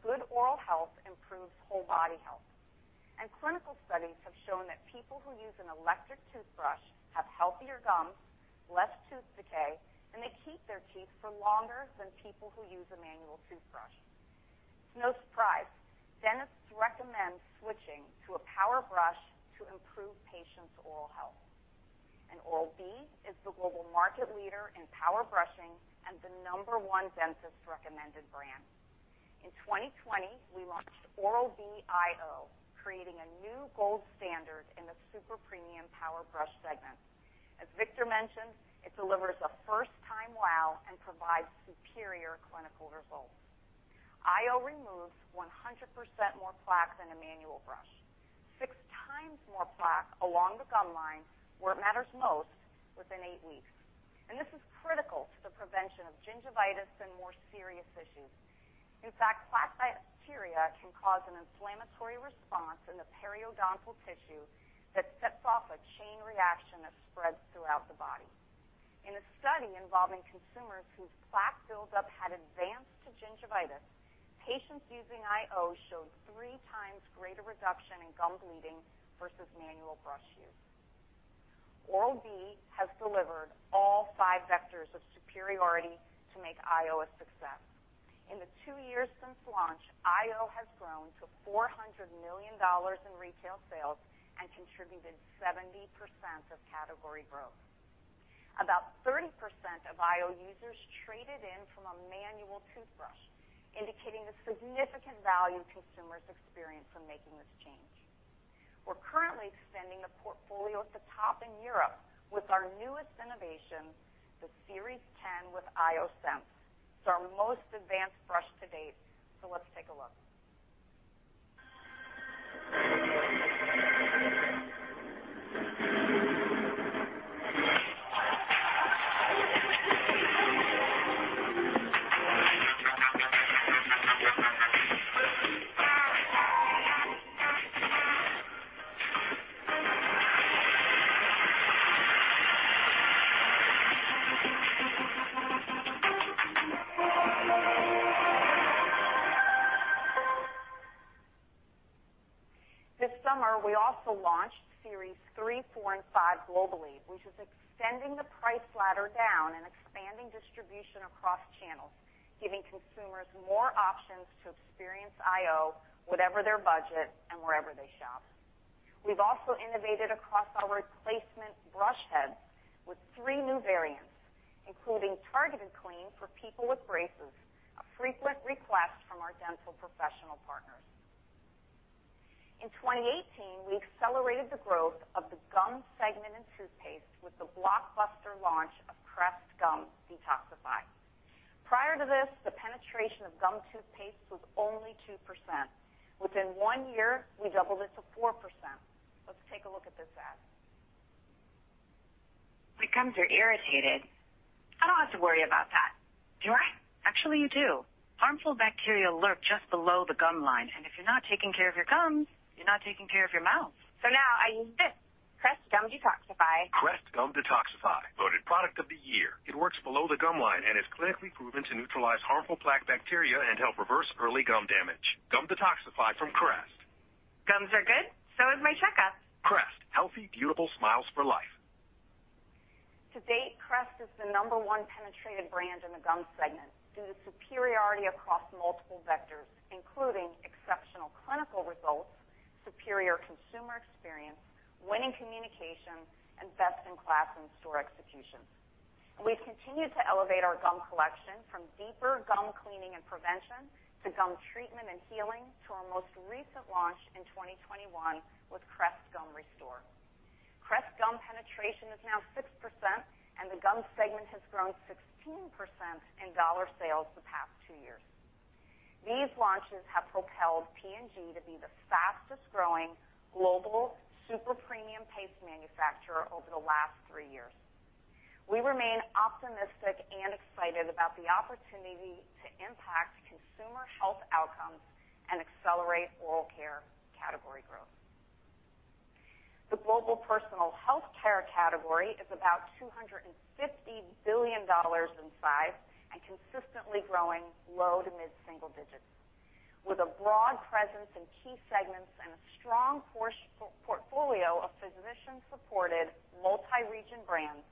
good oral health improves whole body health. Clinical studies have shown that people who use an electric toothbrush have healthier gums, less tooth decay, and they keep their teeth for longer than people who use a manual toothbrush. It's no surprise dentists recommend switching to a power brush to improve patients' oral health. Oral-B is the global market leader in power brushing and the number one dentist-recommended brand. In 2020, we launched Oral-B iO, creating a new gold standard in the super premium power brush segment. As Victor mentioned, it delivers a first-time wow and provides superior clinical results. iO removes 100% more plaque than a manual brush, 6x more plaque along the gum line where it matters most within eight weeks. This is critical to the prevention of gingivitis and more serious issues. In fact, plaque bacteria can cause an inflammatory response in the periodontal tissue that sets off a chain reaction that spreads throughout the body. In a study involving consumers whose plaque buildup had advanced to gingivitis, patients using iO showed 3x greater reduction in gum bleeding versus manual brush use. Oral-B has delivered all five vectors of superiority to make iO a success. In the two years since launch, iO has grown to $400 million in retail sales and contributed 70% of category growth. About 30% of iO users traded in from a manual toothbrush, indicating the significant value consumers experience from making this change. We're currently extending the portfolio at the top in Europe with our newest innovation, the Series 10 with iO Sense. It's our most advanced brush to date. Let's take a look. This summer, we also launched Series 3, 4, and 5 globally, which is extending the price ladder down and expanding distribution across channels, giving consumers more options to experience iO whatever their budget and wherever they shop. We've also innovated across our replacement brush heads with three new variants, including targeted clean for people with braces, a frequent request from our dental professional partners. In 2018, we accelerated the growth of the gum segment in toothpaste with the blockbuster launch of Crest Gum Detoxify. Prior to this, the penetration of gum toothpaste was only 2%. Within one year, we doubled it to 4%. Let's take a look at this ad. My gums are irritated. I don't have to worry about that, do I? Actually, you do. Harmful bacteria lurk just below the gum line, and if you're not taking care of your gums, you're not taking care of your mouth. Now I use this, Crest Gum Detoxify. Crest Gum Detoxify. Voted Product of the Year. It works below the gum line and is clinically proven to neutralize harmful plaque bacteria and help reverse early gum damage. Gum Detoxify from Crest. Gums are good. Is my checkup. Crest, healthy, beautiful smiles for life. To-date, Crest is the number one penetrated brand in the gum segment due to superiority across multiple vectors, including exceptional clinical results, superior consumer experience, winning communications, and best-in-class in-store execution. We've continued to elevate our gum collection from deeper gum cleaning and prevention to gum treatment and healing to our most recent launch in 2021 with Crest Gum Restore. Crest Gum penetration is now 6%, and the gum segment has grown 16% in dollar sales the past two years. These launches have propelled P&G to be the fastest-growing global super-premium paste manufacturer over the last three years. We remain optimistic and excited about the opportunity to impact consumer health outcomes and accelerate oral care category growth. The global personal health care category is about $250 billion in size and consistently growing low to mid-single digits. With a broad presence in key segments and a strong portfolio of physician-supported multi-region brands,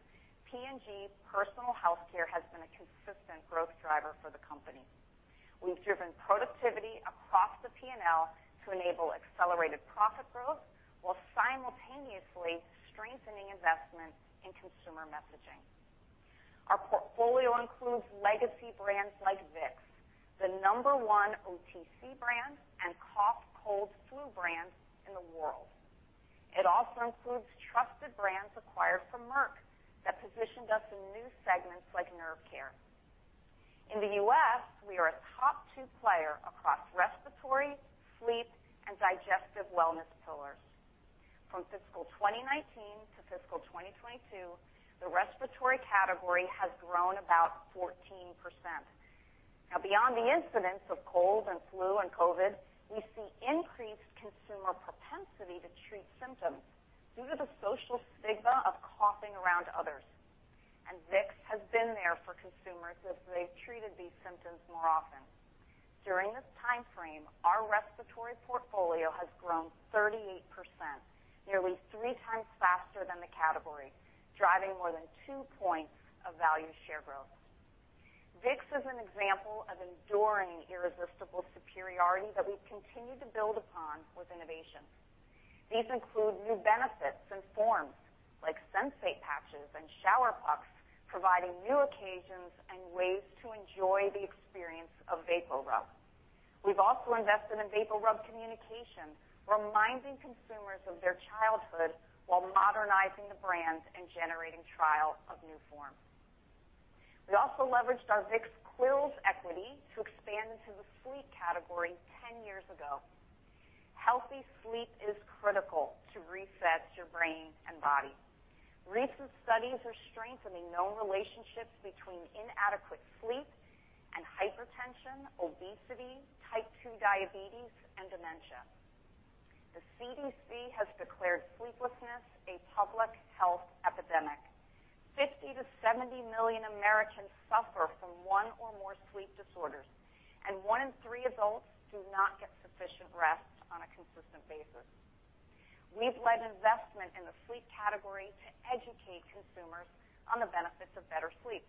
P&G Personal Health Care has been a consistent growth driver for the company. We've driven productivity across the P&L to enable accelerated profit growth while simultaneously strengthening investments in consumer messaging. Our portfolio includes legacy brands like Vicks, the number-one OTC brand, and cough, cold, flu brand in the world. It also includes trusted brands acquired from Merck that positioned us in new segments like nerve care. In the U.S., we are a top two player across respiratory, sleep, and digestive wellness pillars. From fiscal 2019 to fiscal 2022, the respiratory category has grown about 14%. Now, beyond the incidence of cold and flu and COVID, we see increased consumer propensity to treat symptoms due to the social stigma of coughing around others, and Vicks has been there for consumers as they've treated these symptoms more often. During this timeframe, our respiratory portfolio has grown 38%, nearly three times faster than the category, driving more than two points of value share growth. Vicks is an example of enduring irresistible superiority that we've continued to build upon with innovation. These include new benefits and forms like VapoPatch and VapoShower, providing new occasions and ways to enjoy the experience of VapoRub. We've also invested in VapoRub communication, reminding consumers of their childhood while modernizing the brands and generating trial of new forms. We also leveraged our ZzzQuil equity to expand into the sleep category 10 years ago. Healthy sleep is critical to reset your brain and body. Recent studies are strengthening known relationships between inadequate sleep and hypertension, obesity, Type 2 diabetes, and dementia. The CDC has declared sleeplessness a public health epidemic. 50 million-70 million Americans suffer from one or more sleep disorders, and one in three adults do not get sufficient rest on a consistent basis. We've led investment in the sleep category to educate consumers on the benefits of better sleep,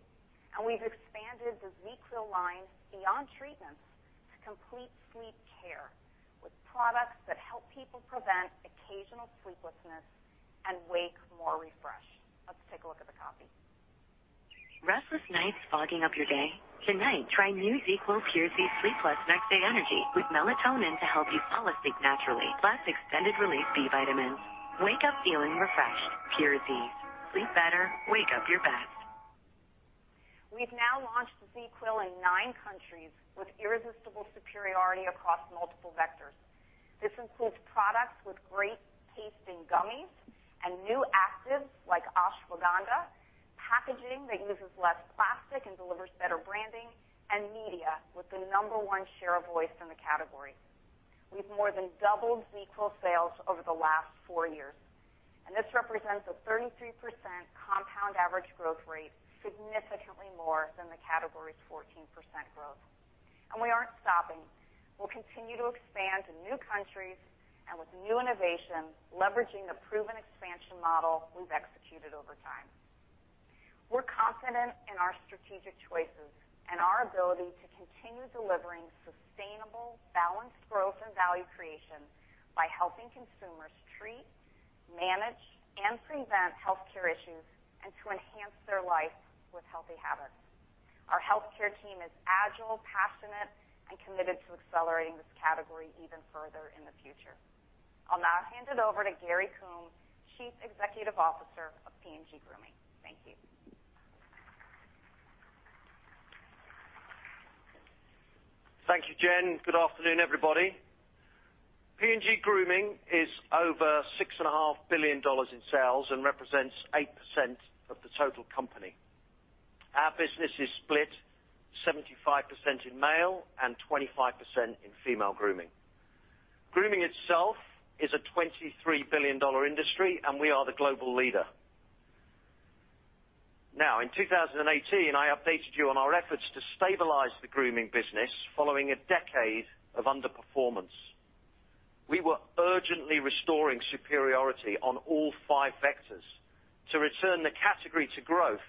and we've expanded the ZzzQuil line beyond treatments to complete sleep care with products that help people prevent occasional sleeplessness and wake more refreshed. Let's take a look at the copy. Restless nights fogging up your day? Tonight, try new ZzzQuil PURE Zzzs Sleep+ Next Day Energy, with melatonin to help you fall asleep naturally, plus extended-release B vitamins. Wake up feeling refreshed. Pure Zzzs. Sleep better. Wake up your best. We've now launched ZzzQuil in nine countries with irresistible superiority across multiple vectors. This includes products with great-tasting gummies and new actives like ashwagandha, packaging that uses less plastic and delivers better branding, and media with the number one share of voice in the category. We've more than doubled ZzzQuil sales over the last four years, and this represents a 33% compound average growth rate, significantly more than the category's 14% growth. We aren't stopping. We'll continue to expand to new countries and with new innovation, leveraging the proven expansion model we've executed over time. We're confident in our strategic choices and our ability to continue delivering sustainable, balanced growth and value creation by helping consumers treat, manage, and prevent healthcare issues and to enhance their life with healthy habits. Our healthcare team is agile, passionate, and committed to accelerating this category even further in the future. I'll now hand it over to Gary Coombe, Chief Executive Officer of P&G Grooming. Thank you. Thank you, Jen. Good afternoon, everybody. P&G Grooming is over $6.5 billion in sales and represents 8% of the total company. Our business is split 75% in male and 25% in female grooming. Grooming itself is a $23 billion industry, and we are the global leader. Now, in 2018, I updated you on our efforts to stabilize the grooming business following a decade of underperformance. We were urgently restoring superiority on all five vectors to return the category to growth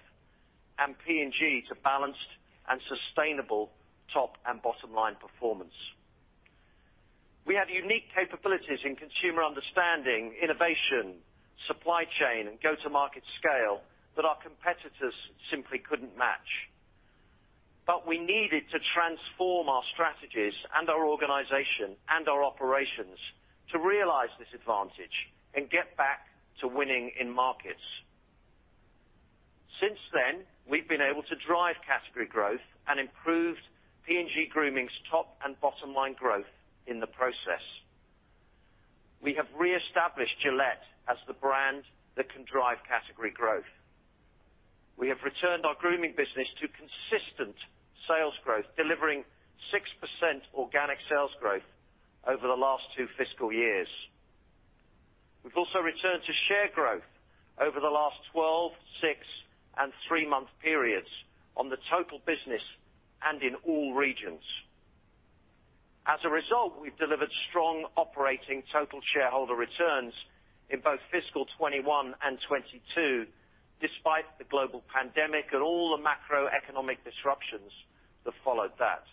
and P&G to balanced and sustainable top and bottom-line performance. We have unique capabilities in consumer understanding, innovation, supply chain, and go-to-market scale that our competitors simply couldn't match. We needed to transform our strategies and our organization and our operations to realize this advantage and get back to winning in markets. Since then, we've been able to drive category growth and improved P&G Grooming's top and bottom line growth in the process. We have reestablished Gillette as the brand that can drive category growth. We have returned our grooming business to consistent sales growth, delivering 6% organic sales growth over the last two fiscal years. We've also returned to share growth over the last 12, six and three-month periods on the total business and in all regions. As a result, we've delivered strong operating total shareholder returns in both fiscal 2021 and 2022, despite the global pandemic and all the macroeconomic disruptions that followed that.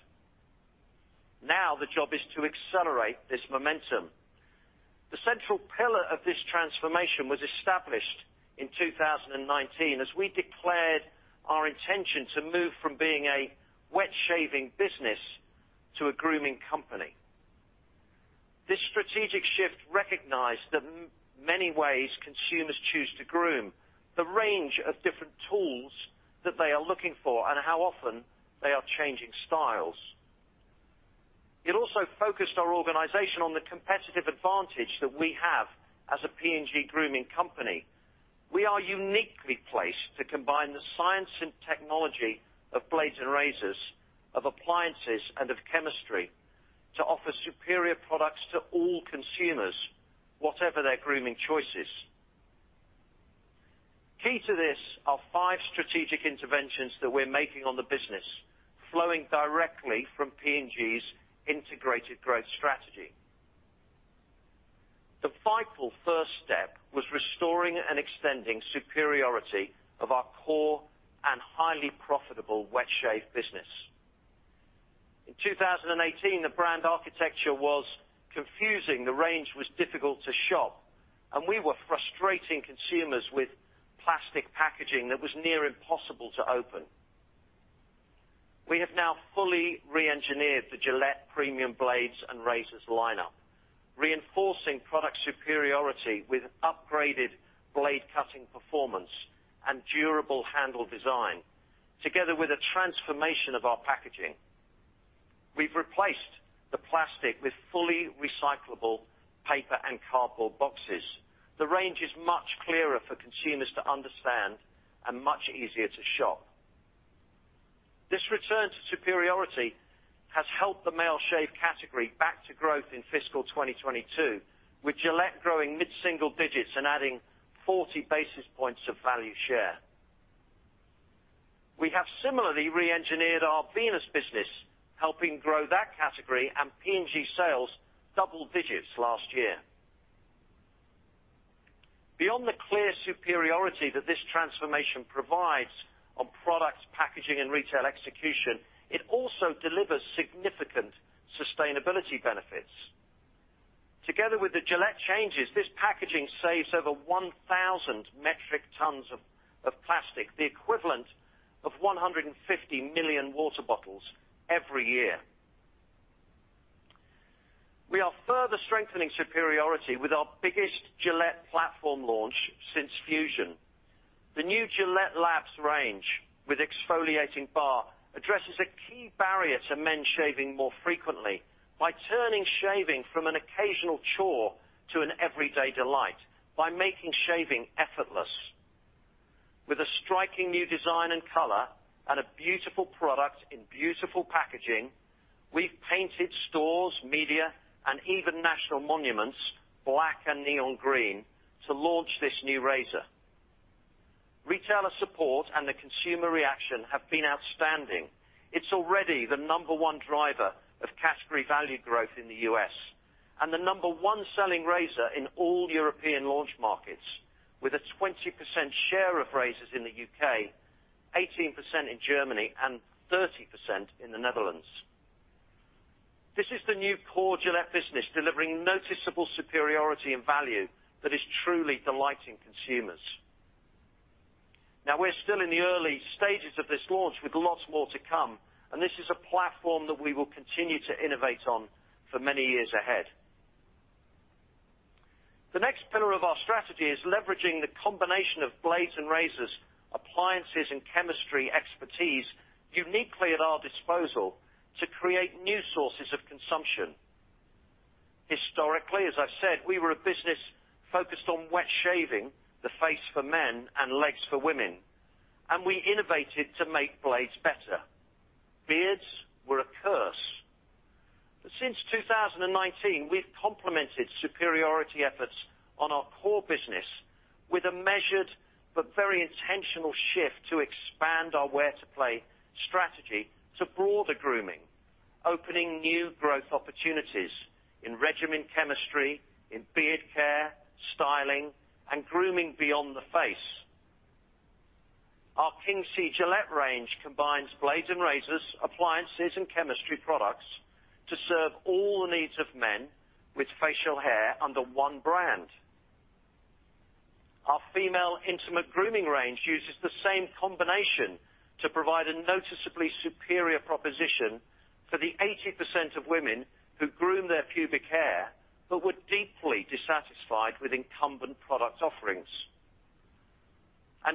Now, the job is to accelerate this momentum. The central pillar of this transformation was established in 2019 as we declared our intention to move from being a wet shaving business to a grooming company. This strategic shift recognized the many ways consumers choose to groom, the range of different tools that they are looking for, and how often they are changing styles. It also focused our organization on the competitive advantage that we have as a P&G Grooming company. We are uniquely placed to combine the science and technology of blades and razors, of appliances, and of chemistry to offer superior products to all consumers, whatever their grooming choices. Key to this are five strategic interventions that we're making on the business, flowing directly from P&G's integrated growth strategy. The vital first step was restoring and extending superiority of our core and highly profitable wet shave business. In 2018, the brand architecture was confusing, the range was difficult to shop, and we were frustrating consumers with plastic packaging that was near impossible to open. We have now fully reengineered the Gillette premium blades and razors lineup, reinforcing product superiority with upgraded blade cutting performance and durable handle design, together with a transformation of our packaging. We've replaced the plastic with fully recyclable paper and cardboard boxes. The range is much clearer for consumers to understand and much easier to shop. This return to superiority has helped the male shave category back to growth in fiscal 2022, with Gillette growing mid-single digits and adding 40 basis points of value share. We have similarly reengineered our Venus business, helping grow that category and P&G sales double digits last year. Beyond the clear superiority that this transformation provides on products, packaging, and retail execution, it also delivers significant sustainability benefits. Together with the Gillette changes, this packaging saves over 1,000 metric tons of plastic, the equivalent of 150 million water bottles every year. We are further strengthening superiority with our biggest Gillette platform launch since Fusion. The new Gillette Labs range with exfoliating bar addresses a key barrier to men shaving more frequently by turning shaving from an occasional chore to an everyday delight by making shaving effortless. With a striking new design and color and a beautiful product in beautiful packaging, we've painted stores, media, and even national monuments black and neon green to launch this new razor. Retailer support and the consumer reaction have been outstanding. It's already the number one driver of category value growth in the U.S., and the number one selling razor in all European launch markets, with a 20% share of razors in the U.K., 18% in Germany, and 30% in the Netherlands. This is the new core Gillette business, delivering noticeable superiority and value that is truly delighting consumers. Now, we're still in the early stages of this launch with lots more to come, and this is a platform that we will continue to innovate on for many years ahead. The next pillar of our strategy is leveraging the combination of blades and razors, appliances and chemistry expertise uniquely at our disposal to create new sources of consumption. Historically, as I've said, we were a business focused on wet shaving, the face for men and legs for women, and we innovated to make blades better. Beards were a curse. Since 2019, we've complemented superiority efforts on our core business with a measured but very intentional shift to expand our where to play strategy to broader grooming, opening new growth opportunities in regimen chemistry, in beard care, styling, and grooming beyond the face. Our King C. Gillette range combines blades and razors, appliances and chemistry products to serve all the needs of men with facial hair under one brand. Our female intimate grooming range uses the same combination to provide a noticeably superior proposition for the 80% of women who groom their pubic hair, but were deeply dissatisfied with incumbent product offerings.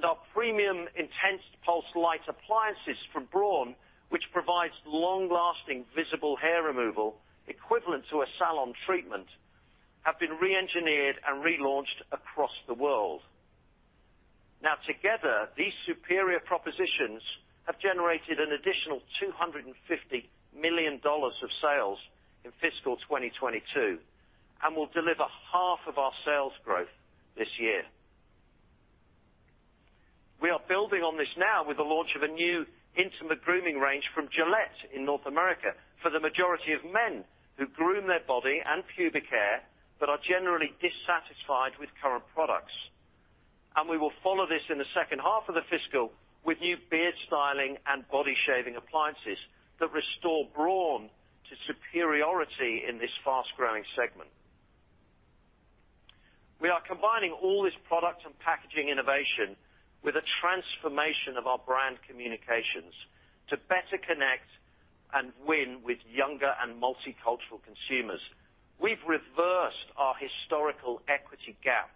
Our premium intense pulsed light appliances from Braun, which provides long-lasting visible hair removal equivalent to a salon treatment, have been re-engineered and relaunched across the world. Now together, these superior propositions have generated an additional $250 million of sales in fiscal 2022, and will deliver half of our sales growth this year. We are building on this now with the launch of a new intimate grooming range from Gillette in North America for the majority of men who groom their body and pubic hair, but are generally dissatisfied with current products. We will follow this in the second half of the fiscal with new beard styling and body shaving appliances that restore Braun to superiority in this fast-growing segment. We are combining all this product and packaging innovation with a transformation of our brand communications to better connect and win with younger and multicultural consumers. We've reversed our historical equity gap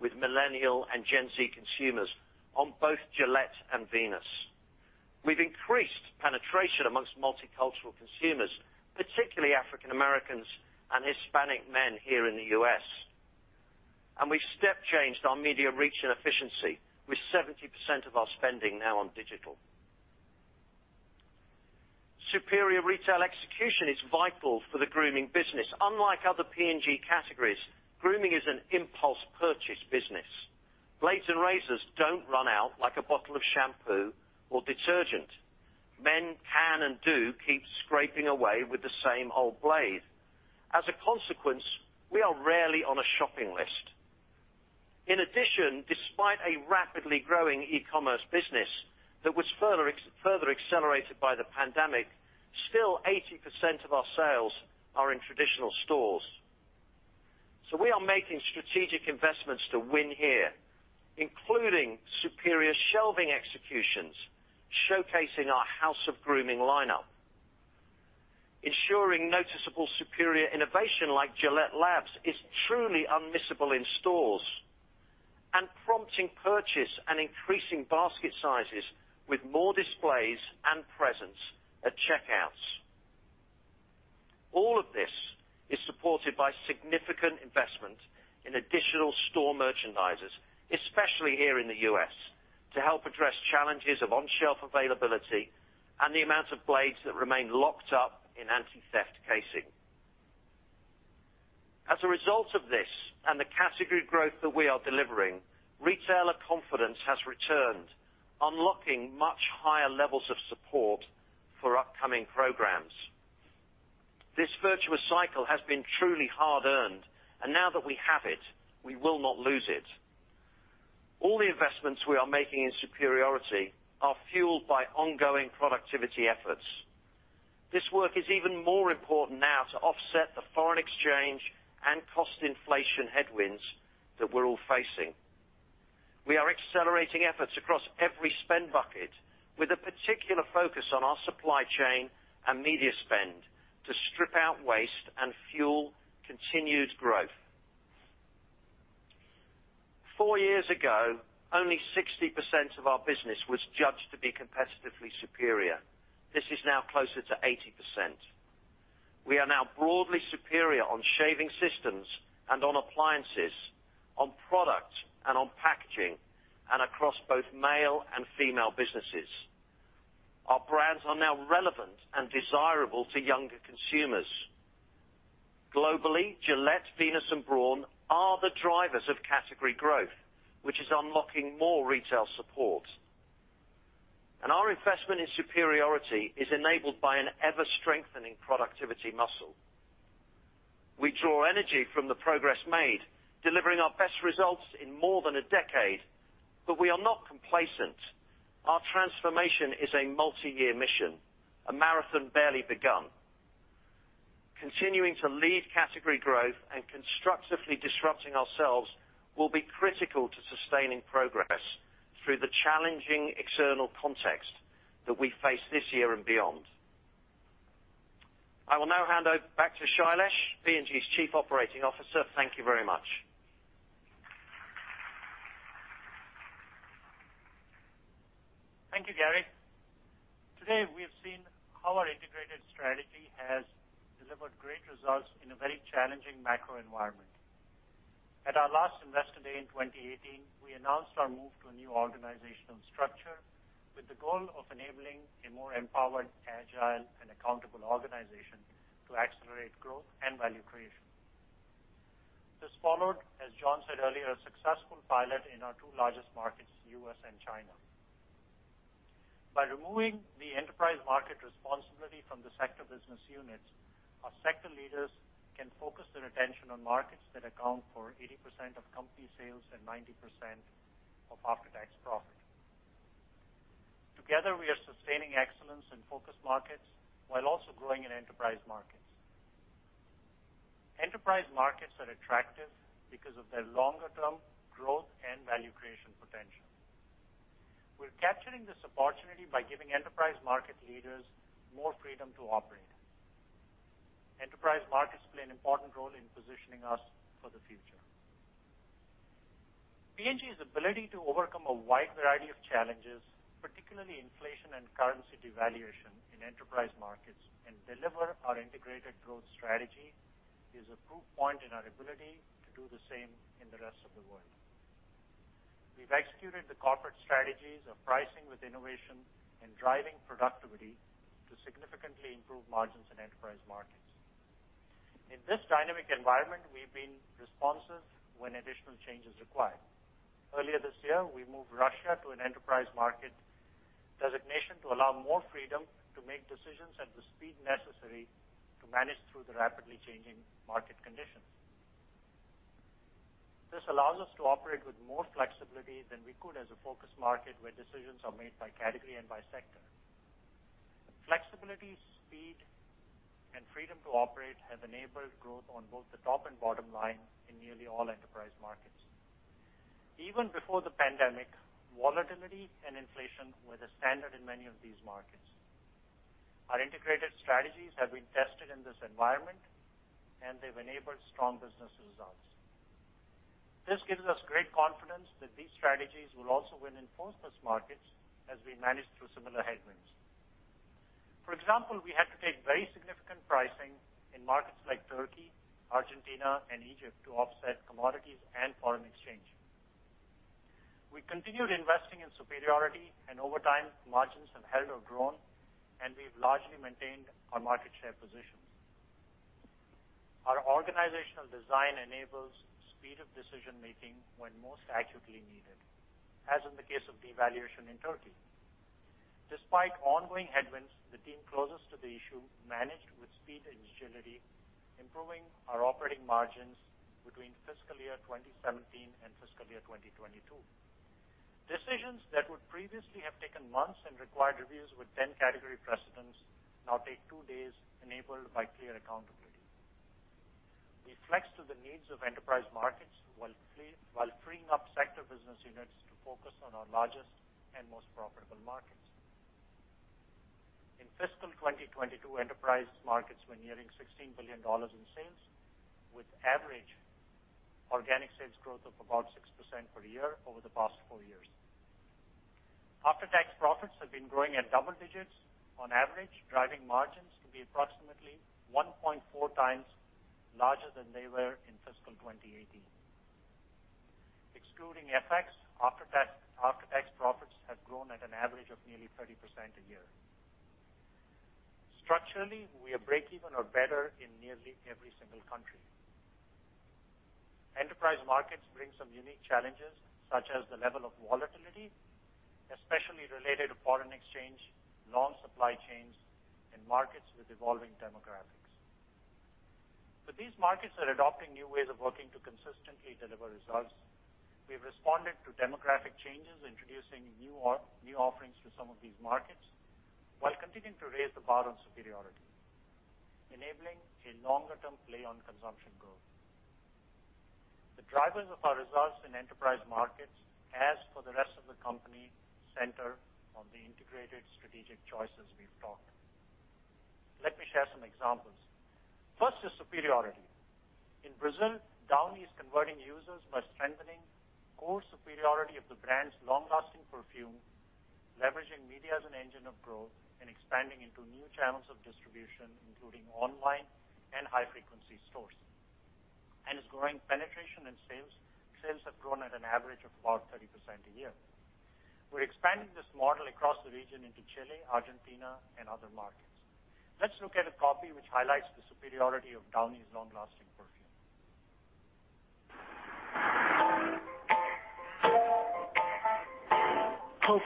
with Millennials and Gen Z consumers on both Gillette and Venus. We've increased penetration among multicultural consumers, particularly African Americans and Hispanic men here in the U.S. We've step changed our media reach and efficiency with 70% of our spending now on digital. Superior retail execution is vital for the grooming business. Unlike other P&G categories, grooming is an impulse purchase business. Blades and razors don't run out like a bottle of shampoo or detergent. Men can and do keep scraping away with the same old blade. As a consequence, we are rarely on a shopping list. In addition, despite a rapidly growing e-commerce business that was further accelerated by the pandemic, still 80% of our sales are in traditional stores. We are making strategic investments to win here, including superior shelving executions, showcasing our house of grooming lineup, ensuring noticeable superior innovation like Gillette Labs is truly unmissable in stores, and prompting purchase and increasing basket sizes with more displays and presence at checkouts. All of this is supported by significant investment in additional store merchandisers, especially here in the U.S., to help address challenges of on-shelf availability and the amount of blades that remain locked up in anti-theft casing. As a result of this and the category growth that we are delivering, retailer confidence has returned, unlocking much higher levels of support for upcoming programs. This virtuous cycle has been truly hard-earned, and now that we have it, we will not lose it. All the investments we are making in superiority are fueled by ongoing productivity efforts. This work is even more important now to offset the foreign exchange and cost inflation headwinds that we're all facing. We are accelerating efforts across every spend bucket, with a particular focus on our supply chain and media spend to strip out waste and fuel continued growth. Four years ago, only 60% of our business was judged to be competitively superior. This is now closer to 80%. We are now broadly superior on shaving systems and on appliances, on product, and on packaging, and across both male and female businesses. Our brands are now relevant and desirable to younger consumers. Globally, Gillette, Venus, and Braun are the drivers of category growth, which is unlocking more retail support. Our investment in superiority is enabled by an ever-strengthening productivity muscle. We draw energy from the progress made, delivering our best results in more than a decade, but we are not complacent. Our transformation is a multi-year mission, a marathon barely begun. Continuing to lead category growth and constructively disrupting ourselves will be critical to sustaining progress through the challenging external context that we face this year and beyond. I will now hand over back to Shailesh, P&G's Chief Operating Officer. Thank you very much. Thank you, Gary. Today, we have seen how our integrated strategy has delivered great results in a very challenging macro environment. At our last Investor Day in 2018, we announced our move to a new organizational structure with the goal of enabling a more empowered, agile, and accountable organization to accelerate growth and value creation. This followed, as Jon said earlier, a successful pilot in our two largest markets, U.S. and China. By removing the enterprise market responsibility from the sector business units, our sector leaders can focus their attention on markets that account for 80% of company sales and 90% of after-tax profit. Together, we are sustaining excellence in focus markets while also growing in enterprise markets. Enterprise markets are attractive because of their longer-term growth and value creation potential. We're capturing this opportunity by giving enterprise market leaders more freedom to operate. Enterprise markets play an important role in positioning us for the future. P&G's ability to overcome a wide variety of challenges, particularly inflation and currency devaluation in enterprise markets, and deliver our integrated growth strategy, is a proof point in our ability to do the same in the rest of the world. We've executed the corporate strategies of pricing with innovation and driving productivity to significantly improve margins in enterprise markets. In this dynamic environment, we've been responsive when additional change is required. Earlier this year, we moved Russia to an enterprise market designation to allow more freedom to make decisions at the speed necessary to manage through the rapidly changing market conditions. This allows us to operate with more flexibility than we could as a focus market where decisions are made by category and by sector. Flexibility, speed, and freedom to operate have enabled growth on both the top and bottom line in nearly all enterprise markets. Even before the pandemic, volatility and inflation were the standard in many of these markets. Our integrated strategies have been tested in this environment, and they've enabled strong business results. This gives us great confidence that these strategies will also win in focus markets as we manage through similar headwinds. For example, we had to take very significant pricing in markets like Turkey, Argentina, and Egypt to offset commodities and foreign exchange. We continued investing in superiority, and over time, margins have held or grown, and we've largely maintained our market share positions. Our organizational design enables speed of decision-making when most accurately needed, as in the case of devaluation in Turkey. Despite ongoing headwinds, the team closest to the issue managed with speed and agility, improving our operating margins between fiscal year 2017 and fiscal year 2022. Decisions that would previously have taken months and required reviews with 10 category precedents now take two days enabled by clear accountability. We flex to the needs of enterprise markets while freeing up sector business units to focus on our largest and most profitable markets. In fiscal 2022, enterprise markets were nearing $16 billion in sales, with average organic sales growth of about 6% per year over the past four years. After-tax profits have been growing at double digits on average, driving margins to be approximately 1.4x larger than they were in fiscal 2018. Excluding FX, after-tax profits have grown at an average of nearly 30% a year. Structurally, we are breakeven or better in nearly every single country. Emerging markets bring some unique challenges, such as the level of volatility, especially related to foreign exchange, long supply chains, and markets with evolving demographics. These markets are adopting new ways of working to consistently deliver results. We've responded to demographic changes, introducing new offerings to some of these markets, while continuing to raise the bar on superiority, enabling a longer-term play on consumption growth. The drivers of our results in emerging markets, as for the rest of the company, center on the integrated strategic choices we've talked. Let me share some examples. First is superiority. In Brazil, Downy is converting users by strengthening core superiority of the brand's long-lasting perfume, leveraging media as an engine of growth, and expanding into new channels of distribution, including online and high-frequency stores. It's growing penetration and sales. Sales have grown at an average of about 30% a year. We're expanding this model across the region into Chile, Argentina, and other markets. Let's look at a copy which highlights the superiority of Downy's long-lasting perfume. In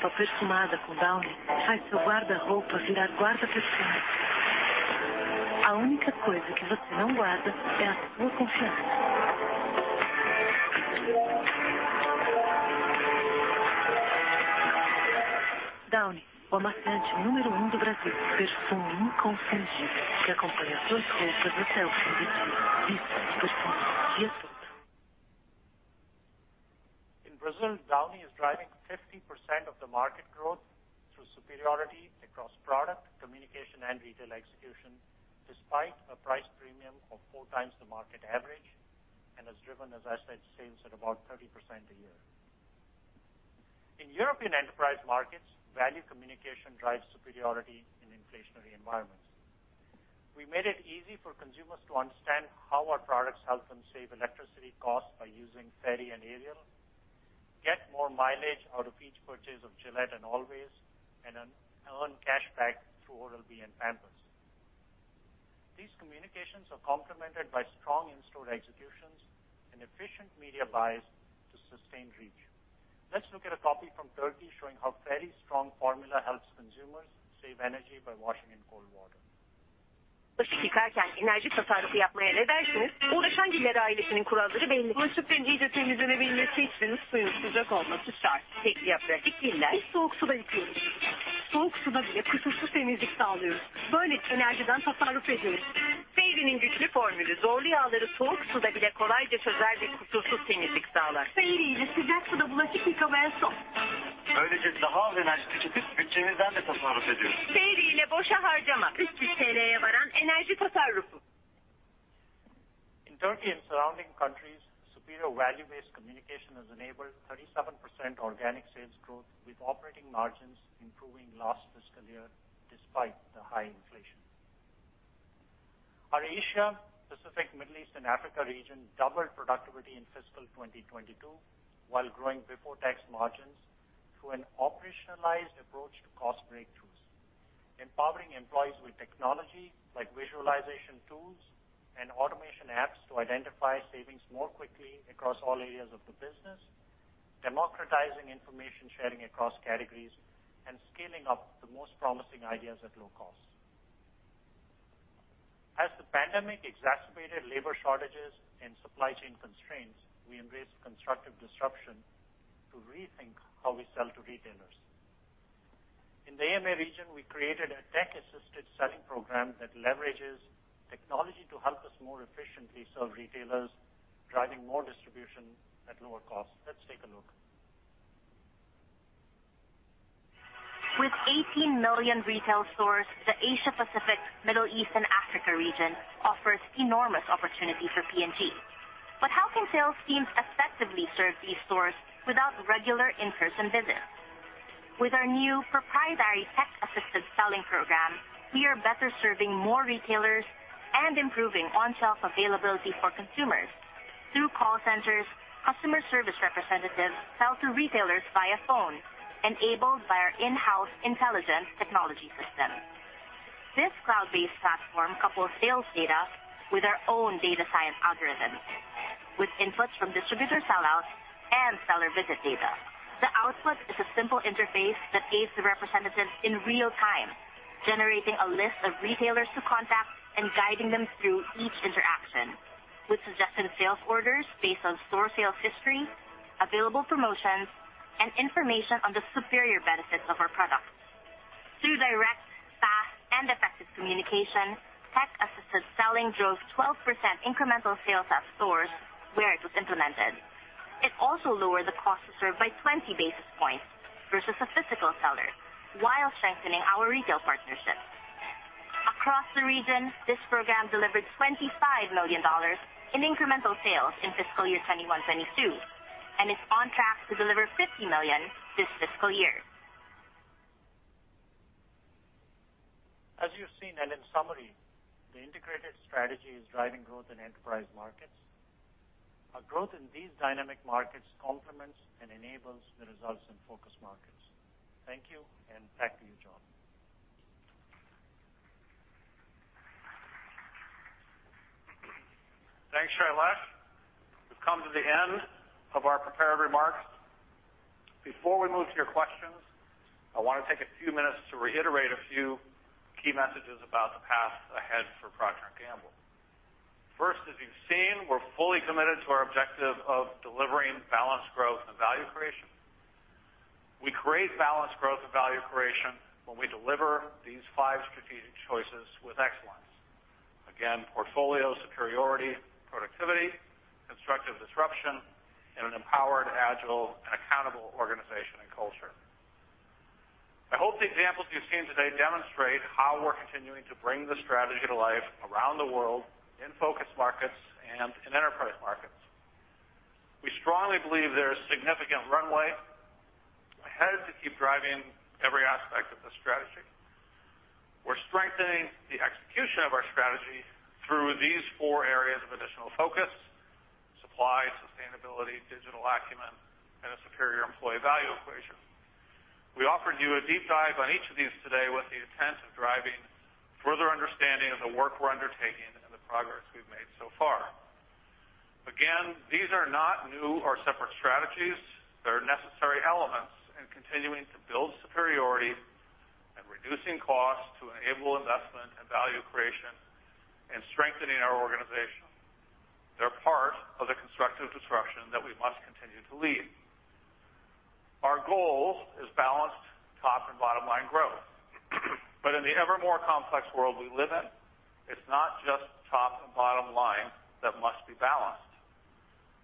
Brazil, Downy is driving 50% of the market growth through superiority across product, communication, and retail execution, despite a price premium of four times the market average, and has driven, as I said, sales at about 30% a year. In European emerging markets, value communication drives superiority in inflationary environments. We made it easy for consumers to understand how our products help them save electricity costs by using Fairy and Ariel, get more mileage out of each purchase of Gillette and Always, and earn cashback through Oral-B and Pampers. These communications are complemented by strong in-store executions and efficient media buys to sustain reach. Let's look at a copy from Turkey showing how very strong formula helps consumers save energy by washing in cold water. In Turkey and surrounding countries, superior value-based communication has enabled 37% organic sales growth, with operating margins improving last fiscal year despite the high inflation. Our Asia Pacific, Middle East, and Africa region doubled productivity in fiscal 2022 while growing before-tax margins through an operationalized approach to cost breakthroughs, empowering employees with technology like visualization tools and automation apps to identify savings more quickly across all areas of the business, democratizing information sharing across categories, and scaling up the most promising ideas at low cost. As the pandemic exacerbated labor shortages and supply chain constraints, we embraced constructive disruption to rethink how we sell to retailers. In the AMA region, we created a tech-assisted selling program that leverages technology to help us more efficiently serve retailers, driving more distribution at lower cost. Let's take a look. With 18 million retail stores, the Asia-Pacific, Middle East, and Africa region offers enormous opportunity for P&G. How can sales teams effectively serve these stores without regular in-person visits? With our new proprietary tech-assisted selling program, we are better serving more retailers and improving on-shelf availability for consumers. Through call centers, customer service representatives sell to retailers via phone, enabled by our in-house intelligence technology system. This cloud-based platform couples sales data with our own data science algorithms, with inputs from distributor sellouts and seller visit data. The output is a simple interface that aids the representatives in real time, generating a list of retailers to contact and guiding them through each interaction, with suggested sales orders based on store sales history, available promotions, and information on the superior benefits of our products. Through direct, fast, and effective communication, tech-assisted selling drove 12% incremental sales at stores where it was implemented. It also lowered the cost to serve by 20 basis points versus a physical seller while strengthening our retail partnerships. Across the region, this program delivered $25 million in incremental sales in fiscal year 2021, 2022, and is on track to deliver $50 million this fiscal year. As you've seen, and in summary, the integrated strategy is driving growth in enterprise markets. Our growth in these dynamic markets complements and enables the results in focus markets. Thank you, and back to you, Jon. Thanks, Shailesh. We've come to the end of our prepared remarks. Before we move to your questions, I wanna take a few minutes to reiterate a few key messages about the path ahead for Procter & Gamble. First, as you've seen, we're fully committed to our objective of delivering balanced growth and value creation. We create balanced growth and value creation when we deliver these five strategic choices with excellence. Again, portfolio superiority, productivity, constructive disruption, and an empowered, agile, and accountable organization and culture. I hope the examples you've seen today demonstrate how we're continuing to bring the strategy to life around the world in focus markets and in enterprise markets. We strongly believe there is significant runway ahead to keep driving every aspect of this strategy. We're strengthening the execution of our strategy through these four areas of additional focus, supply, sustainability, digital acumen, and a superior employee value equation. We offered you a deep dive on each of these today with the intent of driving further understanding of the work we're undertaking and the progress we've made so far. Again, these are not new or separate strategies. They're necessary elements in continuing to build superiority and reducing costs to enable investment and value creation and strengthening our organization. They're part of the constructive disruption that we must continue to lead. Our goal is balanced top and bottom line growth. In the ever more complex world we live in, it's not just top and bottom line that must be balanced.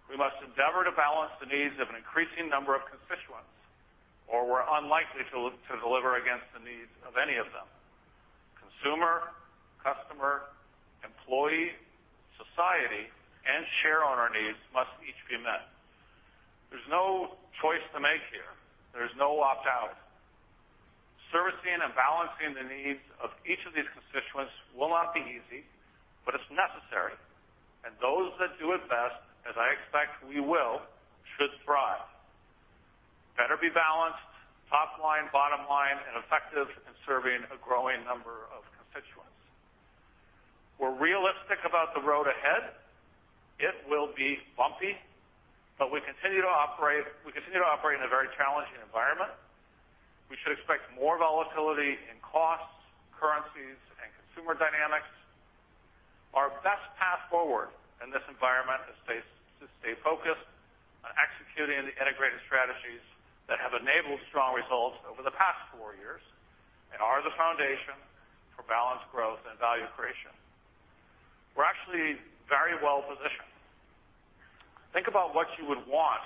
We must endeavor to balance the needs of an increasing number of constituents, or we're unlikely to deliver against the needs of any of them. Consumer, customer, employee, society, and share owner needs must each be met. There's no choice to make here. There's no opt-out. Servicing and balancing the needs of each of these constituents will not be easy, but it's necessary. Those that do it best, as I expect we will, should thrive. Better be balanced, top line, bottom line, and effective in serving a growing number of constituents. We're realistic about the road ahead. It will be bumpy, but we continue to operate in a very challenging environment. We should expect more volatility in costs, currencies, and consumer dynamics. Our best path forward in this environment is to stay focused on executing the integrated strategies that have enabled strong results over the past four years and are the foundation for balanced growth and value creation. We're actually very well positioned. Think about what you would want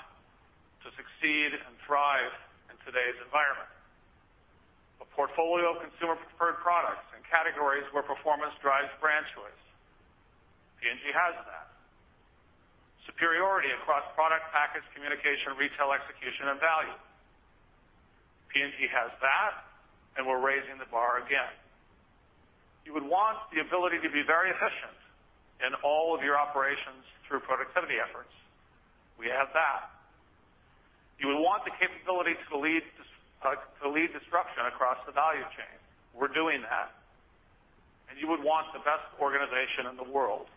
to succeed and thrive in today's environment. A portfolio of consumer preferred products and categories where performance drives brand choice. P&G has that. Superiority across product, package, communication, retail execution, and value. P&G has that, and we're raising the bar again. You would want the ability to be very efficient in all of your operations through productivity efforts. We have that. You would want the capability to lead disruption across the value chain. We're doing that. You would want the best organization in the world.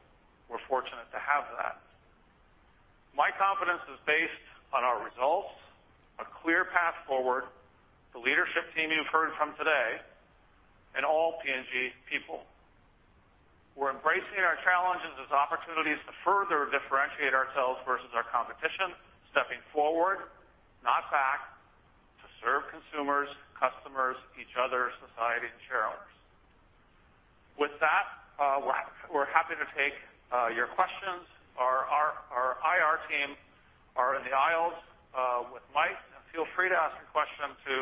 We're fortunate to have that. My confidence is based on our results, a clear path forward, the leadership team you've heard from today, and all P&G people. We're embracing our challenges as opportunities to further differentiate ourselves versus our competition, stepping forward, not back, to serve consumers, customers, each other, society, and shareowners. With that, we're happy to take your questions. Our IR team are in the aisles with Mike. Feel free to ask a question to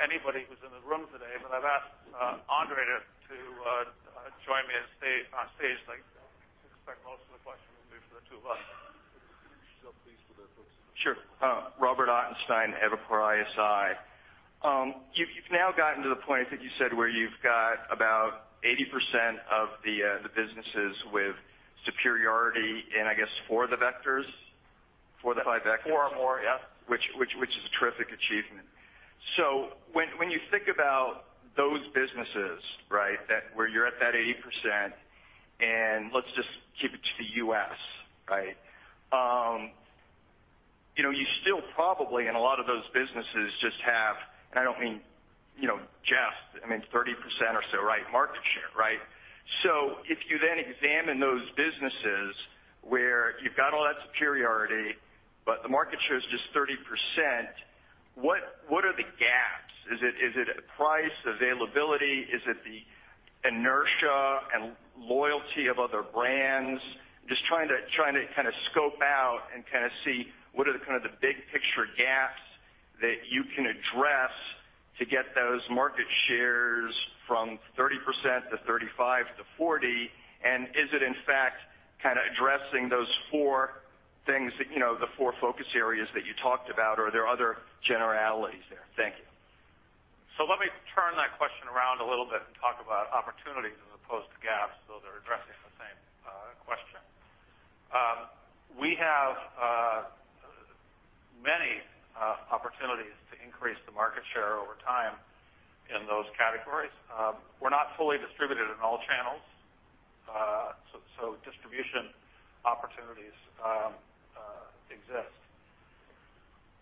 anybody who's in the room today, but I've asked Andre to join me on stage. I expect most of the questions will be for the two of us. Could you introduce yourself please for the folks? Sure. Robert Ottenstein, Evercore ISI. You've now gotten to the point that you said where you've got about 80% of the businesses with superiority in, I guess, four of the vectors, four of the five vectors. four or more, yeah. Which is a terrific achievement. When you think about those businesses, right, that, where you're at that 80%, and let's just keep it to the U.S., right? You know, you still probably in a lot of those businesses have, I mean, 30% or so, right, market share, right? If you then examine those businesses where you've got all that superiority, but the market share is just 30%, what are the gaps? Is it price, availability? Is it the inertia and loyalty of other brands? Just trying to kind of scope out and kind of see what are the kind of the big picture gaps that you can address to get those market shares from 30% to 35% to 40%, and is it in fact kind of addressing those four things that, you know, the four focus areas that you talked about? Are there other generalities there? Thank you. Let me turn that question around a little bit and talk about opportunities as opposed to gaps, though they're addressing the same question. We have many opportunities to increase the market share over time in those categories. We're not fully distributed in all channels, distribution opportunities exist.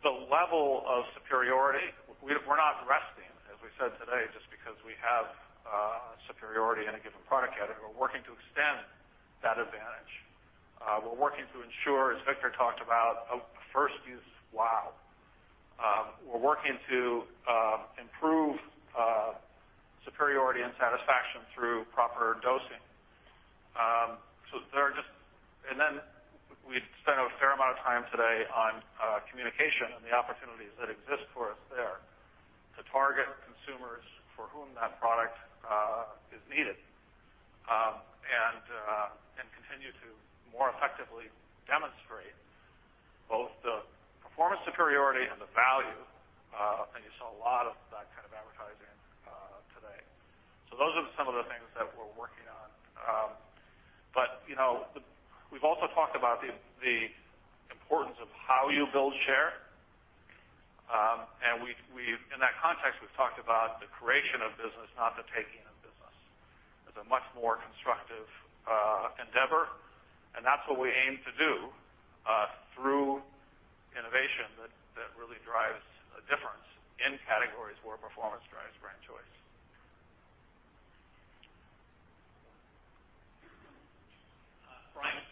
The level of superiority, we're not resting, as we said today, just because we have superiority in a given product category. We're working to extend that advantage. We're working to ensure, as Victor talked about, a first use wow. We're working to improve superiority and satisfaction through proper dosing. We spent a fair amount of time today on communication and the opportunities that exist for us there to target consumers for whom that product is needed and continue to more effectively demonstrate both the performance superiority and the value. I think you saw a lot of that kind of advertising today. Those are some of the things that we're working on. You know, we've also talked about the importance of how you build share. In that context, we've talked about the creation of business, not the taking of business. It's a much more constructive endeavor, and that's what we aim to do through innovation that really drives a difference in categories where performance drives brand choice. Bryan Spillane from Bank of America Securities. My question is around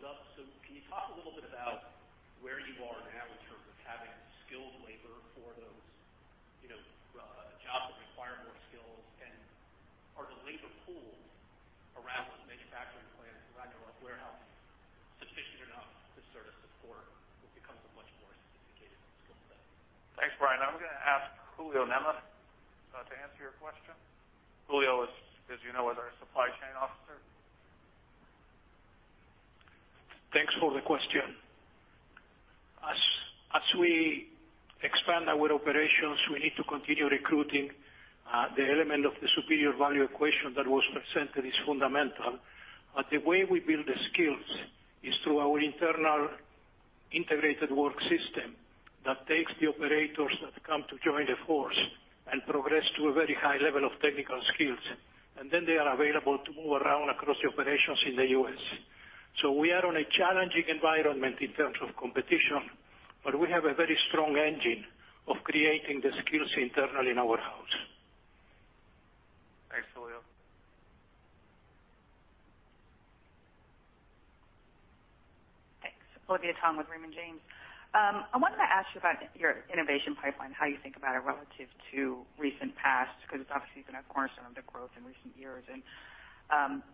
digital acumen and applying that to the supply chain. I guess my perception from the presentation is that the jobs in the supply chain, whether it's in warehousing or in manufacturing plants, have become more sophisticated as the skill level goes up. Can you talk a little bit about where you are now in terms of having skilled labor for those, you know, jobs that require more skills? Are the labor pools around those manufacturing plants, as I know of warehouses, sufficient enough to sort of support Thanks, Bryan. I'm gonna ask Julio Nemeth to answer your question. Julio is, as you know, our supply chain officer. Thanks for the question. As we expand our operations, we need to continue recruiting, the element of the superior value equation that was presented is fundamental. The way we build the skills is through our internal integrated work system that takes the operators that come to join the force and progress to a very high level of technical skills. They are available to move around across the operations in the U.S. We are on a challenging environment in terms of competition, but we have a very strong engine of creating the skills internally in our house. Thanks, Julio. Thanks. Olivia Tong with Raymond James. I wanted to ask you about your innovation pipeline, how you think about it relative to recent past, because it's obviously been a cornerstone of the growth in recent years.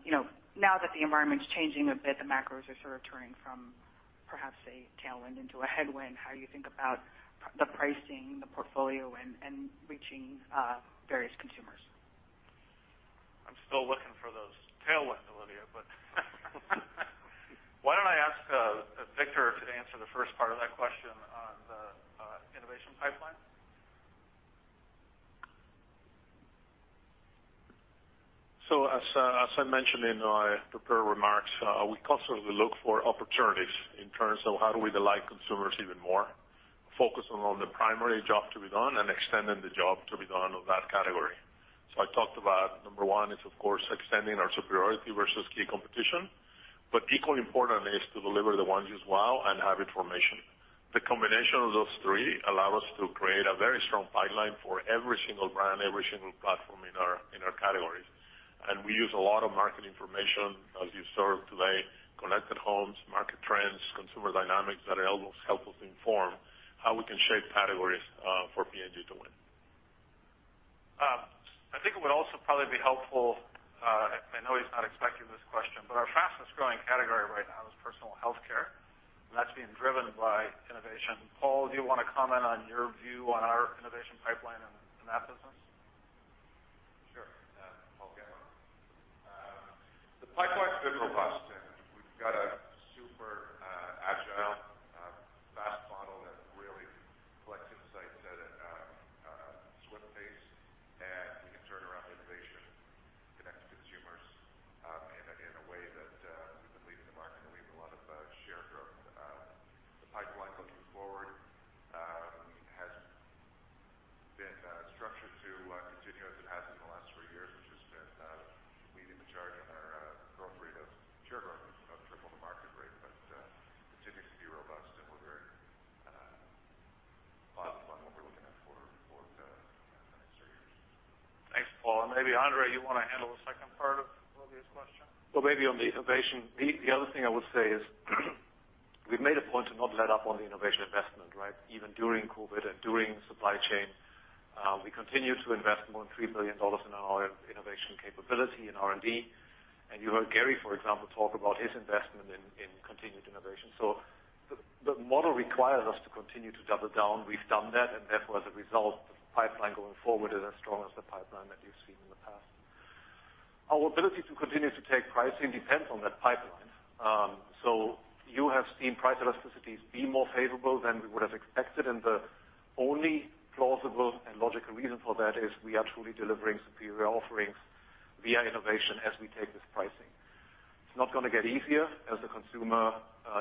You know, now that the environment is changing a bit, the macros are sort of turning from perhaps a tailwind into a headwind. How do you think about the pricing, the portfolio, and reaching various consumers? I'm still looking for those tailwinds, Olivia, but why don't I ask Victor to answer the first part of that question on the innovation pipeline. As I mentioned in my prepared remarks, we constantly look for opportunities in terms of how do we delight consumers even more, focusing on the primary job to be done and extending the job to be done on that category. I talked about number one is of course extending our superiority versus key competition, but equally important is to deliver the ones to wow and have innovation. The combination of those three allow us to create a very strong pipeline for every single brand, every single platform in our categories. We use a lot of market information as you saw today, connected homes, market trends, consumer dynamics that help us inform how we can shape categories for P&G to win. I think it would also probably be helpful, I know he's not expecting this question, but our fastest growing category right now is personal healthcare, and that's being driven by innovation. Paul, do you wanna comment on your view on our innovation pipeline in that business? Sure. Paul Gama. The pipeline is good, robust, and we've got a pipeline going forward is as strong as the pipeline that you've seen in the past. Our ability to continue to take pricing depends on that pipeline. You have seen price elasticities be more favorable than we would have expected, and the only plausible and logical reason for that is we are truly delivering superior offerings via innovation as we take this pricing. It's not gonna get easier as the consumer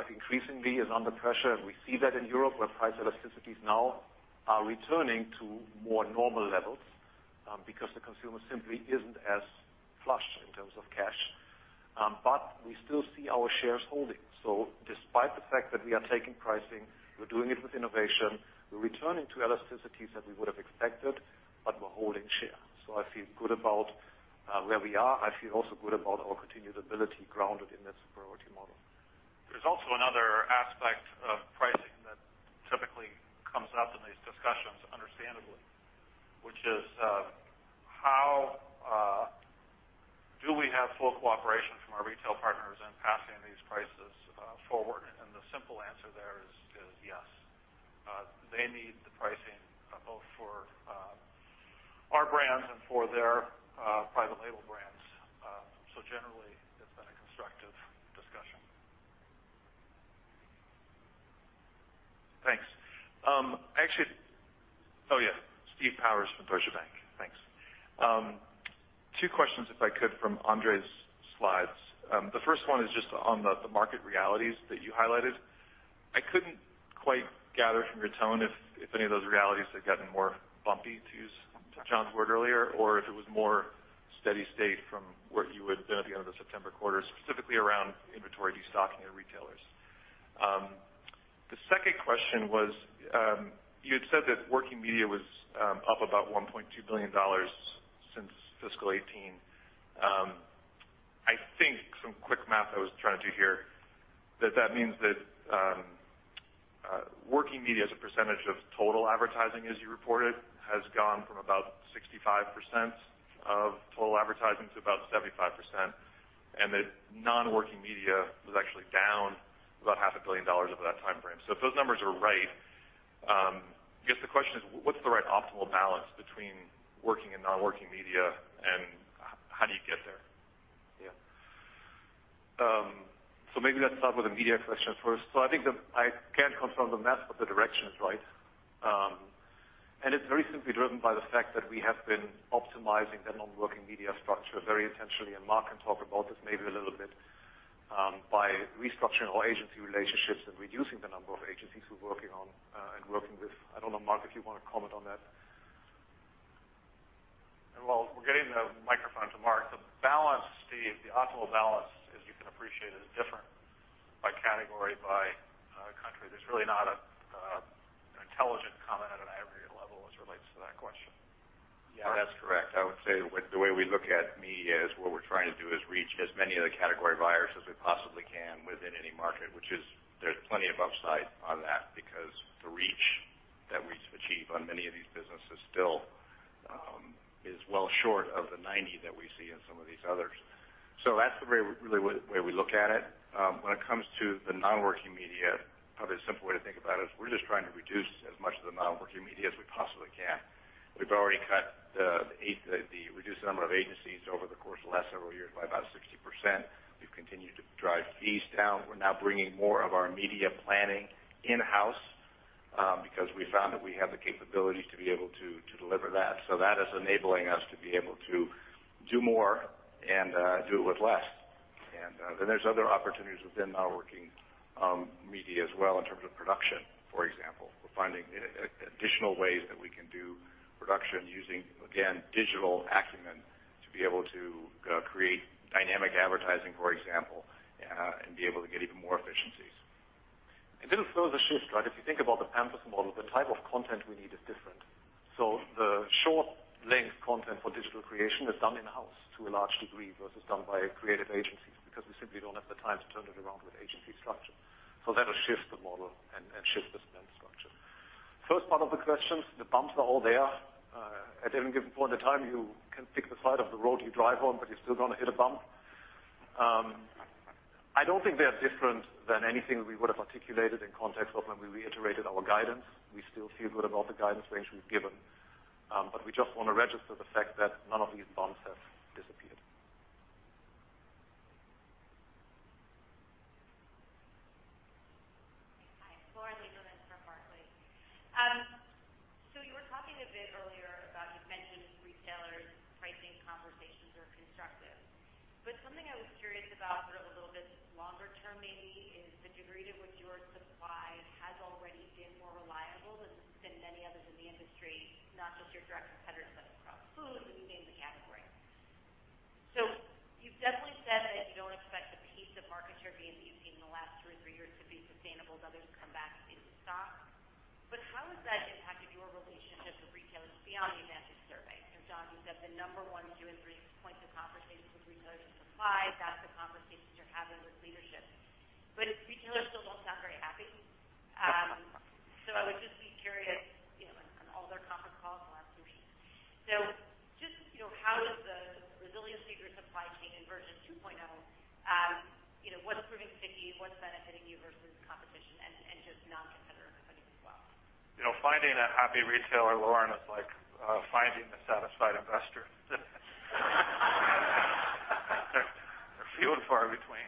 increasingly is under pressure, and we see that in Europe, where price elasticities now are returning to more normal levels, because the consumer simply isn't as flushed in terms of cash. But we still see our shares holding. Despite the fact that we are taking pricing, we're doing it with innovation, we're returning to elasticities that we would have expected, but we're holding share. I feel good about where we are. I feel also good about our continued ability grounded in that superiority model. There's also another aspect of pricing that typically comes up in these discussions, understandably, which is, how do we have full cooperation from our retail partners in passing these prices forward? The simple answer there is yes. They need the pricing both for our brands and for their private label brands. Generally, it's been a constructive discussion. Thanks. Steve Powers from Deutsche Bank. Thanks. Two questions, if I could, from Andre's slides. The first one is just on the market realities that you highlighted. I couldn't quite gather from your tone if any of those realities had gotten more bumpy, to use Jon's word earlier, or if it was more steady state from where you had been at the end of the September quarter, specifically around inventory destocking at retailers. The second question was, you had said that working media was up about $1.2 billion since fiscal 2018. I think some quick math I was trying to do here, that means that working media as a percentage of total advertising, as you reported, has gone from about 65% of total advertising to about 75%, and that non-working media was actually down. About $500 million over that time frame. If those numbers are right, I guess the question is, what's the right optimal balance between working and non-working media, and how do you get there? Yeah, maybe let's start with the media questions first. I think I can't confirm the math, but the direction is right. It's very simply driven by the fact that we have been optimizing the non-working media structure very intentionally, and Marc can talk about this maybe a little bit, by restructuring our agency relationships and reducing the number of agencies we're working on and working with. I don't know, Marc, if you wanna comment on that. While we're getting the microphone to Mark. The balance, Steve, the optimal balance, as you can appreciate, is different by category, by country. There's really not an intelligent comment at an aggregate level as it relates to that question. Yeah, that's correct. I would say with the way we look at media is what we're trying to do is reach as many of the category buyers as we possibly can within any market, which is there's plenty of upside on that because the reach that we achieve on many of these businesses still is well short of the 90 that we see in some of these others. That's the way, really way we look at it. When it comes to the non-working media, probably a simple way to think about it is we're just trying to reduce as much of the non-working media as we possibly can. We've already reduced the number of agencies over the course of the last several years by about 60%. We've continued to drive fees down. We're now bringing more of our media planning in-house because we found that we have the capabilities to be able to deliver that. That is enabling us to be able to do more and do it with less. Then there's other opportunities within non-working media as well in terms of production, for example. We're finding additional ways that we can do production using again digital acumen to be able to create dynamic advertising, for example, and be able to get even more efficiencies. A little further shift, right? If you think about the Pampers model, the type of content we need is different. The short length content for digital creation is done in-house to a large degree versus done by creative agencies because we simply don't have the time to turn it around with agency structure. That'll shift the model and shift the spend structure. First part of the question, the bumps are all there. At any given point in time, you can pick the side of the road you drive on, but you're still gonna hit a bump. I don't think they are different than anything we would have articulated in context of when we reiterated our guidance. We still feel good about the guidance range we've given, but we just wanna register the fact that none of these bumps have disappeared. Hi. Lauren Lieberman from Barclays. You were talking a bit earlier about you've mentioned retailers pricing conversations are constructive. Something I was curious about, a little bit longer term maybe, is the degree to which your supply has already been more reliable than many others in the industry, not just your direct competitors, but across food, you name the category. You've definitely said that you don't expect the pace of market share gain that you've seen in the last two or three years to be sustainable as others come back into stock. How has that impacted your relationship with retailers beyond the Advantage Monitor survey? Jon, you said the number one, two, and three points of conversations with retailers and suppliers, that's the conversations you're having with leadership. Retailers still don't sound very happy. I would just be curious, you know, on all their conference calls and our solutions. Just, you know, how does the resiliency of your supply chain in version 2.0, what's proving sticky, what's benefiting you versus competition and just non-competitor companies as well? You know, finding a happy retailer, Lauren, is like, finding a satisfied investor. They're few and far between.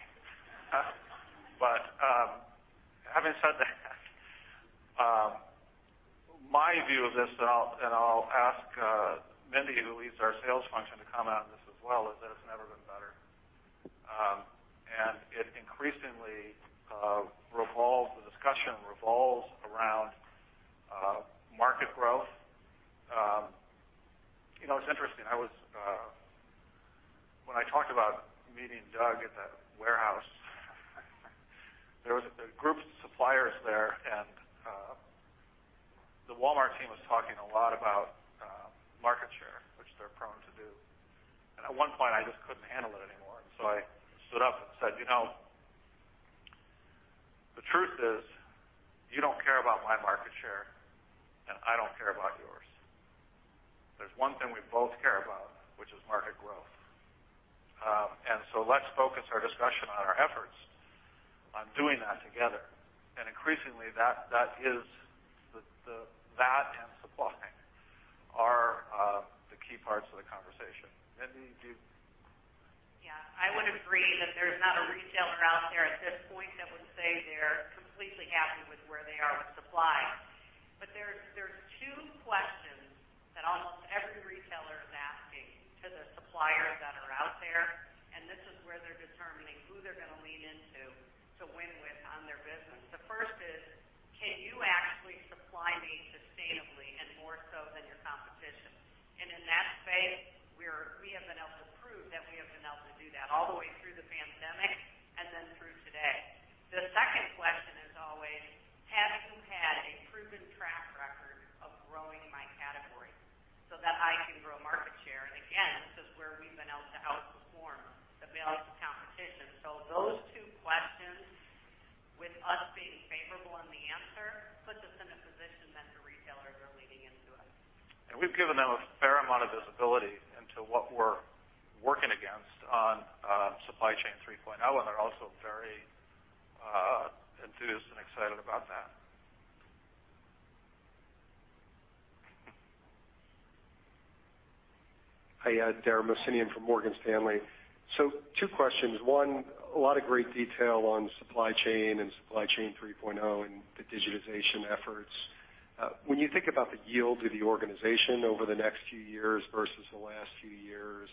Having said that, my view of this, and I'll ask Mindy, who leads our sales function, to comment on this as well, is that it's never been better. It increasingly, the discussion revolves around, market growth. You know, it's interesting. When I talked about meeting Doug at that warehouse, there was a group of suppliers there, and, the Walmart team was talking a lot about, market share, which they're prone to do. At one point, I just couldn't handle it anymore. I stood up and said, "You know, the truth is, you don't care about my market share, and I don't care about yours. There's one thing we both care about, which is market growth. Let's focus our discussion on our efforts on doing that together." Increasingly, that and supplying are the key parts of the conversation. Mindy, do you Yeah. I would agree that there's not a retailer out there at this point that would say they're completely happy with where they are with supply. There's two questions that almost every retailer is asking to the suppliers that are out there, and this is where they're determining who they're gonna lean into to win with on their business. The first is, "Can you actually supply me sustainably and more so than your competition?" In that space, we have been able to prove that we have been able to do that all the way through the pandemic and then through today. The second question is always, "Have you had a proven track record of growing my category so that I can grow market share?" Again, this is where we've been able to outperform the available competition. Those two questions with us being favorable in the answer puts us in. We've given them a fair amount of visibility into what we're working against on Supply Chain 3.0, and they're also very enthused and excited about that. Hi, Dara Mohsenian from Morgan Stanley. Two questions. One, a lot of great detail on supply chain and Supply Chain 3.0 and the digitization efforts. When you think about the yield of the organization over the next few years versus the last few years,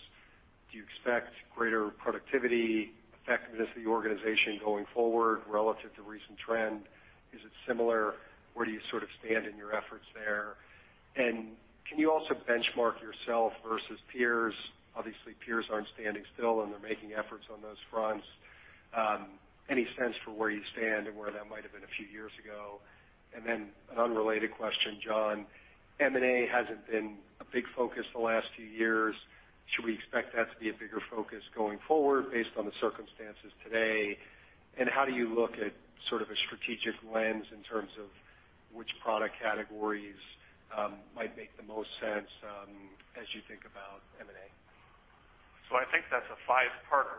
do you expect greater productivity, effectiveness of the organization going forward relative to recent trend? Is it similar? Where do you sort of stand in your efforts there? And can you also benchmark yourself versus peers? Obviously, peers aren't standing still, and they're making efforts on those fronts. Any sense for where you stand and where that might have been a few years ago? And then an unrelated question, Jon. M&A hasn't been a big focus the last few years. Should we expect that to be a bigger focus going forward based on the circumstances today? How do you look at sort of a strategic lens in terms of which product categories might make the most sense as you think about M&A? I think that's a five-parter.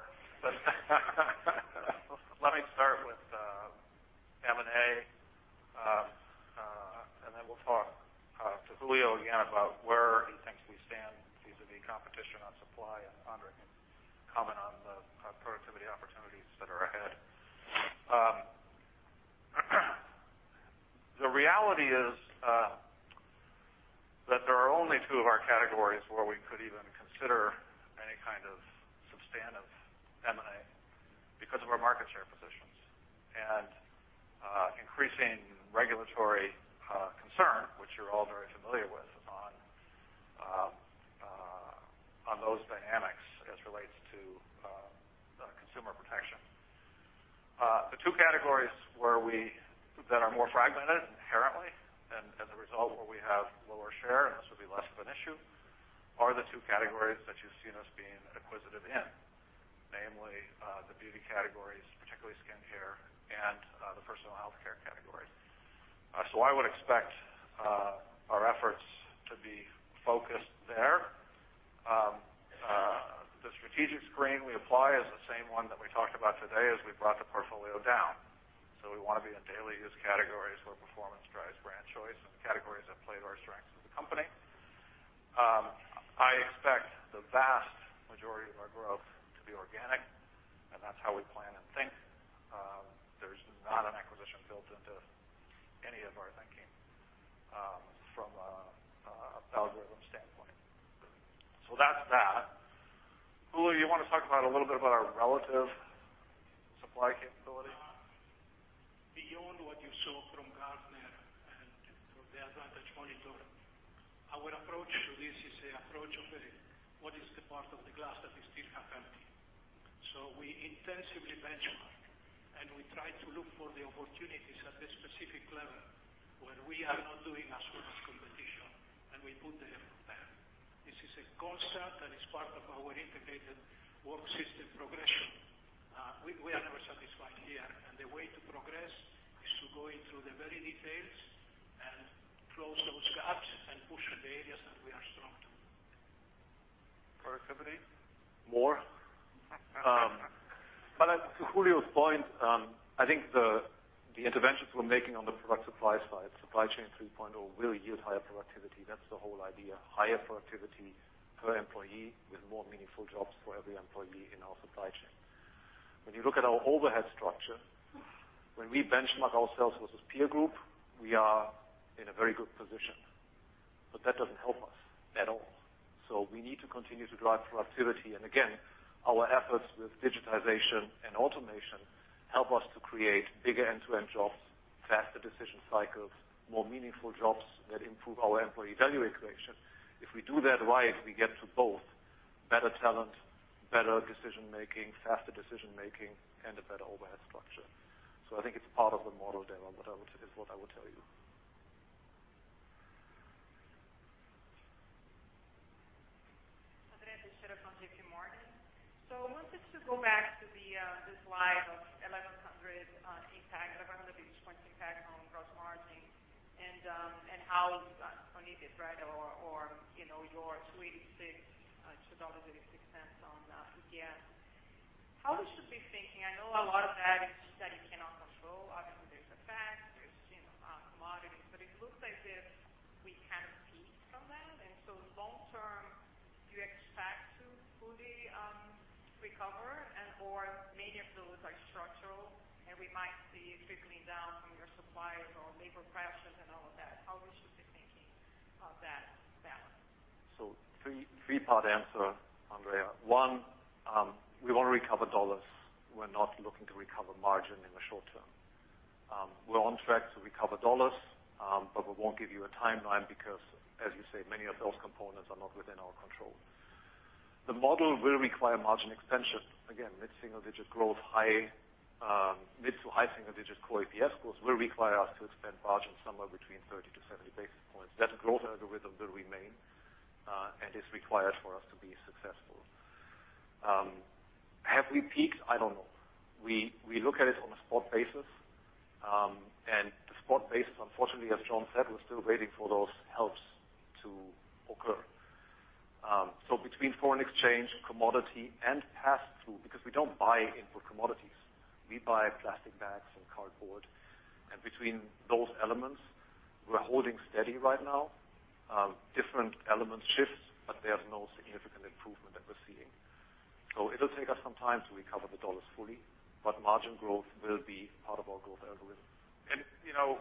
Let me start with M&A, and then we'll talk to Julio again about where he thinks we stand vis-a-vis competition on supply, and Andre can comment on the productivity opportunities that are ahead. The reality is that there are only two of our categories where we could even consider any kind of substantive M&A because of our market share positions and increasing regulatory concern, which you're all very familiar with, on those dynamics as relates to the consumer protection. The two categories that are more fragmented inherently, and as a result, where we have lower share, and this will be less of an issue, are the two categories that you've seen us being acquisitive in, namely, the beauty categories, particularly skin care and, the personal healthcare category. I would expect our efforts to be focused there. The strategic screen we apply is the same one that we talked about today as we brought the portfolio down. We wanna be in daily use categories where performance drives brand choice and the categories that play to our strengths as a company. I expect the vast majority of our growth to be organic, and that's how we plan and think. There's not an acquisition built into any of our thinking, from a algorithm standpoint. That's that. Julio, you wanna talk about a little bit about our relative supply capability? Beyond what you saw from Gartner and from the Advantage Monitor, our approach to this is an approach of, what is the part of the glass that we still have empty? We intensively benchmark, and we try to look for the opportunities at the specific level where we are not doing as well as competition, and we put the effort there. This is a concept that is part of our integrated work system progression. We are never satisfied here, and the way to progress is to go in through the very details and close those gaps and push the areas that we are strong to. Productivity? To Julio Nemeth's point, I think the interventions we're making on the product supply side, Supply Chain 3.0, will yield higher productivity. That's the whole idea, higher productivity per employee with more meaningful jobs for every employee in our supply chain. When you look at our overhead structure, when we benchmark ourselves versus peer group, we are in a very good position, but that doesn't help us at all. We need to continue to drive productivity. Again, our efforts with digitization and automation help us to create bigger end-to-end jobs, faster decision cycles, more meaningful jobs that improve our employee value equation. If we do that right, we get to both better talent, better decision-making, faster decision-making, and a better overhead structure. I think it's part of the model, Dara, what I would tell you. Andrea Teixeira from JPMorgan. Wanted to go back to the slide of 1,100 impact, 1,100 basis points impact on gross margin and how on EBITDA, right? Or you know, your $2.86 on EPS. How we should be thinking, I know a lot of that is that you cannot control. Obviously, there's FX, there's you know commodities. But it looks like if we kind of peaked from that. Long term, do you expect to fully recover and/or many of those are structural, and we might see it trickling down from your suppliers or labor pressures and all of that. How we should be thinking of that balance? Three-part answer, Andrea. One, we wanna recover dollars. We're not looking to recover margin in the short term. We're on track to recover dollars, but we won't give you a timeline because, as you say, many of those components are not within our control. The model will require margin expansion. Again, mid-single-digit growth, high mid- to high single-digit core EPS growth will require us to expand margins somewhere between 30-70 basis points. That growth algorithm will remain and is required for us to be successful. Have we peaked? I don't know. We look at it on a spot basis, and the spot basis, unfortunately, as Jon said, we're still waiting for those helps to occur. So between foreign exchange, commodity and pass-through, because we don't buy input commodities. We buy plastic bags and cardboard. Between those elements, we're holding steady right now. Different elements shift, but there's no significant improvement that we're seeing. It'll take us some time to recover the dollars fully, but margin growth will be part of our growth algorithm. You know,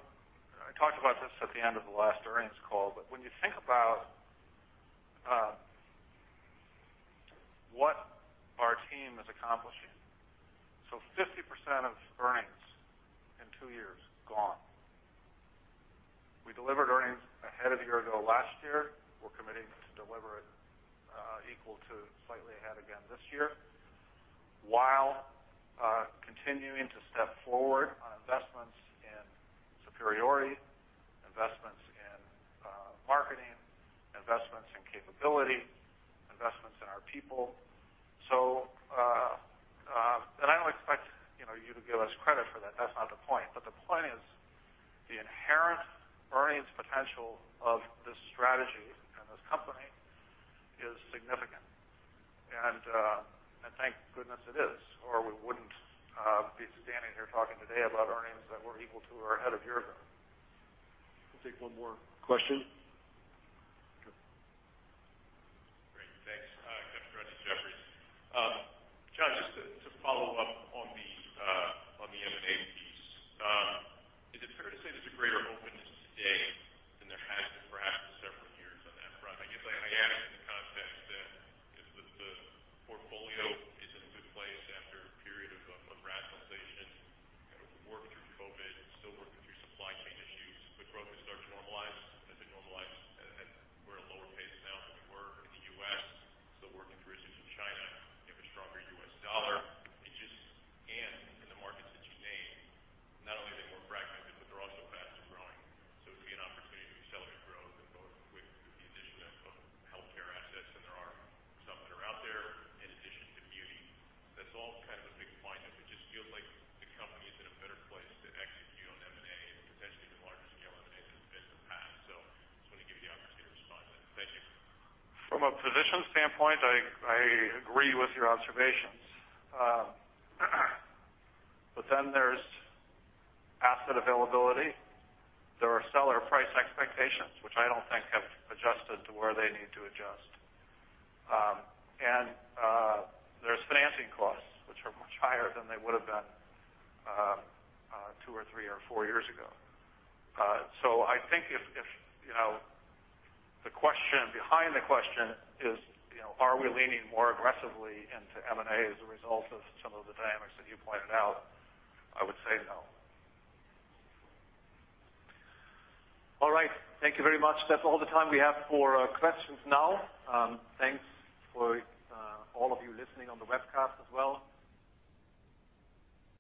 I talked about this at the end of the last earnings call, but when you think about what our team is accomplishing. 50% of earnings in two years, gone. We delivered earnings ahead of a year ago last year. We're committing to deliver it equal to slightly ahead again this year, while continuing to step forward on investments in superiority, investments in marketing, investments in capability, investments in our people. I don't expect you know you to give us credit for that. That's not the point. But the point is, the inherent earnings potential of this strategy and this company is significant. Thank goodness it is, or we wouldn't be standing here talking today about earnings that were equal to or ahead of year ago. We'll take one more question. Great. Thanks. Kevin Grundy from Jefferies. Jon, just to follow up the question behind the question is, you know, are we leaning more aggressively into M&A as a result of some of the dynamics that you pointed out, I would say no. All right. Thank you very much. That's all the time we have for questions now. Thanks for all of you listening on the webcast as well.